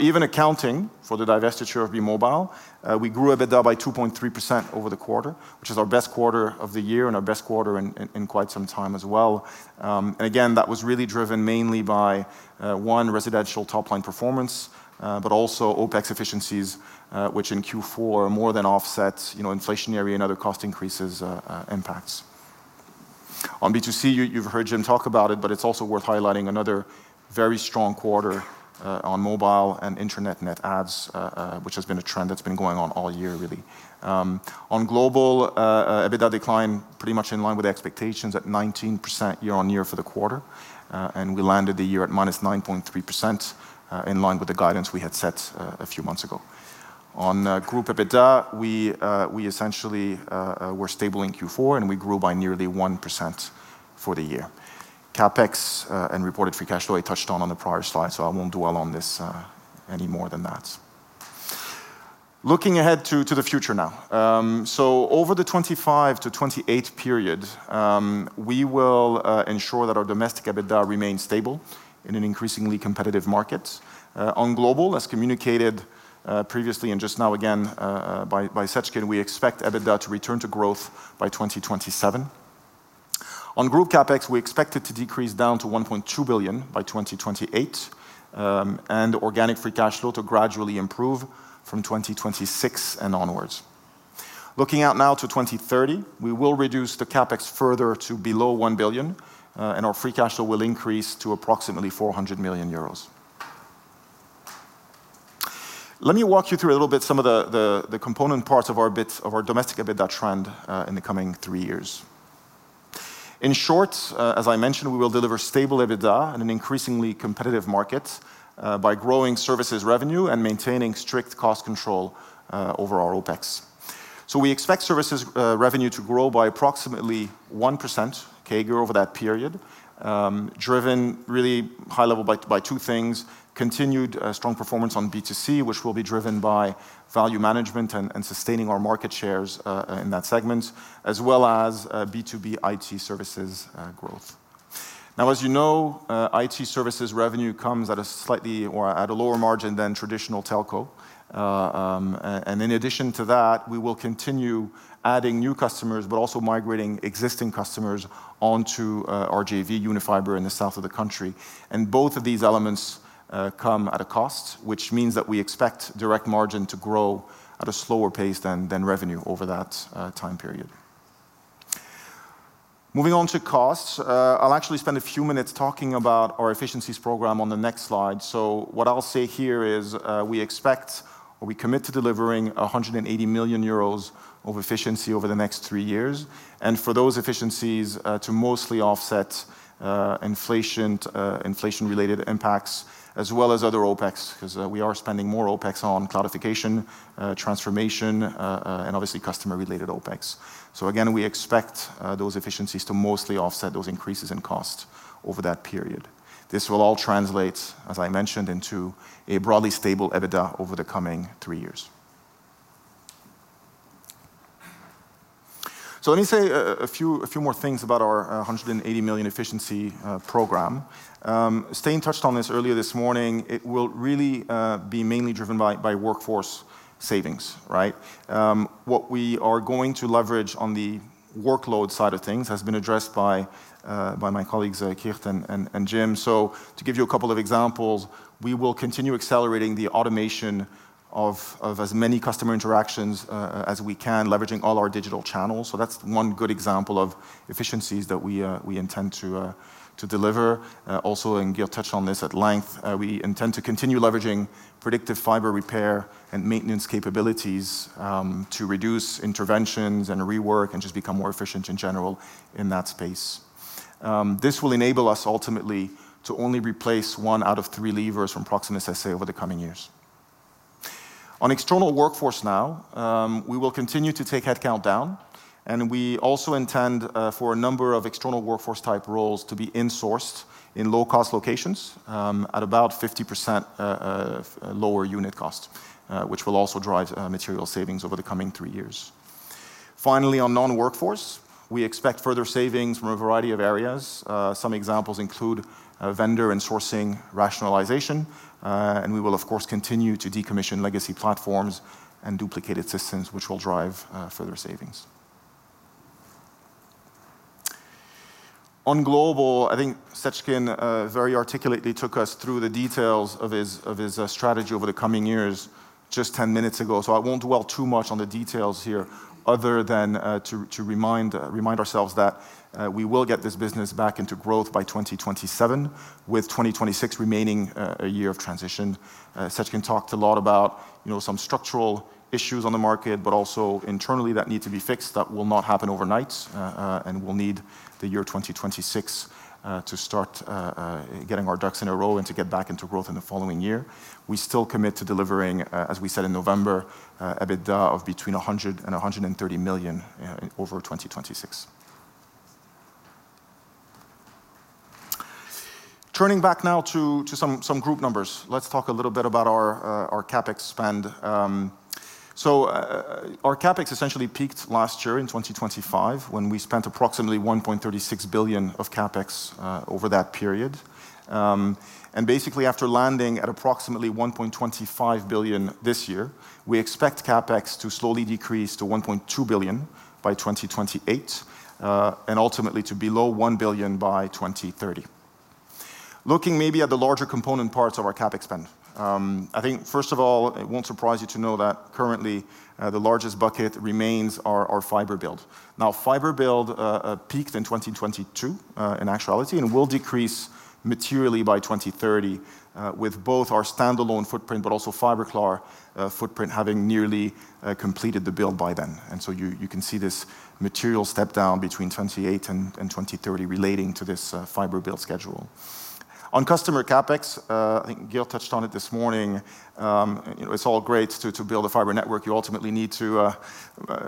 Even accounting for the divestiture of Be-Mobile, we grew EBITDA by 2.3% over the quarter, which is our best quarter of the year and our best quarter in quite some time as well. Again, that was really driven mainly by one, residential top-line performance, but also OpEx efficiencies, which in Q4 more than offset, you know, inflationary and other cost increases impacts. On B2C, you've heard Jim talk about it. It's also worth highlighting another very strong quarter on mobile and internet net adds, which has been a trend that's been going on all year, really. On Global EBITDA decline, pretty much in line with the expectations at 19% year-on-year for the quarter, we landed the year at -9.3% in line with the guidance we had set a few months ago. On Group EBITDA, we essentially were stable in Q4. We grew by nearly 1% for the year. CapEx and reported free cash flow, I touched on the prior slide. I won't dwell on this any more than that. Looking ahead to the future now. Over the 25-28 period, we will ensure that our domestic EBITDA remains stable in an increasingly competitive market. On global, as communicated previously and just now again, by Seckin, we expect EBITDA to return to growth by 2027. On group CapEx, we expect it to decrease down to 1.2 billion by 2028, and organic free cash flow to gradually improve from 2026 and onwards. Looking out now to 2030, we will reduce the CapEx further to below 1 billion, and our free cash flow will increase to approximately 400 million euros. Let me walk you through a little bit some of the component parts of our EBITDA, of our domestic EBITDA trend, in the coming three years. In short, as I mentioned, we will deliver stable EBITDA in an increasingly competitive market, by growing services revenue and maintaining strict cost control, over our OpEx. We expect services, revenue to grow by approximately 1% CAGR over that period, driven really high level by two things: continued, strong performance on B2C, which will be driven by value management and sustaining our market shares, in that segment, as well as, B2B IT services, growth. As you know, IT services revenue comes at a slightly or at a lower margin than traditional telco. In addition to that, we will continue adding new customers, but also migrating existing customers onto, our JV Unifiber in the south of the country. Both of these elements come at a cost, which means that we expect direct margin to grow at a slower pace than revenue over that time period. Moving on to costs, I'll actually spend a few minutes talking about our efficiencies program on the next slide. What I'll say here is, we expect or we commit to delivering 180 million euros of efficiency over the next three years, and for those efficiencies to mostly offset inflation-related impacts, as well as other OpEx, 'cause we are spending more OpEx on cloudification, transformation, and obviously customer-related OpEx. Again, we expect those efficiencies to mostly offset those increases in cost over that period. This will all translate, as I mentioned, into a broadly stable EBITDA over the coming three years. Let me say a few more things about our 180 million efficiency program. Stijn touched on this earlier this morning. It will really be mainly driven by workforce savings, right? What we are going to leverage on the workload side of things has been addressed by my colleagues, Geert and Jim. To give you a couple of examples, we will continue accelerating the automation of as many customer interactions as we can, leveraging all our digital channels. That's one good example of efficiencies that we intend to deliver. Also, and Geert touched on this at length, we intend to continue leveraging predictive fiber repair and maintenance capabilities to reduce interventions and rework and just become more efficient in general in that space. This will enable us ultimately to only replace one out of three levers from Proximus SA over the coming years. On external workforce now, we will continue to take headcount down, and we also intend for a number of external workforce-type roles to be insourced in low-cost locations, at about 50% lower unit cost, which will also drive material savings over the coming three years. Finally, on non-workforce, we expect further savings from a variety of areas. Some examples include vendor and sourcing rationalization, and we will, of course, continue to decommission legacy platforms and duplicate systems, which will drive further savings. On global, I think Seckin very articulately took us through the details of his strategy over the coming years just 10 minutes ago. I won't dwell too much on the details here other than to remind ourselves that we will get this business back into growth by 2027, with 2026 remaining a year of transition. Seckin talked a lot about, you know, some structural issues on the market, but also internally that need to be fixed. That will not happen overnight, and we'll need the year 2026 to start getting our ducks in a row and to get back into growth in the following year. We still commit to delivering, as we said in November, EBITDA of between 100 million and 130 million over 2026. Turning back now to some group numbers, let's talk a little bit about our CapEx spend. Our CapEx essentially peaked last year in 2025, when we spent approximately 1.36 billion of CapEx over that period. Basically, after landing at approximately 1.25 billion this year, we expect CapEx to slowly decrease to 1.2 billion by 2028, and ultimately to below 1 billion by 2030. Looking maybe at the larger component parts of our CapEx spend, I think, first of all, it won't surprise you to know that currently, the largest bucket remains our fiber build. Fiber build peaked in 2022 in actuality, and will decrease materially by 2030 with both our standalone footprint, but also Fiberklaar footprint having nearly completed the build by then. You can see this material step-down between 2028 and 2030 relating to this fiber build schedule. On customer CapEx, I think Jim touched on it this morning. You know, it's all great to build a fiber network. You ultimately need to,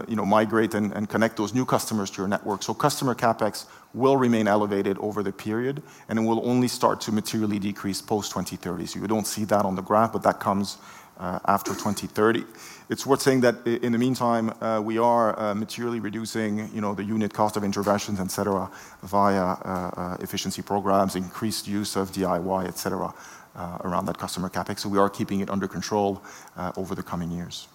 you know, migrate and connect those new customers to your network. Customer CapEx will remain elevated over the period, and it will only start to materially decrease post-2030. You don't see that on the graph, but that comes after 2030. It's worth saying that in the meantime, we are materially reducing, you know, the unit cost of interventions, et cetera, via efficiency programs, increased use of DIY, et cetera, around that customer CapEx. We are keeping it under control over the coming years.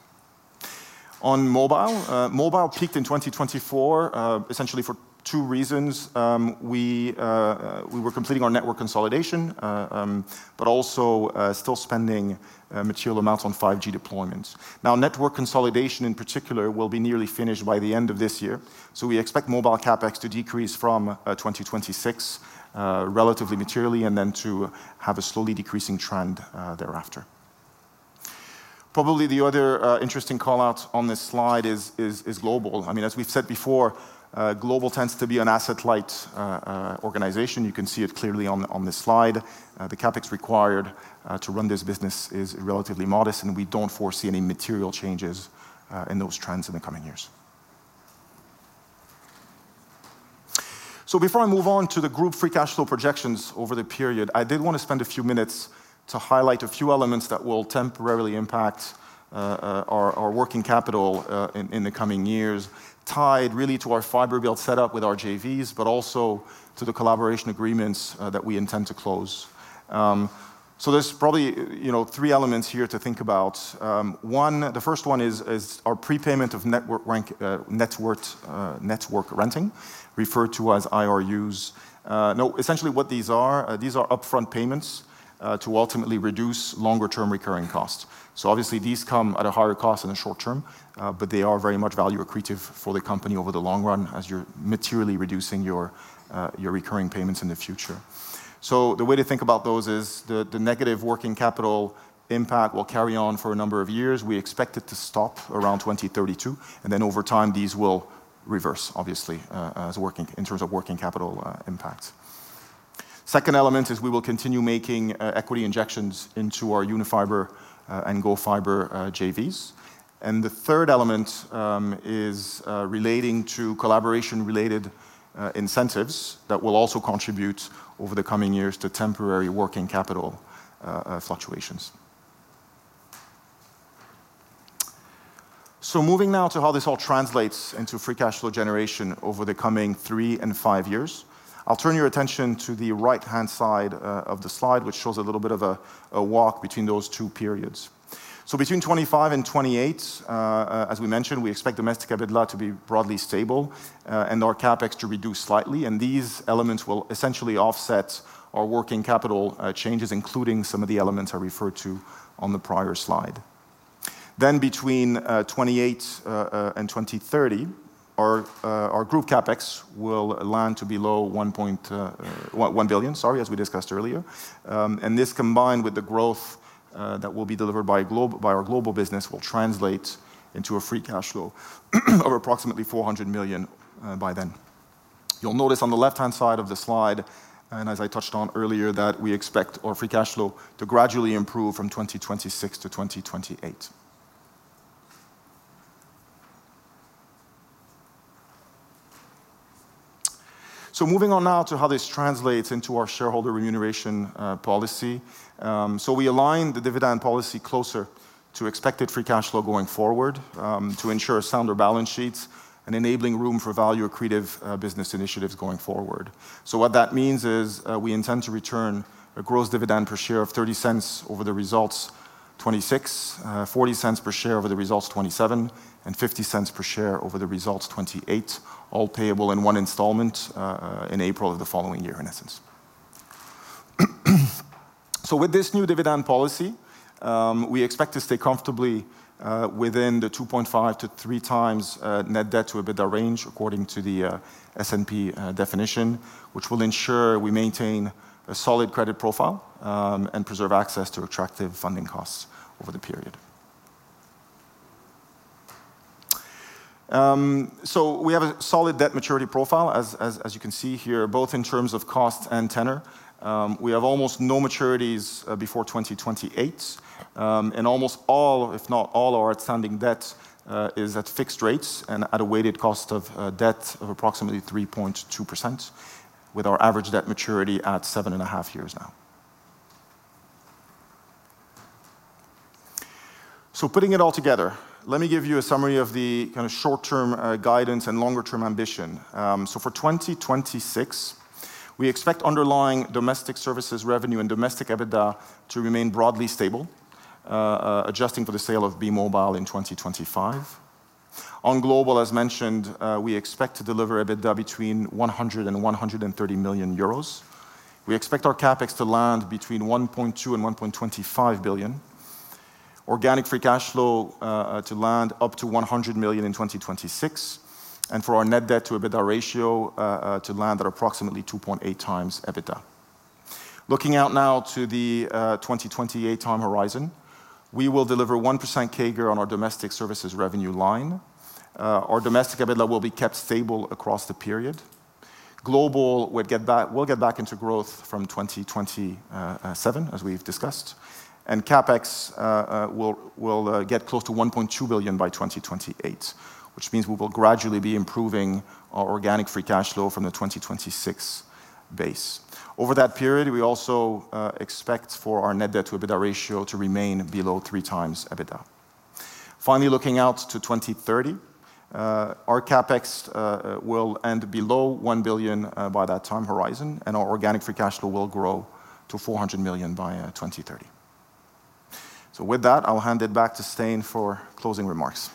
On mobile peaked in 2024, essentially for two reasons: we were completing our network consolidation, also still spending material amounts on 5G deployments. Now, network consolidation, in particular, will be nearly finished by the end of this year, we expect mobile CapEx to decrease from 2026 relatively materially, and then to have a slowly decreasing trend thereafter. Probably the other interesting call-out on this slide is Global. I mean, as we've said before, Global tends to be an asset-light organization. You can see it clearly on this slide. The CapEx required to run this business is relatively modest. We don't foresee any material changes in those trends in the coming years. Before I move on to the group free cash flow projections over the period, I did want to spend a few minutes to highlight a few elements that will temporarily impact our working capital in the coming years, tied really to our fiber build set up with our JVs, but also to the collaboration agreements that we intend to close. There's probably, you know, three elements here to think about. One, the first one is our prepayment of network rank, network renting, referred to as IRUs. Now, essentially what these are, these are upfront payments to ultimately reduce longer-term recurring costs. Obviously, these come at a higher cost in the short term, but they are very much value accretive for the company over the long run, as you're materially reducing your recurring payments in the future. The way to think about those is the negative working capital impact will carry on for a number of years. We expect it to stop around 2032, and then over time, these will reverse, obviously, as in terms of working capital impact. Second element is we will continue making equity injections into our Unifiber and GoFiber JVs. The third element is relating to collaboration-related incentives that will also contribute over the coming years to temporary working capital fluctuations. Moving now to how this all translates into free cash flow generation over the coming three and five years. I'll turn your attention to the right-hand side of the slide, which shows a little bit of a walk between those two periods. Between 2025 and 2028, as we mentioned, we expect domestic EBITDA to be broadly stable and our CapEx to reduce slightly, and these elements will essentially offset our working capital changes, including some of the elements I referred to on the prior slide. Between 2028 and 2030, our group CapEx will land to below 1.1 billion, sorry, as we discussed earlier. This, combined with the growth that will be delivered by our Proximus Global business, will translate into a free cash flow of approximately 400 million by then. You'll notice on the left-hand side of the slide, and as I touched on earlier, that we expect our free cash flow to gradually improve from 2026-2028. Moving on now to how this translates into our shareholder remuneration policy. We aligned the dividend policy closer to expected free cash flow going forward, to ensure sounder balance sheets and enabling room for value-accretive business initiatives going forward. What that means is, we intend to return a gross dividend per share of 0.30 over the results 2026, 0.40 per share over the results 2027, and 0.50 per share over the results 2028, all payable in one installment, in April of the following year, in essence. With this new dividend policy, we expect to stay comfortably, within the 2.5-3 times net debt to EBITDA range, according to the S&P definition, which will ensure we maintain a solid credit profile, and preserve access to attractive funding costs over the period. We have a solid debt maturity profile, as you can see here, both in terms of cost and tenor. We have almost no maturities before 2028, and almost all, if not all, our outstanding debt is at fixed rates and at a weighted cost of debt of approximately 3.2%, with our average debt maturity at seven and a half years now. Putting it all together, let me give you a summary of the kind of short-term guidance and longer-term ambition. For 2026, we expect underlying domestic services revenue and domestic EBITDA to remain broadly stable, adjusting for the sale of Be-Mobile in 2025. On global, as mentioned, we expect to deliver EBITDA between 100 million-130 million euros. We expect our CapEx to land between 1.2 billion-1.25 billion, organic free cash flow to land up to 100 million in 2026, and for our net debt to EBITDA ratio to land at approximately 2.8 times EBITDA. Looking out now to the 2028 time horizon, we will deliver 1% CAGR on our domestic services revenue line. Our domestic EBITDA will be kept stable across the period. Global, we'll get back into growth from 2027, as we've discussed. CapEx will get close to 1.2 billion by 2028, which means we will gradually be improving our organic free cash flow from the 2026 base. Over that period, we also expect for our net debt to EBITDA ratio to remain below three times EBITDA. Finally, looking out to 2030, our CapEx will end below 1 billion by that time horizon, and our organic free cash flow will grow to 400 million by 2030. With that, I'll hand it back to Stijn for closing remarks.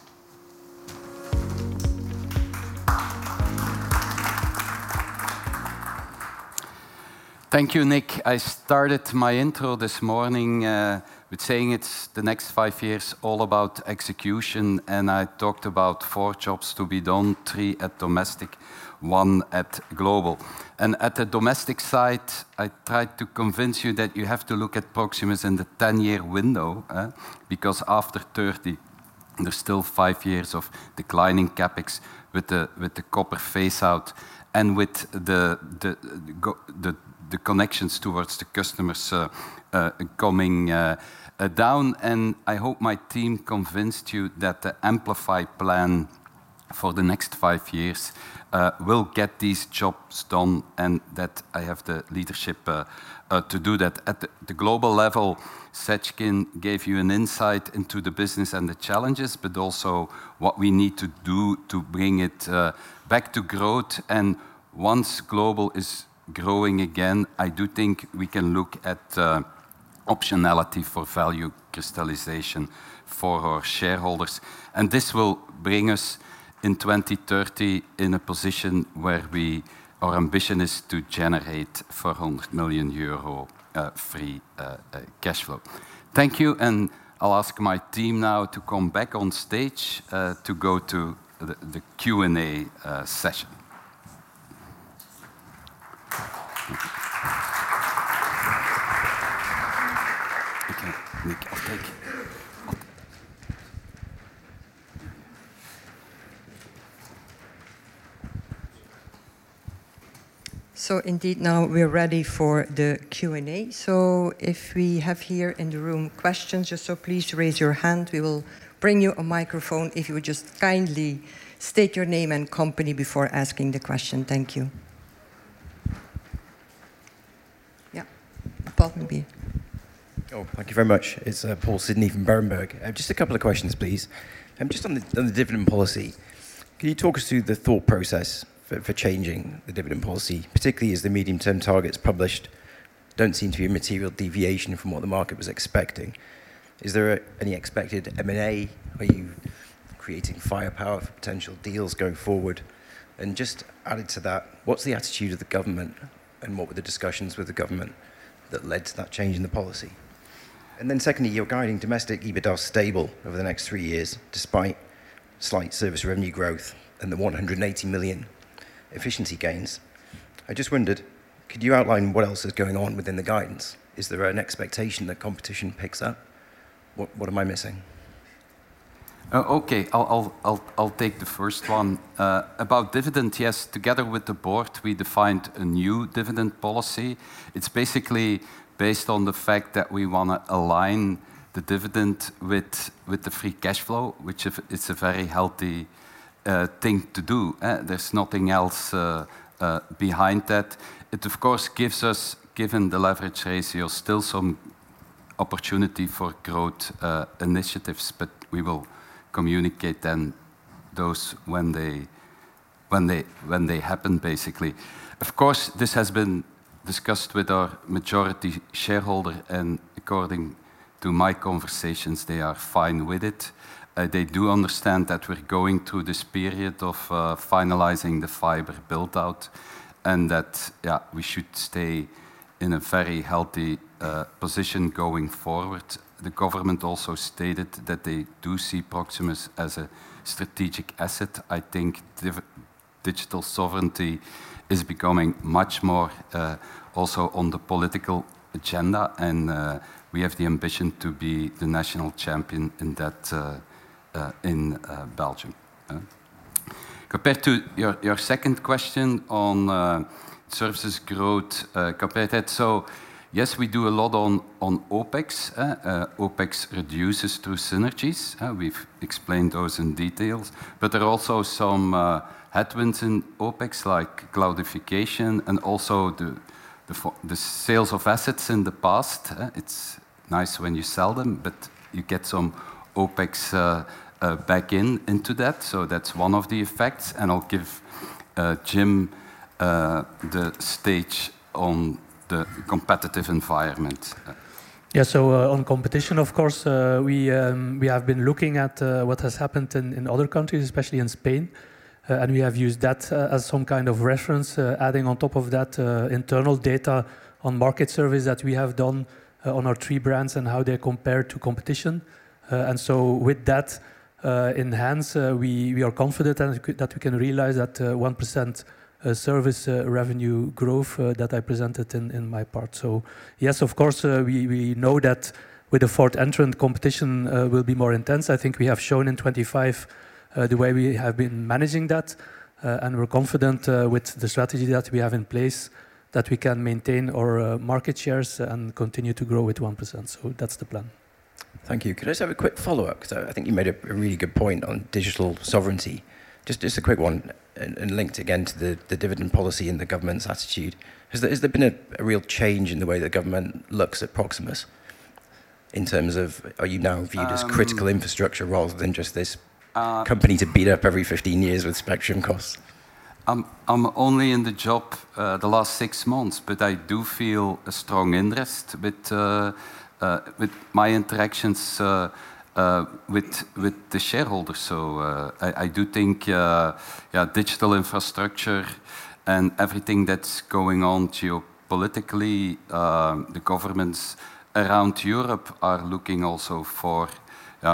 Thank you, Nick. I started my intro this morning, with saying it's the next five years all about execution. I talked about four jobs to be done, three at domestic, one at global. At the domestic side, I tried to convince you that you have to look at Proximus in the 10-year window, because after 30, there's still five years of declining CapEx with the, with the copper phase-out and with the connections towards the customers, coming down. I hope my team convinced you that the Amplify plan for the next five years, will get these jobs done and that I have the leadership to do that. At the global level, Seckin gave you an insight into the business and the challenges, also what we need to do to bring it back to growth. Once global is growing again, I do think we can look at optionality for value crystallization for our shareholders. This will bring us, in 2030, in a position where our ambition is to generate 400 million euro free cash flow. Thank you, I'll ask my team now to come back on stage to go to the Q&A session. Nick, okay. Indeed, now we're ready for the Q&A. If we have here in the room questions, please raise your hand. We will bring you a microphone. If you would just kindly state your name and company before asking the question. Thank you. Yeah, Paul, maybe. Thank you very much. It's Paul Sidney from Berenberg. Just a couple of questions, please. Just on the dividend policy, can you talk us through the thought process for changing the dividend policy, particularly as the medium-term targets published don't seem to be a material deviation from what the market was expecting? Is there any expected M&A? Are you creating firepower for potential deals going forward? Just adding to that, what's the attitude of the government, and what were the discussions with the government that led to that change in the policy? Secondly, you're guiding domestic EBITDA stable over the next three years, despite slight service revenue growth and the 180 million efficiency gains. I just wondered, could you outline what else is going on within the guidance? Is there an expectation that competition picks up? What am I missing? Okay, I'll take the first one. About dividend, yes, together with the board, we defined a new dividend policy. It's basically based on the fact that we wanna align the dividend with the free cash flow, which is, it's a very healthy thing to do. There's nothing else behind that. It, of course, gives us, given the leverage ratio, still some opportunity for growth initiatives, but we will communicate then those when they happen, basically. Of course, this has been discussed with our majority shareholder. According to my conversations, they are fine with it. They do understand that we're going through this period of finalizing the fiber build-out and that, yeah, we should stay in a very healthy position going forward. The government also stated that they do see Proximus as a strategic asset. I think digital sovereignty is becoming much more, also on the political agenda, and we have the ambition to be the national champion in that in Belgium. Compared to your second question on services growth compared to that. Yes, we do a lot on OpEx reduces through synergies. We've explained those in details, but there are also some headwinds in OpEx, like cloudification and also the sales of assets in the past. It's nice when you sell them, but you get some OpEx back into that. That's one of the effects, I'll give Jim the stage on the competitive environment. On competition, of course, we have been looking at what has happened in in other countries, especially in Spain, and we have used that as some kind of reference, adding on top of that, internal data on market service that we have done on our three brands and how they compare to competition. With that in hands, we are confident that we can realize that 1% service revenue growth that I presented in my part. Yes, of course, we know that with the fourth entrant, competition will be more intense. I think we have shown in 2025 the way we have been managing that, and we're confident with the strategy that we have in place, that we can maintain our market shares and continue to grow with 1%. That's the plan. Thank you. Could I just have a quick follow-up? 'Cause I think you made a really good point on digital sovereignty. Just a quick one, and linked again to the dividend policy and the government's attitude. Has there been a real change in the way the government looks at Proximus, in terms of are you now?... as critical infrastructure rather than just. company to beat up every 15 years with spectrum costs? I'm only in the job, the last six months, but I do feel a strong interest with my interactions with the shareholders. I do think, yeah, digital infrastructure and everything that's going on geopolitically, the governments around Europe are looking also for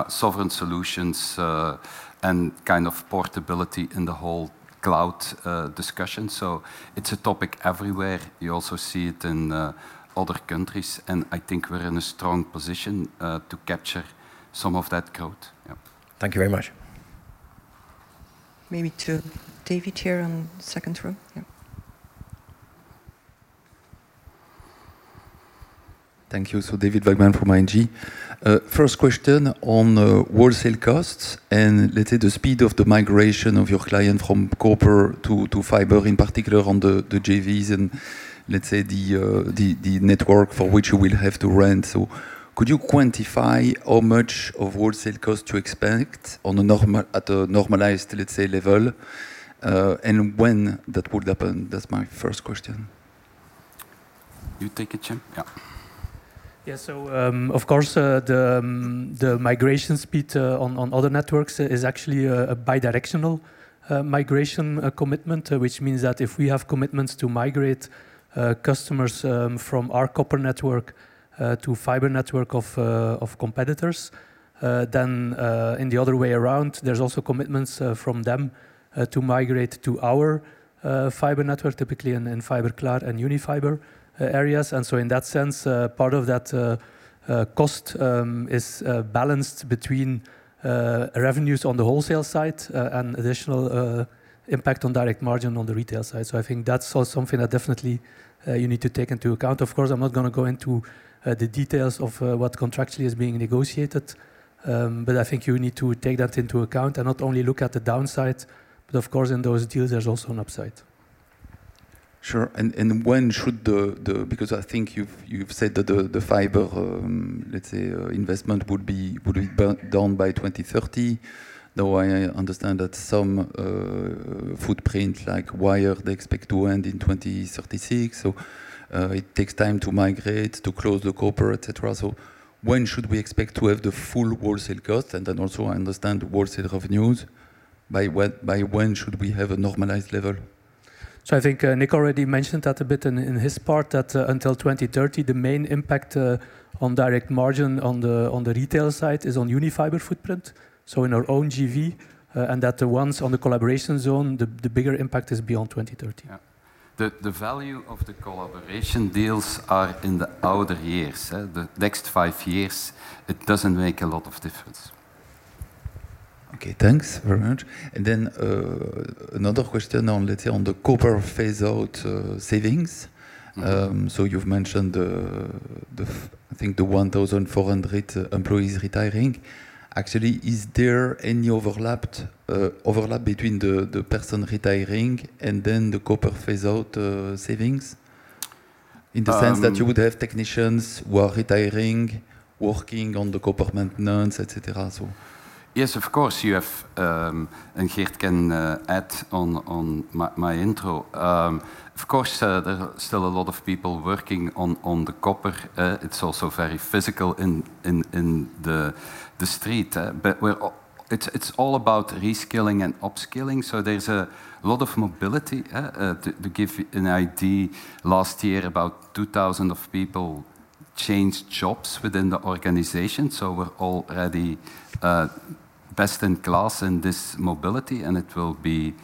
sovereign solutions and kind of portability in the whole cloud discussion. It's a topic everywhere. You also see it in other countries, I think we're in a strong position to capture some of that growth. Yeah. Thank you very much. Maybe to David here on the second row. Yeah. Thank you. David Vagman from ING. First question on the wholesale costs, and let's say, the speed of the migration of your client from copper to fiber, in particular on the JVs and, let's say, the network for which you will have to rent. Could you quantify how much of wholesale cost to expect on a normalized, let's say, level, and when that would happen? That's my first question. You take it, Geert? Yeah. Yeah. Of course, the migration speed on other networks is actually a bidirectional migration commitment. Which means that if we have commitments to migrate customers from our copper network to fiber network of competitors, then in the other way around, there's also commitments from them to migrate to our fiber network, typically in fiber cloud and Unifiber areas. In that sense, part of that cost is balanced between revenues on the wholesale side and additional impact on direct margin on the retail side. I think that's also something that definitely you need to take into account. Of course, I'm not gonna go into the details of what contractually is being negotiated, but I think you need to take that into account and not only look at the downsides, but of course, in those deals, there's also an upside. Sure. When should the fiber, let's say, investment would be down by 2030, though I understand that some footprint, like Wyre, they expect to end in 2036? It takes time to migrate, to close the copper, et cetera. When should we expect to have the full wholesale cost? I understand wholesale revenues, by when should we have a normalized level? I think, Nick already mentioned that a bit in his part, that, until 2030, the main impact, on direct margin on the, on the retail side is on Unifiber footprint, so in our own JV. That the ones on the collaboration zone, the bigger impact is beyond 2030. Yeah. The value of the collaboration deals are in the outer years, the next five years, it doesn't make a lot of difference. Okay, thanks very much. Then, another question on, let's say, on the copper phase-out, savings. You've mentioned the, I think the 1,400 employees retiring. Actually, is there any overlap between the person retiring and then the copper phase-out savings? In the sense that you would have technicians who are retiring, working on the copper maintenance, et cetera, so. Yes, of course, you have, Geert can add on my intro. Of course, there are still a lot of people working on the copper. It's also very physical in the street, it's all about reskilling and upskilling, so there's a lot of mobility to give you an idea, last year, about 2,000 of people changed jobs within the organization. We're already best in class in this mobility, and it will be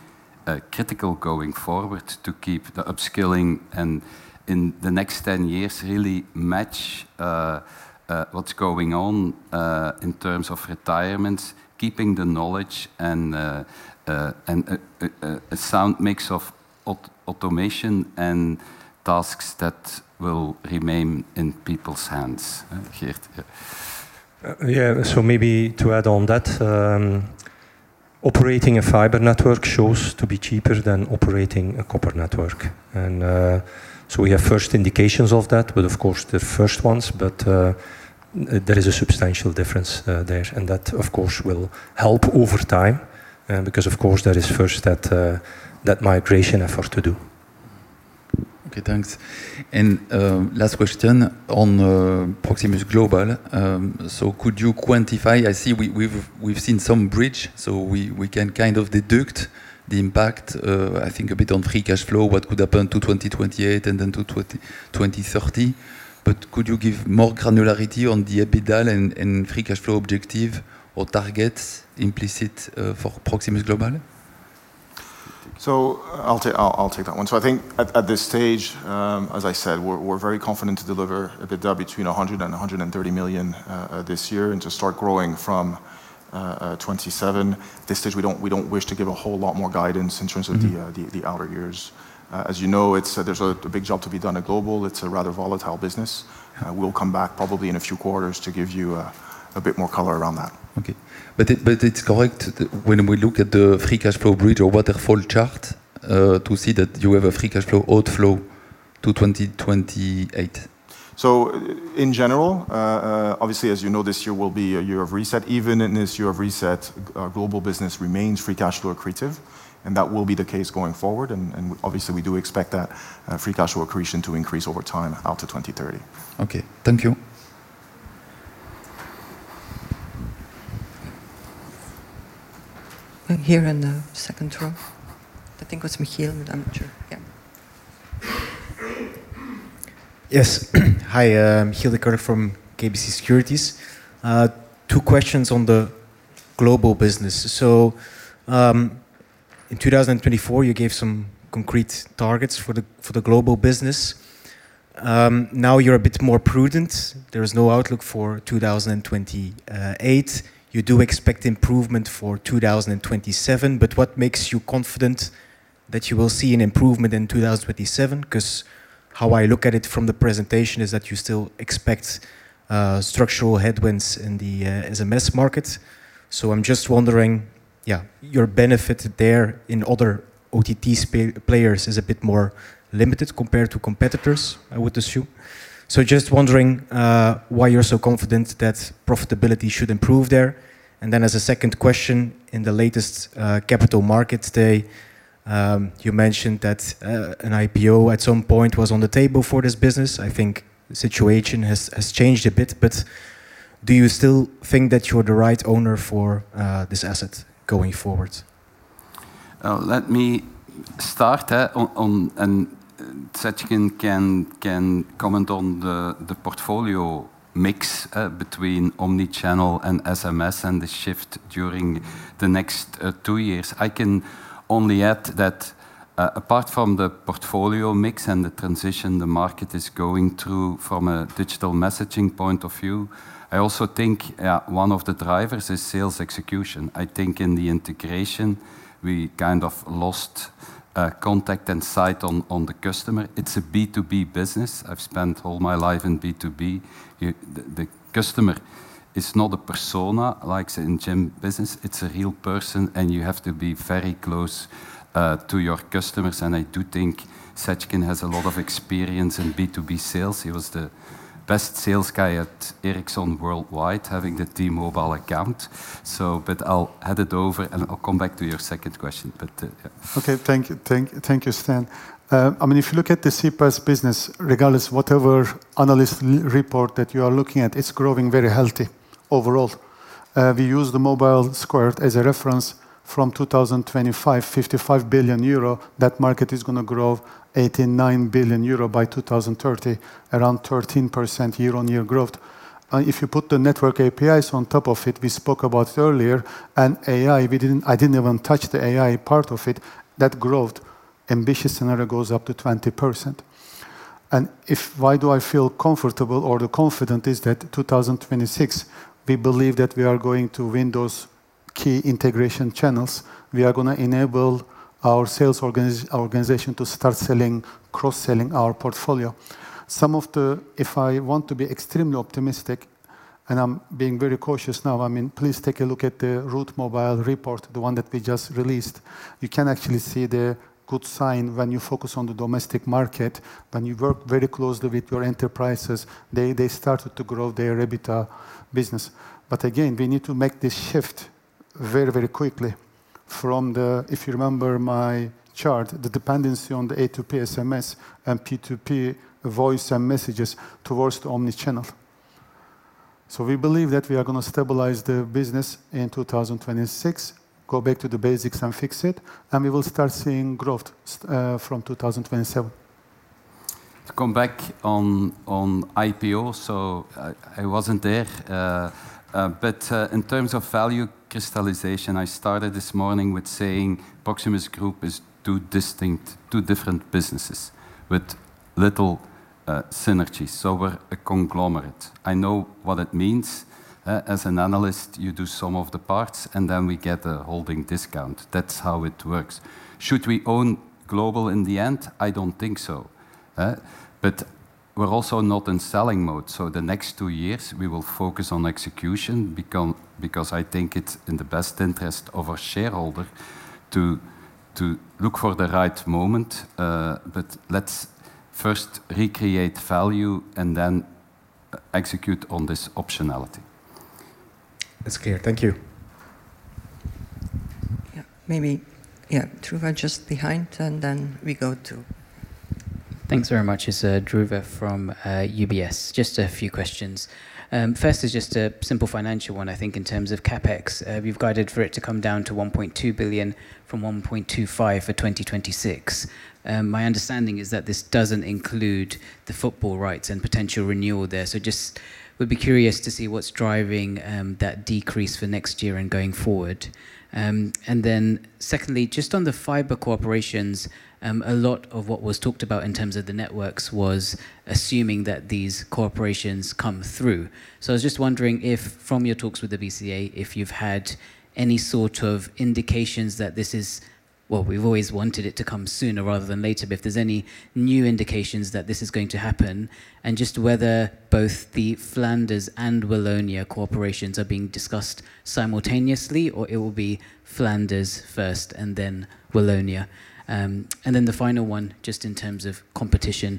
critical going forward to keep the upskilling, and in the next 10 years, really match what's going on in terms of retirements, keeping the knowledge and a sound mix of automation and tasks that will remain in people's hands, Geert? Yeah. Yeah, maybe to add on that, operating a fiber network shows to be cheaper than operating a copper network. We have first indications of that, but of course, the first ones. There is a substantial difference, there, and that, of course, will help over time, because of course, there is first that migration effort to do. Okay, thanks. Last question on Proximus Global. Could you quantify... I see we've seen some bridge, we can kind of deduct the impact I think a bit on free cash flow, what could happen to 2028 and then to 2030. Could you give more granularity on the EBITDA and free cash flow objective or targets implicit for Proximus Global?... I'll take that one. I think at this stage, as I said, we're very confident to deliver EBITDA between 100 million and 130 million this year, and to start growing from 2027. At this stage, we don't wish to give a whole lot more guidance in terms of the the outer years. As you know, there's a big job to be done at Global. It's a rather volatile business. We'll come back probably in a few quarters to give you a bit more color around that. Okay. It's correct that when we look at the free cash flow bridge or waterfall chart, to see that you have a free cash flow outflow to 2028? In general, obviously, as you know, this year will be a year of reset. Even in this year of reset, our Global business remains free cash flow accretive, and that will be the case going forward. Obviously, we do expect that free cash flow accretion to increase over time out to 2030. Okay. Thank you. Here in the second row. I think it was Michiel, I'm not sure. Yeah. Yes. Hi, Michiel Declercq from KBC Securities. Two questions on the Global business. In 2024, you gave some concrete targets for the Global business. Now you're a bit more prudent. There is no outlook for 2028. You do expect improvement for 2027, what makes you confident that you will see an improvement in 2027? Because how I look at it from the presentation is that you still expect structural headwinds in the SMS market. I'm just wondering, yeah, your benefit there in other OTT players is a bit more limited compared to competitors, I would assume. Just wondering why you're so confident that profitability should improve there. As a second question, in the latest Capital Markets Day, you mentioned that an IPO at some point was on the table for this business. I think the situation has changed a bit. Do you still think that you're the right owner for this asset going forward? Let me start on. Seckin can comment on the portfolio mix between omni-channel and SMS and the shift during the next two years. I can only add that apart from the portfolio mix and the transition the market is going through from a digital messaging point of view, I also think one of the drivers is sales execution. I think in the integration, we kind of lost contact and sight on the customer. It's a B2B business. I've spent all my life in B2B. The customer is not a persona, like say, in gym business. It's a real person, and you have to be very close to your customers. I do think Seckin has a lot of experience in B2B sales. He was the best sales guy at Ericsson worldwide, having the T-Mobile account. I'll hand it over, and I'll come back to your second question. But, yeah. Okay, thank you. Thank you, Stijn. I mean, if you look at the CPaaS business, regardless, whatever analyst report that you are looking at, it's growing very healthy overall. We use the Mobile Square as a reference from 2025, 55 billion euro, that market is gonna grow 89 billion euro by 2030, around 13% year-on-year growth. If you put the Network APIs on top of it, we spoke about it earlier, and AI, I didn't even touch the AI part of it, that growth, ambitious scenario, goes up to 20%. Why do I feel comfortable or the confident is that 2026, we believe that we are going to win those key integration channels. We are gonna enable our sales organization to start selling, cross-selling our portfolio. Some of the... If I want to be extremely optimistic, and I'm being very cautious now, I mean, please take a look at the Route Mobile report, the one that we just released. You can actually see the good sign when you focus on the domestic market, when you work very closely with your enterprises, they started to grow their EBITDA business. Again, we need to make this shift very, very quickly from the, if you remember my chart, the dependency on the P2P SMS and P2P voice and messages towards the omni-channel. We believe that we are gonna stabilize the business in 2026, go back to the basics and fix it, and we will start seeing growth from 2027. Come back on IPO, I wasn't there, but in terms of value crystallization, I started this morning with saying Proximus Group is two distinct, two different businesses with little synergies, we're a conglomerate. I know what it means. As an analyst, you do some of the parts, we get a holding discount. That's how it works. Should we own Global in the end? I don't think so, we're also not in selling mode. The next 2 years, we will focus on execution, because I think it's in the best interest of our shareholder to look for the right moment. Let's first recreate value, execute on this optionality. It's clear. Thank you. Yeah. Maybe... Yeah, Dhruva, just behind, and then we go to- Thanks very much. It's Dhruva from UBS. Just a few questions. First is just a simple financial one. I think in terms of CapEx, you've guided for it to come down to 1.2 billion from 1.25 billion for 2026. My understanding is that this doesn't include the football rights and potential renewal there. Just would be curious to see what's driving that decrease for next year and going forward. Secondly, just on the fiber cooperations, a lot of what was talked about in terms of the networks was assuming that these cooperations come through. I was just wondering if from your talks with the BCA, if you've had any sort of indications that.... well, we've always wanted it to come sooner rather than later, but if there's any new indications that this is going to happen, and just whether both the Flanders and Wallonia cooperations are being discussed simultaneously, or it will be Flanders first and then Wallonia? The final one, just in terms of competition,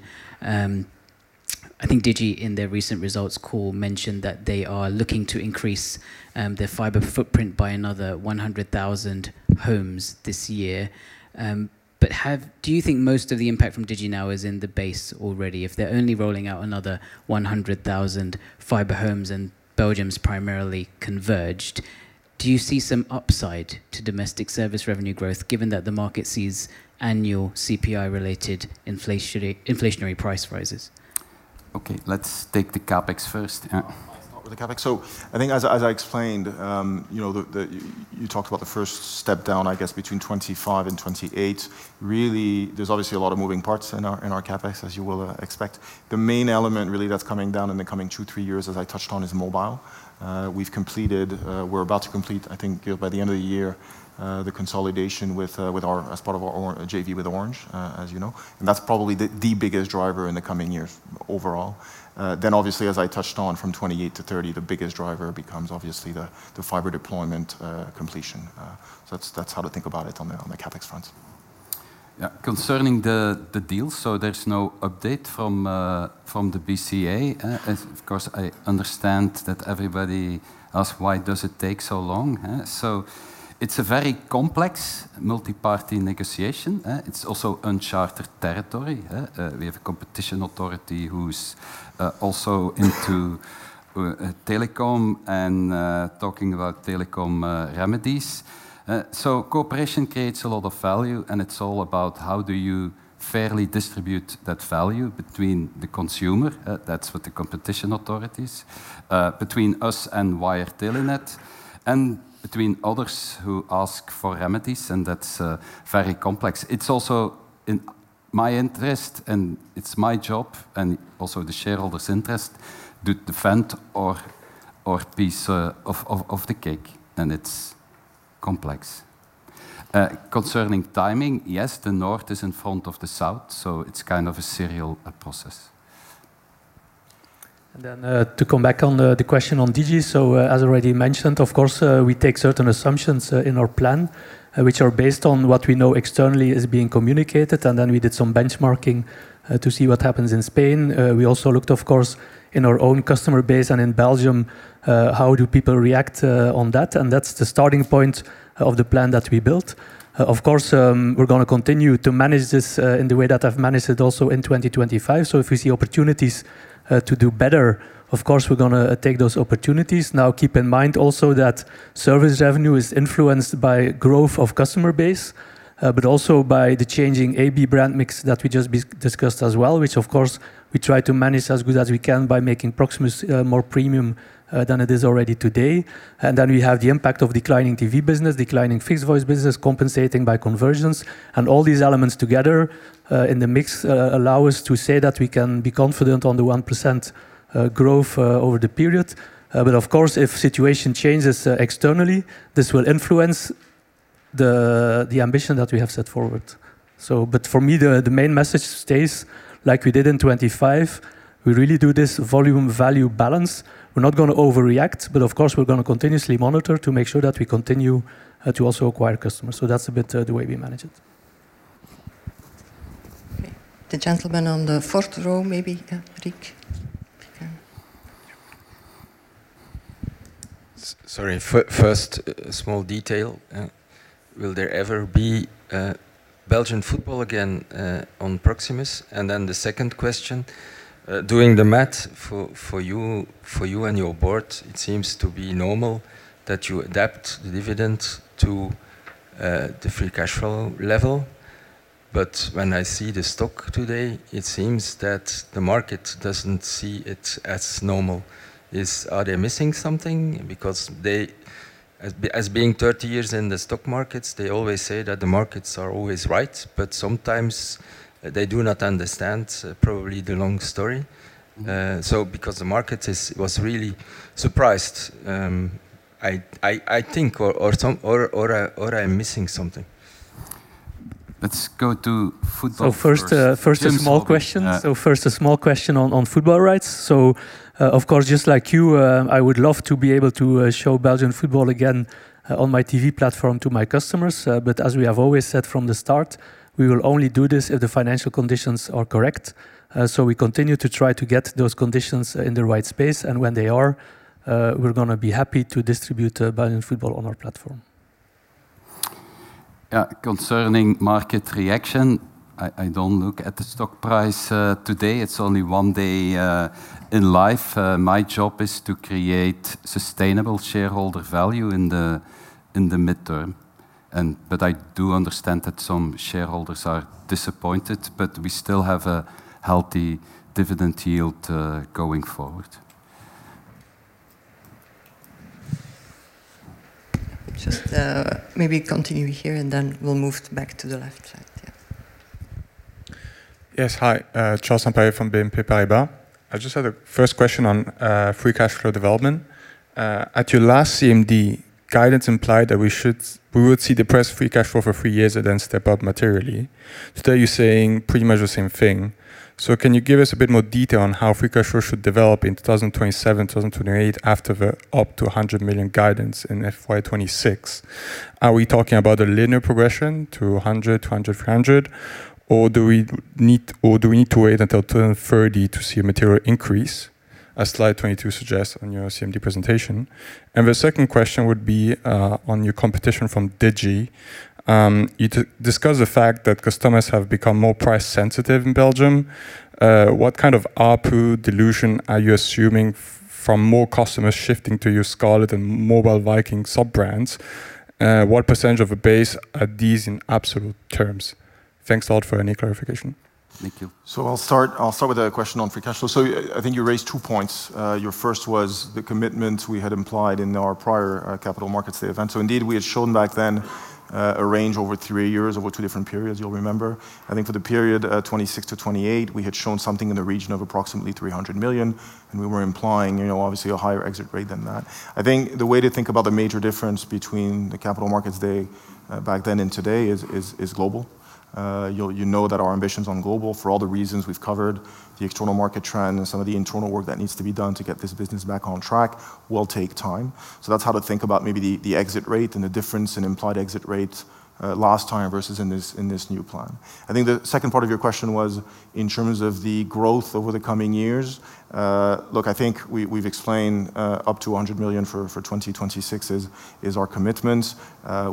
I think Digi, in their recent results call, mentioned that they are looking to increase their fiber footprint by another 100,000 homes this year. Do you think most of the impact from Digi now is in the base already? If they're only rolling out another 100,000 fiber homes, and Belgium's primarily converged, do you see some upside to domestic service revenue growth, given that the market sees annual CPI-related inflationary price rises? Okay, let's take the CapEx first. Yeah. I'll start with the CapEx. I think as I, as I explained, you know, the... You talked about the first step down, I guess, between 25 and 28. Really, there's obviously a lot of moving parts in our, in our CapEx, as you will expect. The main element really that's coming down in the coming two, three years, as I touched on, is mobile. We've completed, we're about to complete, I think, by the end of the year, the consolidation with our as part of our joint JV with Orange, as you know, and that's probably the biggest driver in the coming years overall. Obviously, as I touched on, from 28-30, the biggest driver becomes obviously the fiber deployment, completion. That's, that's how to think about it on the, on the CapEx front. Yeah. Concerning the deal, there's no update from the BCA. Of course, I understand that everybody asks, "Why does it take so long, huh?" It's a very complex multi-party negotiation, it's also uncharted territory, huh? We have a competition authority who's also into telecom and talking about telecom remedies. Cooperation creates a lot of value, and it's all about how do you fairly distribute that value between the consumer, that's what the competition authority is, between us and Wyre Telenet, and between others who ask for remedies. That's very complex. It's also in my interest, and it's my job, and also the shareholders' interest, to defend our piece of the cake, and it's complex. Concerning timing, yes, the north is in front of the south, so it's kind of a serial process. Then, to come back on the question on Digi. As already mentioned, of course, we take certain assumptions in our plan, which are based on what we know externally is being communicated, then we did some benchmarking to see what happens in Spain. We also looked, of course, in our own customer base and in Belgium, how do people react on that? That's the starting point of the plan that we built. Of course, we're gonna continue to manage this in the way that I've managed it also in 2025. If we see opportunities to do better, of course, we're gonna take those opportunities. Now, keep in mind also that service revenue is influenced by growth of customer base, but also by the changing AB brand mix that we just discussed as well, which of course, we try to manage as good as we can by making Proximus more premium than it is already today. Then we have the impact of declining TV business, declining fixed voice business, compensating by conversions. All these elements together, in the mix, allow us to say that we can be confident on the 1% growth over the period. Of course, if situation changes externally, this will influence the ambition that we have set forward. For me, the main message stays like we did in 2025, we really do this volume-value balance. We're not gonna overreact, but of course, we're gonna continuously monitor to make sure that we continue to also acquire customers. That's a bit the way we manage it. The gentleman on the fourth row, maybe, yeah, Rick. If you can. Sorry, first, small detail: Will there ever be Belgian football again on Proximus? The second question: Doing the math for you and your board, it seems to be normal that you adapt the dividend to the free cash flow level. When I see the stock today, it seems that the market doesn't see it as normal. Are they missing something? They, as being 30 years in the stock markets, they always say that the markets are always right, but sometimes they do not understand probably the long story. Because the market is, was really surprised, I think, or some, or I'm missing something. Let's go to football first. First, first a small question. First, a small question on football rights. Of course, just like you, I would love to be able to show Belgian football again on my TV platform to my customers. As we have always said from the start, we will only do this if the financial conditions are correct. We continue to try to get those conditions in the right space, and when they are, we're gonna be happy to distribute Belgian football on our platform. Yeah. Concerning market reaction, I don't look at the stock price today. It's only one day in life. My job is to create sustainable shareholder value in the midterm, but I do understand that some shareholders are disappointed, but we still have a healthy dividend yield going forward. Just, maybe continue here, and then we'll move back to the left side. Yes, hi, Charles-Louis Sempels from BNP Paribas. I just had a first question on free cash flow development. At your last CMD, guidance implied that we would see depressed free cash flow for three years and then step up materially. Today, you're saying pretty much the same thing. Can you give us a bit more detail on how free cash flow should develop in 2027, 2028 after the up to 100 million guidance in FY 2026? Are we talking about a linear progression to 100, 200, 300? Or do we need to wait until 2030 to see a material increase, as slide 22 suggests on your CMD presentation? The second question would be on your competition from Digi. you discuss the fact that customers have become more price sensitive in Belgium. What kind of ARPU dilution are you assuming from more customers shifting to your Scarlet and Mobile Vikings sub-brands? What percentage of the base are these in absolute terms? Thanks a lot for any clarification. Thank you. I'll start with a question on free cash flow. I think you raised two points. Your first was the commitment we had implied in our prior capital markets day event. Indeed, we had shown back then a range over three years, over two different periods, you'll remember. I think for the period 2026-2028, we had shown something in the region of approximately 300 million, and we were implying, you know, obviously a higher exit rate than that. I think the way to think about the major difference between the capital markets day back then and today is global. You know that our ambitions on Global, for all the reasons we've covered, the external market trend and some of the internal work that needs to be done to get this business back on track, will take time. That's how to think about maybe the exit rate and the difference in implied exit rates last time versus in this, in this new plan. I think the second part of your question was in terms of the growth over the coming years. Look, I think we've explained, up to 100 million for 2026 is our commitment.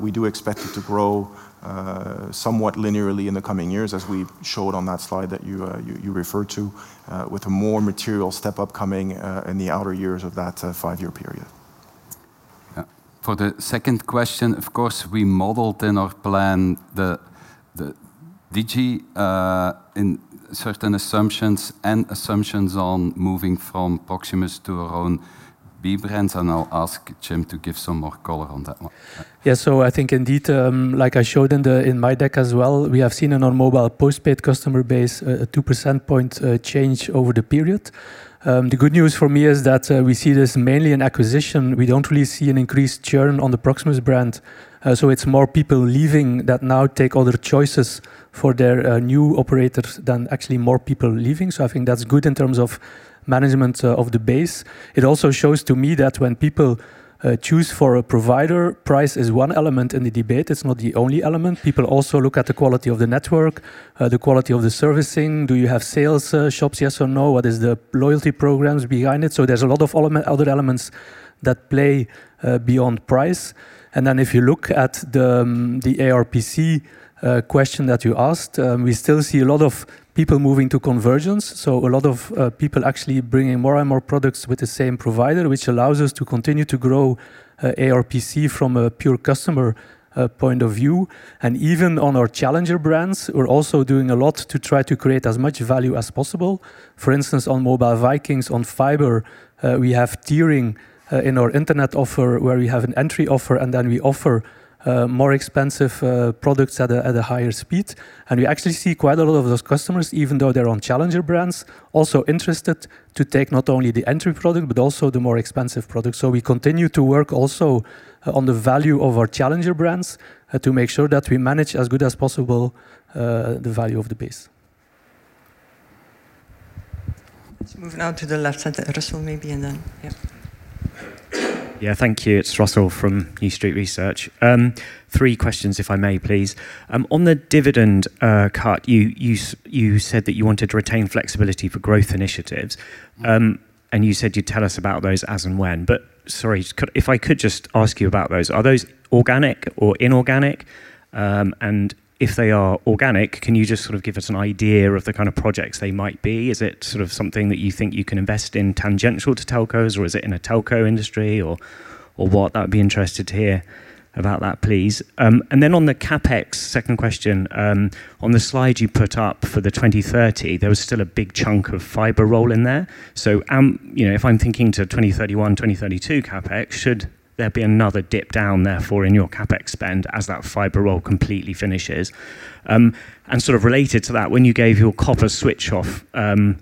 We do expect it to grow somewhat linearly in the coming years, as we showed on that slide that you referred to, with a more material step-up coming in the outer years of that five-year period. Yeah. For the second question, of course, we modeled in our plan the Digi in certain assumptions and assumptions on moving from Proximus to our own b-brands. I'll ask Jim to give some more color on that one. Yeah. I think indeed, like I showed in the, in my deck as well, we have seen in our mobile postpaid customer base a two percent point change over the period. The good news for me is that we see this mainly in acquisition. We don't really see an increased churn on the Proximus brand. It's more people leaving that now take other choices for their new operators than actually more people leaving. I think that's good in terms of management of the base. It also shows to me that when people choose for a provider, price is one element in the debate. It's not the only element. People also look at the quality of the network, the quality of the servicing. Do you have sales shops, yes or no? What is the loyalty programs behind it? There's a lot of other elements that play beyond price. If you look at the ARPC question that you asked, we still see a lot of people moving to convergence. A lot of people actually bringing more and more products with the same provider, which allows us to continue to grow ARPC from a pure customer point of view. Even on our challenger brands, we're also doing a lot to try to create as much value as possible. For instance, on Mobile Vikings, on fiber, we have tiering in our internet offer, where we have an entry offer, then we offer more expensive products at a higher speed. We actually see quite a lot of those customers, even though they're on challenger brands, also interested to take not only the entry product, but also the more expensive product. We continue to work also on the value of our challenger brands, to make sure that we manage as good as possible, the value of the base. Let's move now to the left center. Russell, maybe, and then... Yeah. Yeah. Thank you. It's Russell from New Street Research. Three questions, if I may, please. On the dividend cut, you said that you wanted to retain flexibility for growth initiatives. You said you'd tell us about those as and when. Sorry, if I could just ask you about those. Are those organic or inorganic? If they are organic, can you just sort of give us an idea of the kind of projects they might be? Is it sort of something that you think you can invest in tangential to telcos, or is it in a telco industry, or what? I'd be interested to hear about that, please. On the CapEx, second question. On the slide you put up for the 2030, there was still a big chunk of fiber roll in there. You know, if I'm thinking to 2031, 2032 CapEx, should there be another dip down therefore in your CapEx spend as that fiber roll completely finishes? Sort of related to that, when you gave your copper switch-off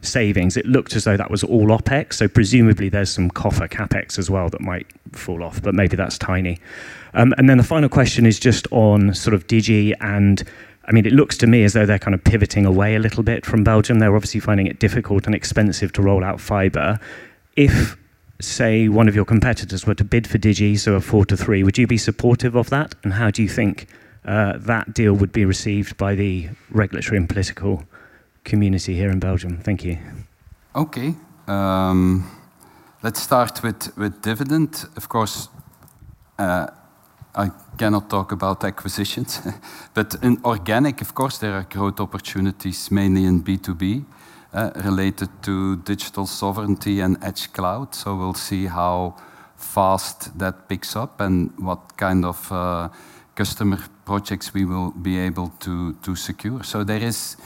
savings, it looked as though that was all OpEx, so presumably there's some copper CapEx as well that might fall off, but maybe that's tiny. Then the final question is just on sort of Digi. I mean, it looks to me as though they're kind of pivoting away a little bit from Belgium. They're obviously finding it difficult and expensive to roll out fiber. If, say, one of your competitors were to bid for Digi, so a four to three, would you be supportive of that? How do you think that deal would be received by the regulatory and political community here in Belgium? Thank you. Okay. Let's start with dividend. Of course, I cannot talk about acquisitions. In organic, of course, there are growth opportunities, mainly in B2B, related to digital sovereignty and edge cloud. We'll see how fast that picks up and what kind of customer projects we will be able to secure. There is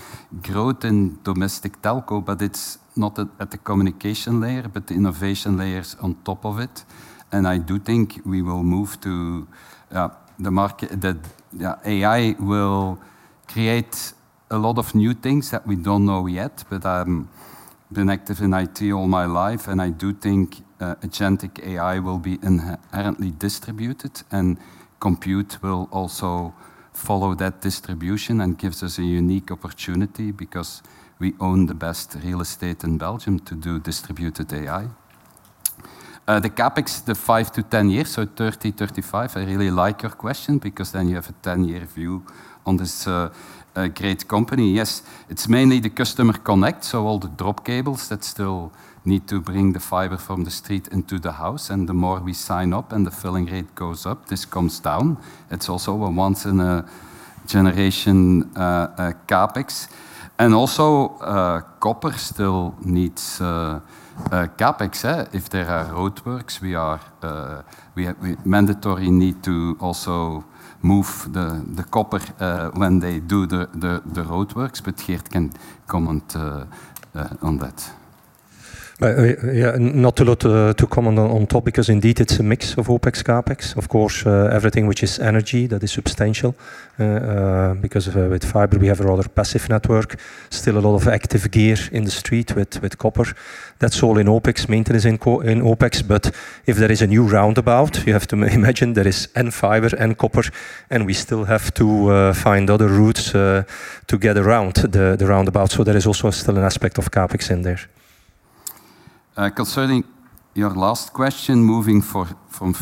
growth in domestic telco, but it's not at the communication layer, but the innovation layers on top of it. I do think we will move to the market, AI will create a lot of new things that we don't know yet. I'm been active in IT all my life, and I do think, agentic AI will be inherently distributed, and compute will also follow that distribution and gives us a unique opportunity because we own the best real estate in Belgium to do distributed AI. The CapEx, the five-10 years, so 30-35. I really like your question because then you have a 10-year view on this, great company. Yes, it's mainly the customer connect, so all the drop cables that still need to bring the fiber from the street into the house, and the more we sign up and the filling rate goes up, this comes down. It's also a once-in-a-generation, CapEx. Also, copper still needs, CapEx, eh? If there are roadworks, we are we mandatory need to also move the copper when they do the roadworks. Geert can comment on that. Well, yeah, not a lot to comment on top, because indeed, it's a mix of OpEx, CapEx. Of course, everything which is energy, that is substantial, because of, with fiber, we have a rather passive network. Still a lot of active gear in the street with copper. That's all in OpEx, maintenance in OpEx. If there is a new roundabout, you have to imagine there is n fiber, n copper, and we still have to find other routes to get around the roundabout. There is also still an aspect of CapEx in there. Concerning your last question, moving from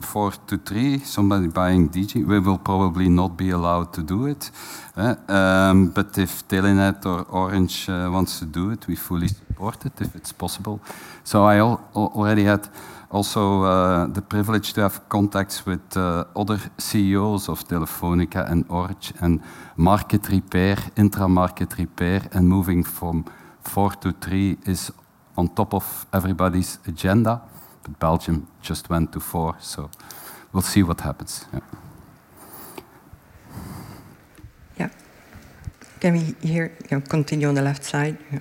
four to three, somebody buying Digi, we will probably not be allowed to do it, but if Telenet or Orange wants to do it, we fully support it if it's possible. I already had also the privilege to have contacts with other CEOs of Telefónica and Orange, and market repair, intra-market repair, and moving from four to three is on top of everybody's agenda. Belgium just went to four, we'll see what happens. Yeah. Yeah. Can we hear, continue on the left side? Yeah.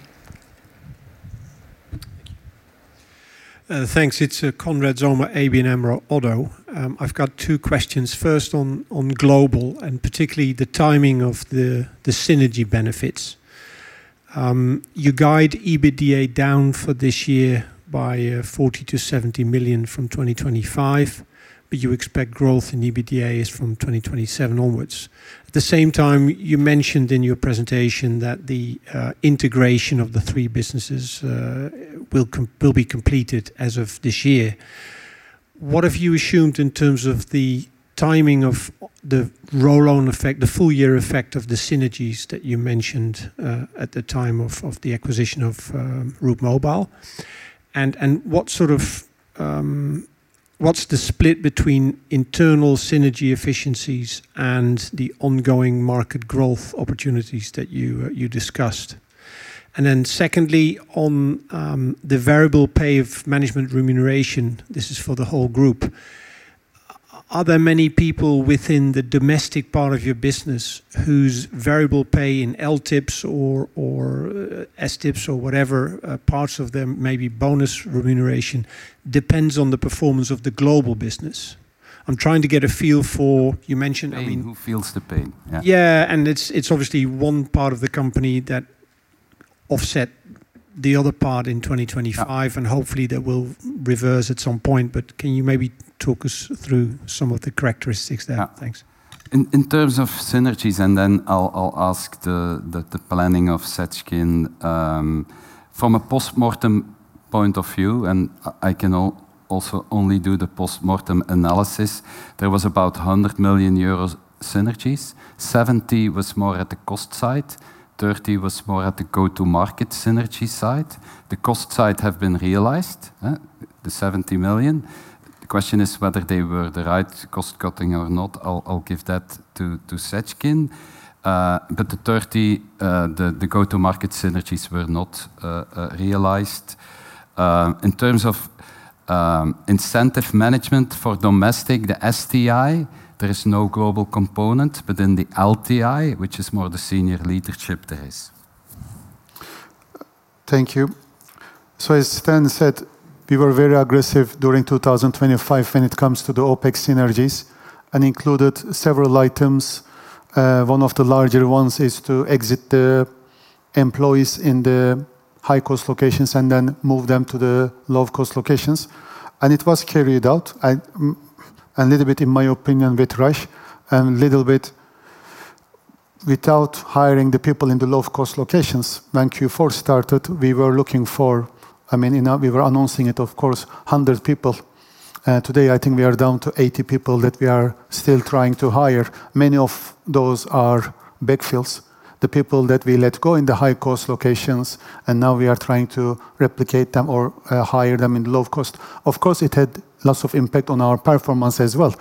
Thanks. It's Konrad Zomer, ABN AMRO, Usman Ghazi. I've got two questions. First, on global, and particularly the timing of the synergy benefits. You guide EBITDA down for this year by 40 million-70 million from 2025, but you expect growth in EBITDA is from 2027 onwards. At the same time, you mentioned in your presentation that the integration of the three businesses will be completed as of this year. What have you assumed in terms of the timing of the roll-on effect, the full-year effect of the synergies that you mentioned at the time of the acquisition of Route Mobile? What's the split between internal synergy efficiencies and the ongoing market growth opportunities that you discussed? Secondly, on the variable pay of management remuneration, this is for the whole group. Are there many people within the domestic part of your business whose variable pay in LTIPs or STIPs or whatever, parts of them may be bonus remuneration, depends on the performance of the global business? I'm trying to get a feel for. You mentioned, I mean. Pain, who feels the pain? Yeah. Yeah, it's obviously one part of the company that offset the other part in 2025. Yeah. Hopefully that will reverse at some point. Can you maybe talk us through some of the characteristics there? Yeah. Thanks. In terms of synergies, then I'll ask the planning of Seckin. From a post-mortem point of view, I can also only do the post-mortem analysis, there was about 100 million euros synergies. 70 million was more at the cost side, 30 million was more at the go-to-market synergy side. The cost side have been realized, the 70 million. The question is whether they were the right cost-cutting or not. I'll give that to Seckin. The 30 million, the go-to-market synergies were not realized. In terms of incentive management for domestic, the STI, there is no global component, but in the LTI, which is more the senior leadership, there is. Thank you. As Stijn said, we were very aggressive during 2025 when it comes to the OpEx synergies and included several items. One of the larger ones is to exit the employees in the high-cost locations and then move them to the low-cost locations. It was carried out, and, a little bit, in my opinion, with rush and a little bit without hiring the people in the low-cost locations. When Q4 started, we were looking for, I mean, we were announcing it, of course, 100 people. Today, I think we are down to 80 people that we are still trying to hire. Many of those are backfills, the people that we let go in the high-cost locations, now we are trying to replicate them or hire them in low cost. Of course, it had lots of impact on our performance as well.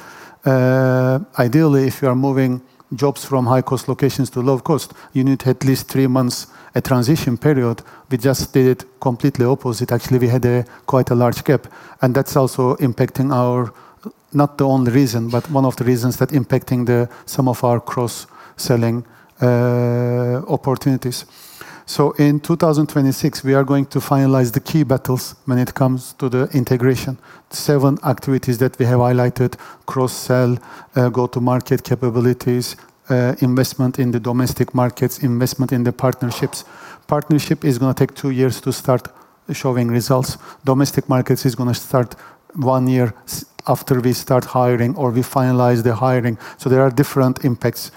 Ideally, if you are moving jobs from high-cost locations to low cost, you need at least three months, a transition period. We just did it completely opposite. Actually, we had a quite a large gap. That's also impacting our... Not the only reason, but one of the reasons that impacting the some of our cross-selling. opportunities. In 2026, we are going to finalize the key battles when it comes to the integration. Seven activities that we have highlighted: cross-sell, go-to-market capabilities, investment in the domestic markets, investment in the partnerships. Partnership is gonna take two years to start showing results. Domestic markets is gonna start one year after we start hiring or we finalize the hiring. There are different impacts.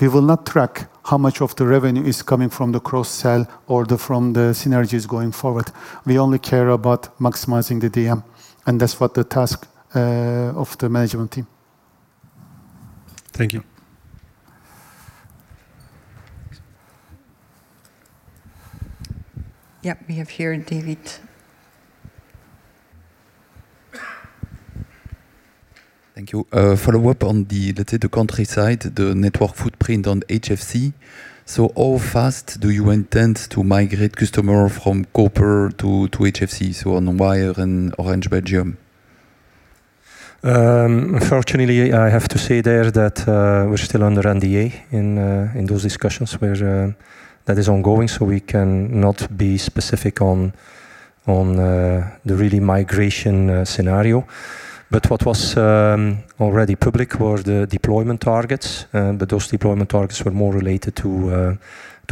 We will not track how much of the revenue is coming from the cross-sell or the, from the synergies going forward. We only care about maximizing the DM, and that's what the task of the management team. Thank you. Yeah, we have here David. Thank you. follow up on the, let's say, the countryside, the network footprint on HFC. How fast do you intend to migrate customer from copper to HFC, so on Wyre and Orange Belgium? Unfortunately, I have to say there that we're still under NDA in those discussions, where that is ongoing, so we can not be specific on the really migration scenario. What was already public were the deployment targets, but those deployment targets were more related to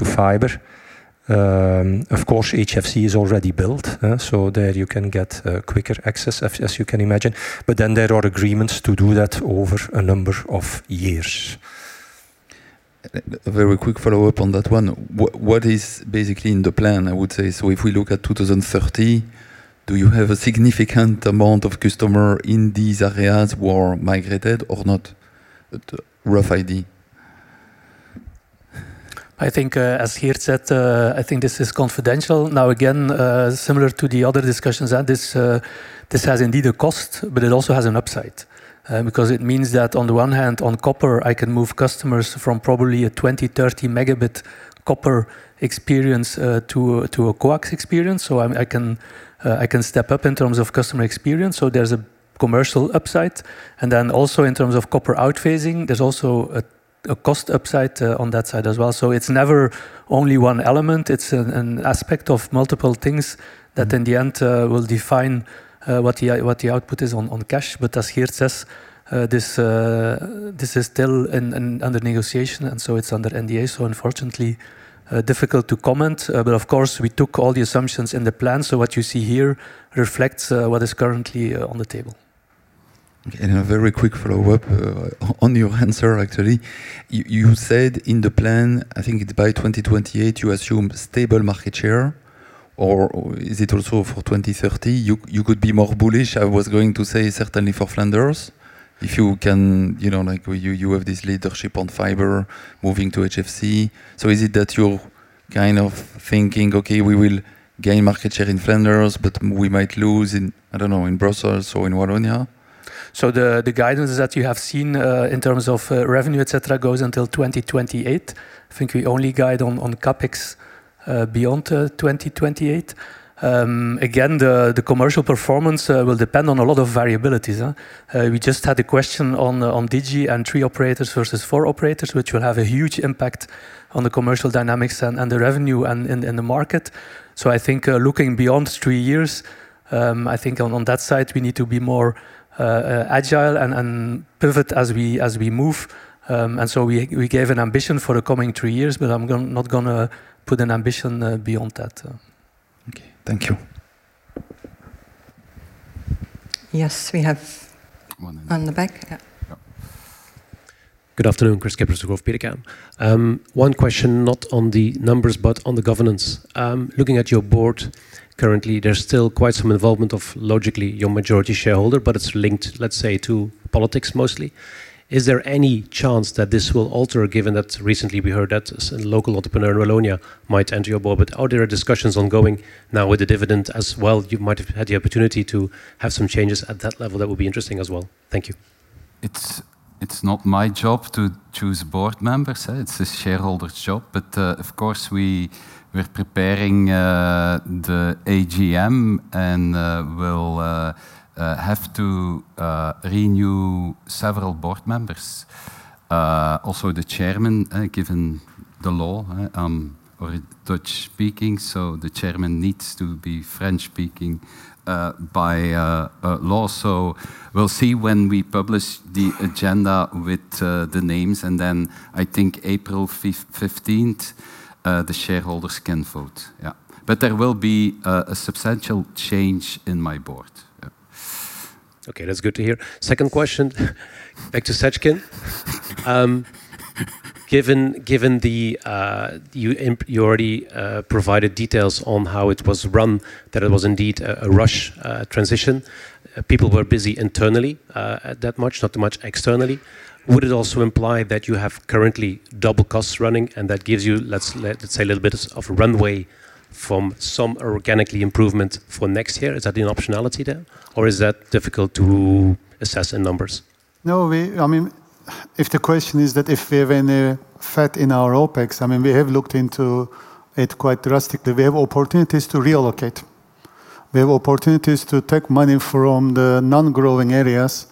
fiber. Of course, HFC is already built, so there you can get quicker access, as you can imagine. Then there are agreements to do that over a number of years. A very quick follow-up on that one. What is basically in the plan? I would say, if we look at 2030, do you have a significant amount of customer in these areas who are migrated or not? Rough idea. I think, as Geert said, I think this is confidential. Again, similar to the other discussions, that this has indeed a cost, but it also has an upside. Because it means that on the one hand, on copper, I can move customers from probably a 20, 30 Mb copper experience, to a, to a coax experience. I can, I can step up in terms of customer experience, so there's a commercial upside. Also in terms of copper outphasing, there's also a cost upside, on that side as well. It's never only one element, it's an aspect of multiple things that in the end, will define, what the out, what the output is on cash. As Geert says, this is still under negotiation, and so it's under NDA, so unfortunately, difficult to comment. Of course, we took all the assumptions in the plan, so what you see here reflects what is currently on the table. A very quick follow-up on your answer, actually. You said in the plan, I think it's by 2028, you assume stable market share, or is it also for 2030? You could be more bullish, I was going to say, certainly for Flanders. If you can, you know, like you have this leadership on fiber moving to HFC. Is it that you're kind of thinking, "Okay, we will gain market share in Flanders, but we might lose in, I don't know, in Brussels or in Wallonia? The guidances that you have seen, in terms of revenue, et cetera, goes until 2028. I think we only guide on CapEx beyond 2028. Again, the commercial performance will depend on a lot of variabilities. We just had a question on Digi and three operators versus four operators, which will have a huge impact on the commercial dynamics and the revenue in the market. I think, looking beyond three years, I think on that side, we need to be more agile and pivot as we move. We gave an ambition for the coming three years, but I'm not gonna put an ambition beyond that. Okay. Thank you. Yes, we have..... on the back. Yeah. Good afternoon, Christophe Schepers of Degroof Petercam. One question, not on the numbers, but on the governance. Looking at your board, currently, there's still quite some involvement of, logically, your majority shareholder, but it's linked, let's say, to politics mostly. Is there any chance that this will alter, given that recently we heard that a local entrepreneur in Wallonia might enter your board? Are there discussions ongoing now with the dividend as well? You might have had the opportunity to have some changes at that level. That would be interesting as well. Thank you. It's not my job to choose board members, it's the shareholders' job. Of course, we're preparing the AGM and we'll have to renew several board members. Also the chairman, given the law, we're Dutch-speaking, so the chairman needs to be French-speaking by law. We'll see when we publish the agenda with the names, and then I think April 15th, the shareholders can vote. There will be a substantial change in my board. Okay, that's good to hear. Second question, back to Seckin. Given the you already provided details on how it was run, that it was indeed a rush transition. People were busy internally, that much, not too much externally. Would it also imply that you have currently double costs running, and that gives you, let's say, a little bit of runway from some organically improvement for next year? Is that an optionality there, or is that difficult to assess in numbers? No, I mean, if the question is that if we have any fat in our OpEx, I mean, we have looked into it quite drastically. We have opportunities to reallocate. We have opportunities to take money from the non-growing areas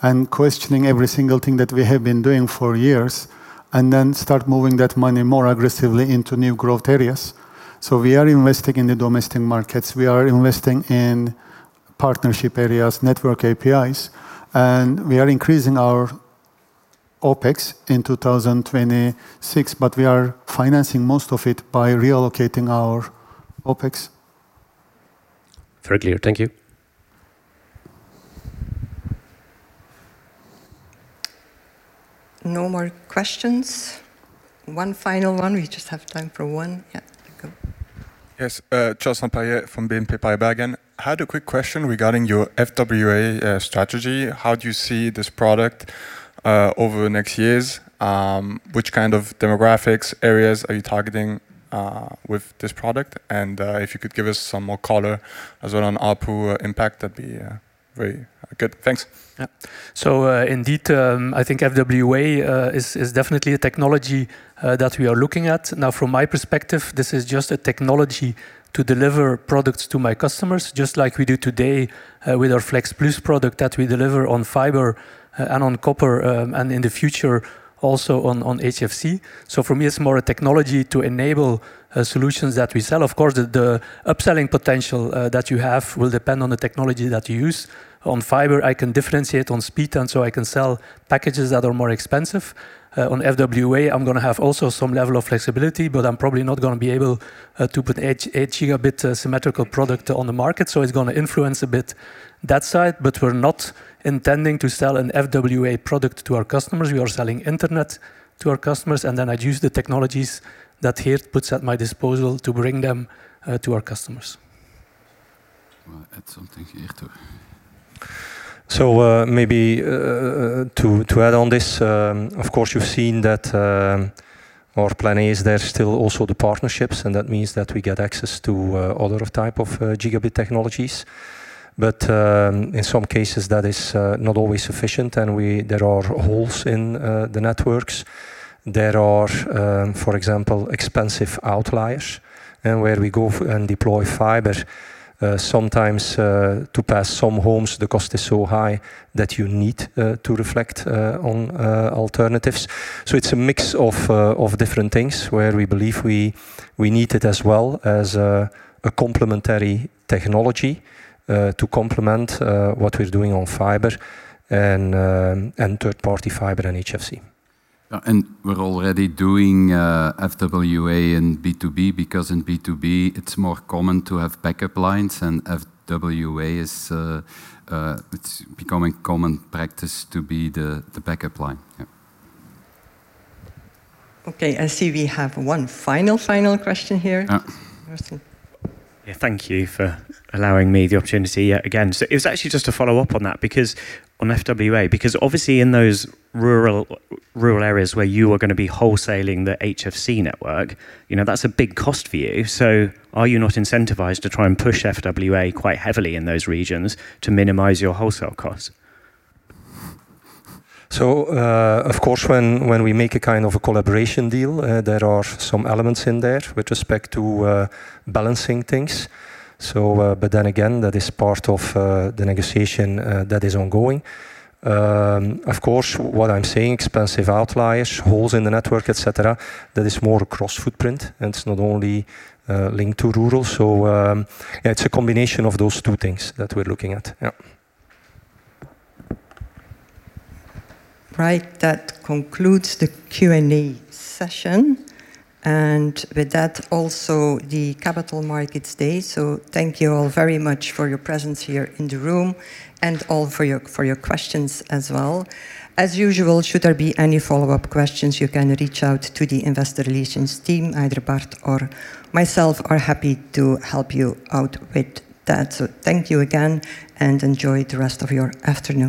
and questioning every single thing that we have been doing for years, and then start moving that money more aggressively into new growth areas. We are investing in the domestic markets. We are investing in partnership areas, network APIs, and we are increasing our OpEx in 2026, but we are financing most of it by reallocating our OpEx. Very clear. Thank you. No more questions? One final one. We just have time for one. Yeah, go. Yes, Charles Sampier from BNP Paribas, and I had a quick question regarding your FWA strategy. How do you see this product over the next years? Which kind of demographics, areas are you targeting with this product? If you could give us some more color as well on ARPU impact, that'd be very good. Thanks. Yeah. Indeed, I think FWA is definitely a technology that we are looking at. Now, from my perspective, this is just a technology to deliver products to my customers, just like we do today with our Flex+ product that we deliver on fiber and on copper, and in the future, also on HFC. For me, it's more a technology to enable solutions that we sell. Of course, the upselling potential that you have will depend on the technology that you use. On fiber, I can differentiate on speed, I can sell packages that are more expensive. On FWA, I'm gonna have also some level of flexibility, but I'm probably not gonna be able to put 8 gigabit symmetrical product on the market, it's gonna influence a bit that side. We're not intending to sell an FWA product to our customers. We are selling internet to our customers, and then I'd use the technologies that Geert puts at my disposal to bring them to our customers. Wanna add something, Geert? Maybe to add on this, of course, you've seen that our plan is there's still also the partnerships, and that means that we get access to other type of Gb technologies. But in some cases, that is not always sufficient, and we. There are holes in the networks. There are, for example, expensive outliers. And where we go and deploy fiber, sometimes to pass some homes, the cost is so high that you need to reflect on alternatives. It's a mix of different things, where we believe we need it as well as a complementary technology to complement what we're doing on fiber and third-party fiber and HFC. We're already doing FWA in B2B, because in B2B, it's more common to have backup lines, and FWA is it's becoming common practice to be the backup line. Yeah. Okay, I see we have one final question here. Ah. Justin. Yeah. Thank you for allowing me the opportunity yet again. It was actually just a follow-up on that, because on FWA, because obviously in those rural areas where you are gonna be wholesaling the HFC network, you know, that's a big cost for you. Are you not incentivized to try and push FWA quite heavily in those regions to minimize your wholesale costs? Of course, when we make a kind of a collaboration deal, there are some elements in there with respect to balancing things. That is part of the negotiation that is ongoing. Of course, what I'm saying, expensive outliers, holes in the network, et cetera, that is more cross footprint, and it's not only linked to rural. It's a combination of those two things that we're looking at. Yeah. Right. That concludes the Q&A session, and with that, also the Capital Markets Day. Thank you all very much for your presence here in the room and all for your questions as well. As usual, should there be any follow-up questions, you can reach out to the investor relations team. Either Bart or myself are happy to help you out with that. Thank you again, and enjoy the rest of your afternoon.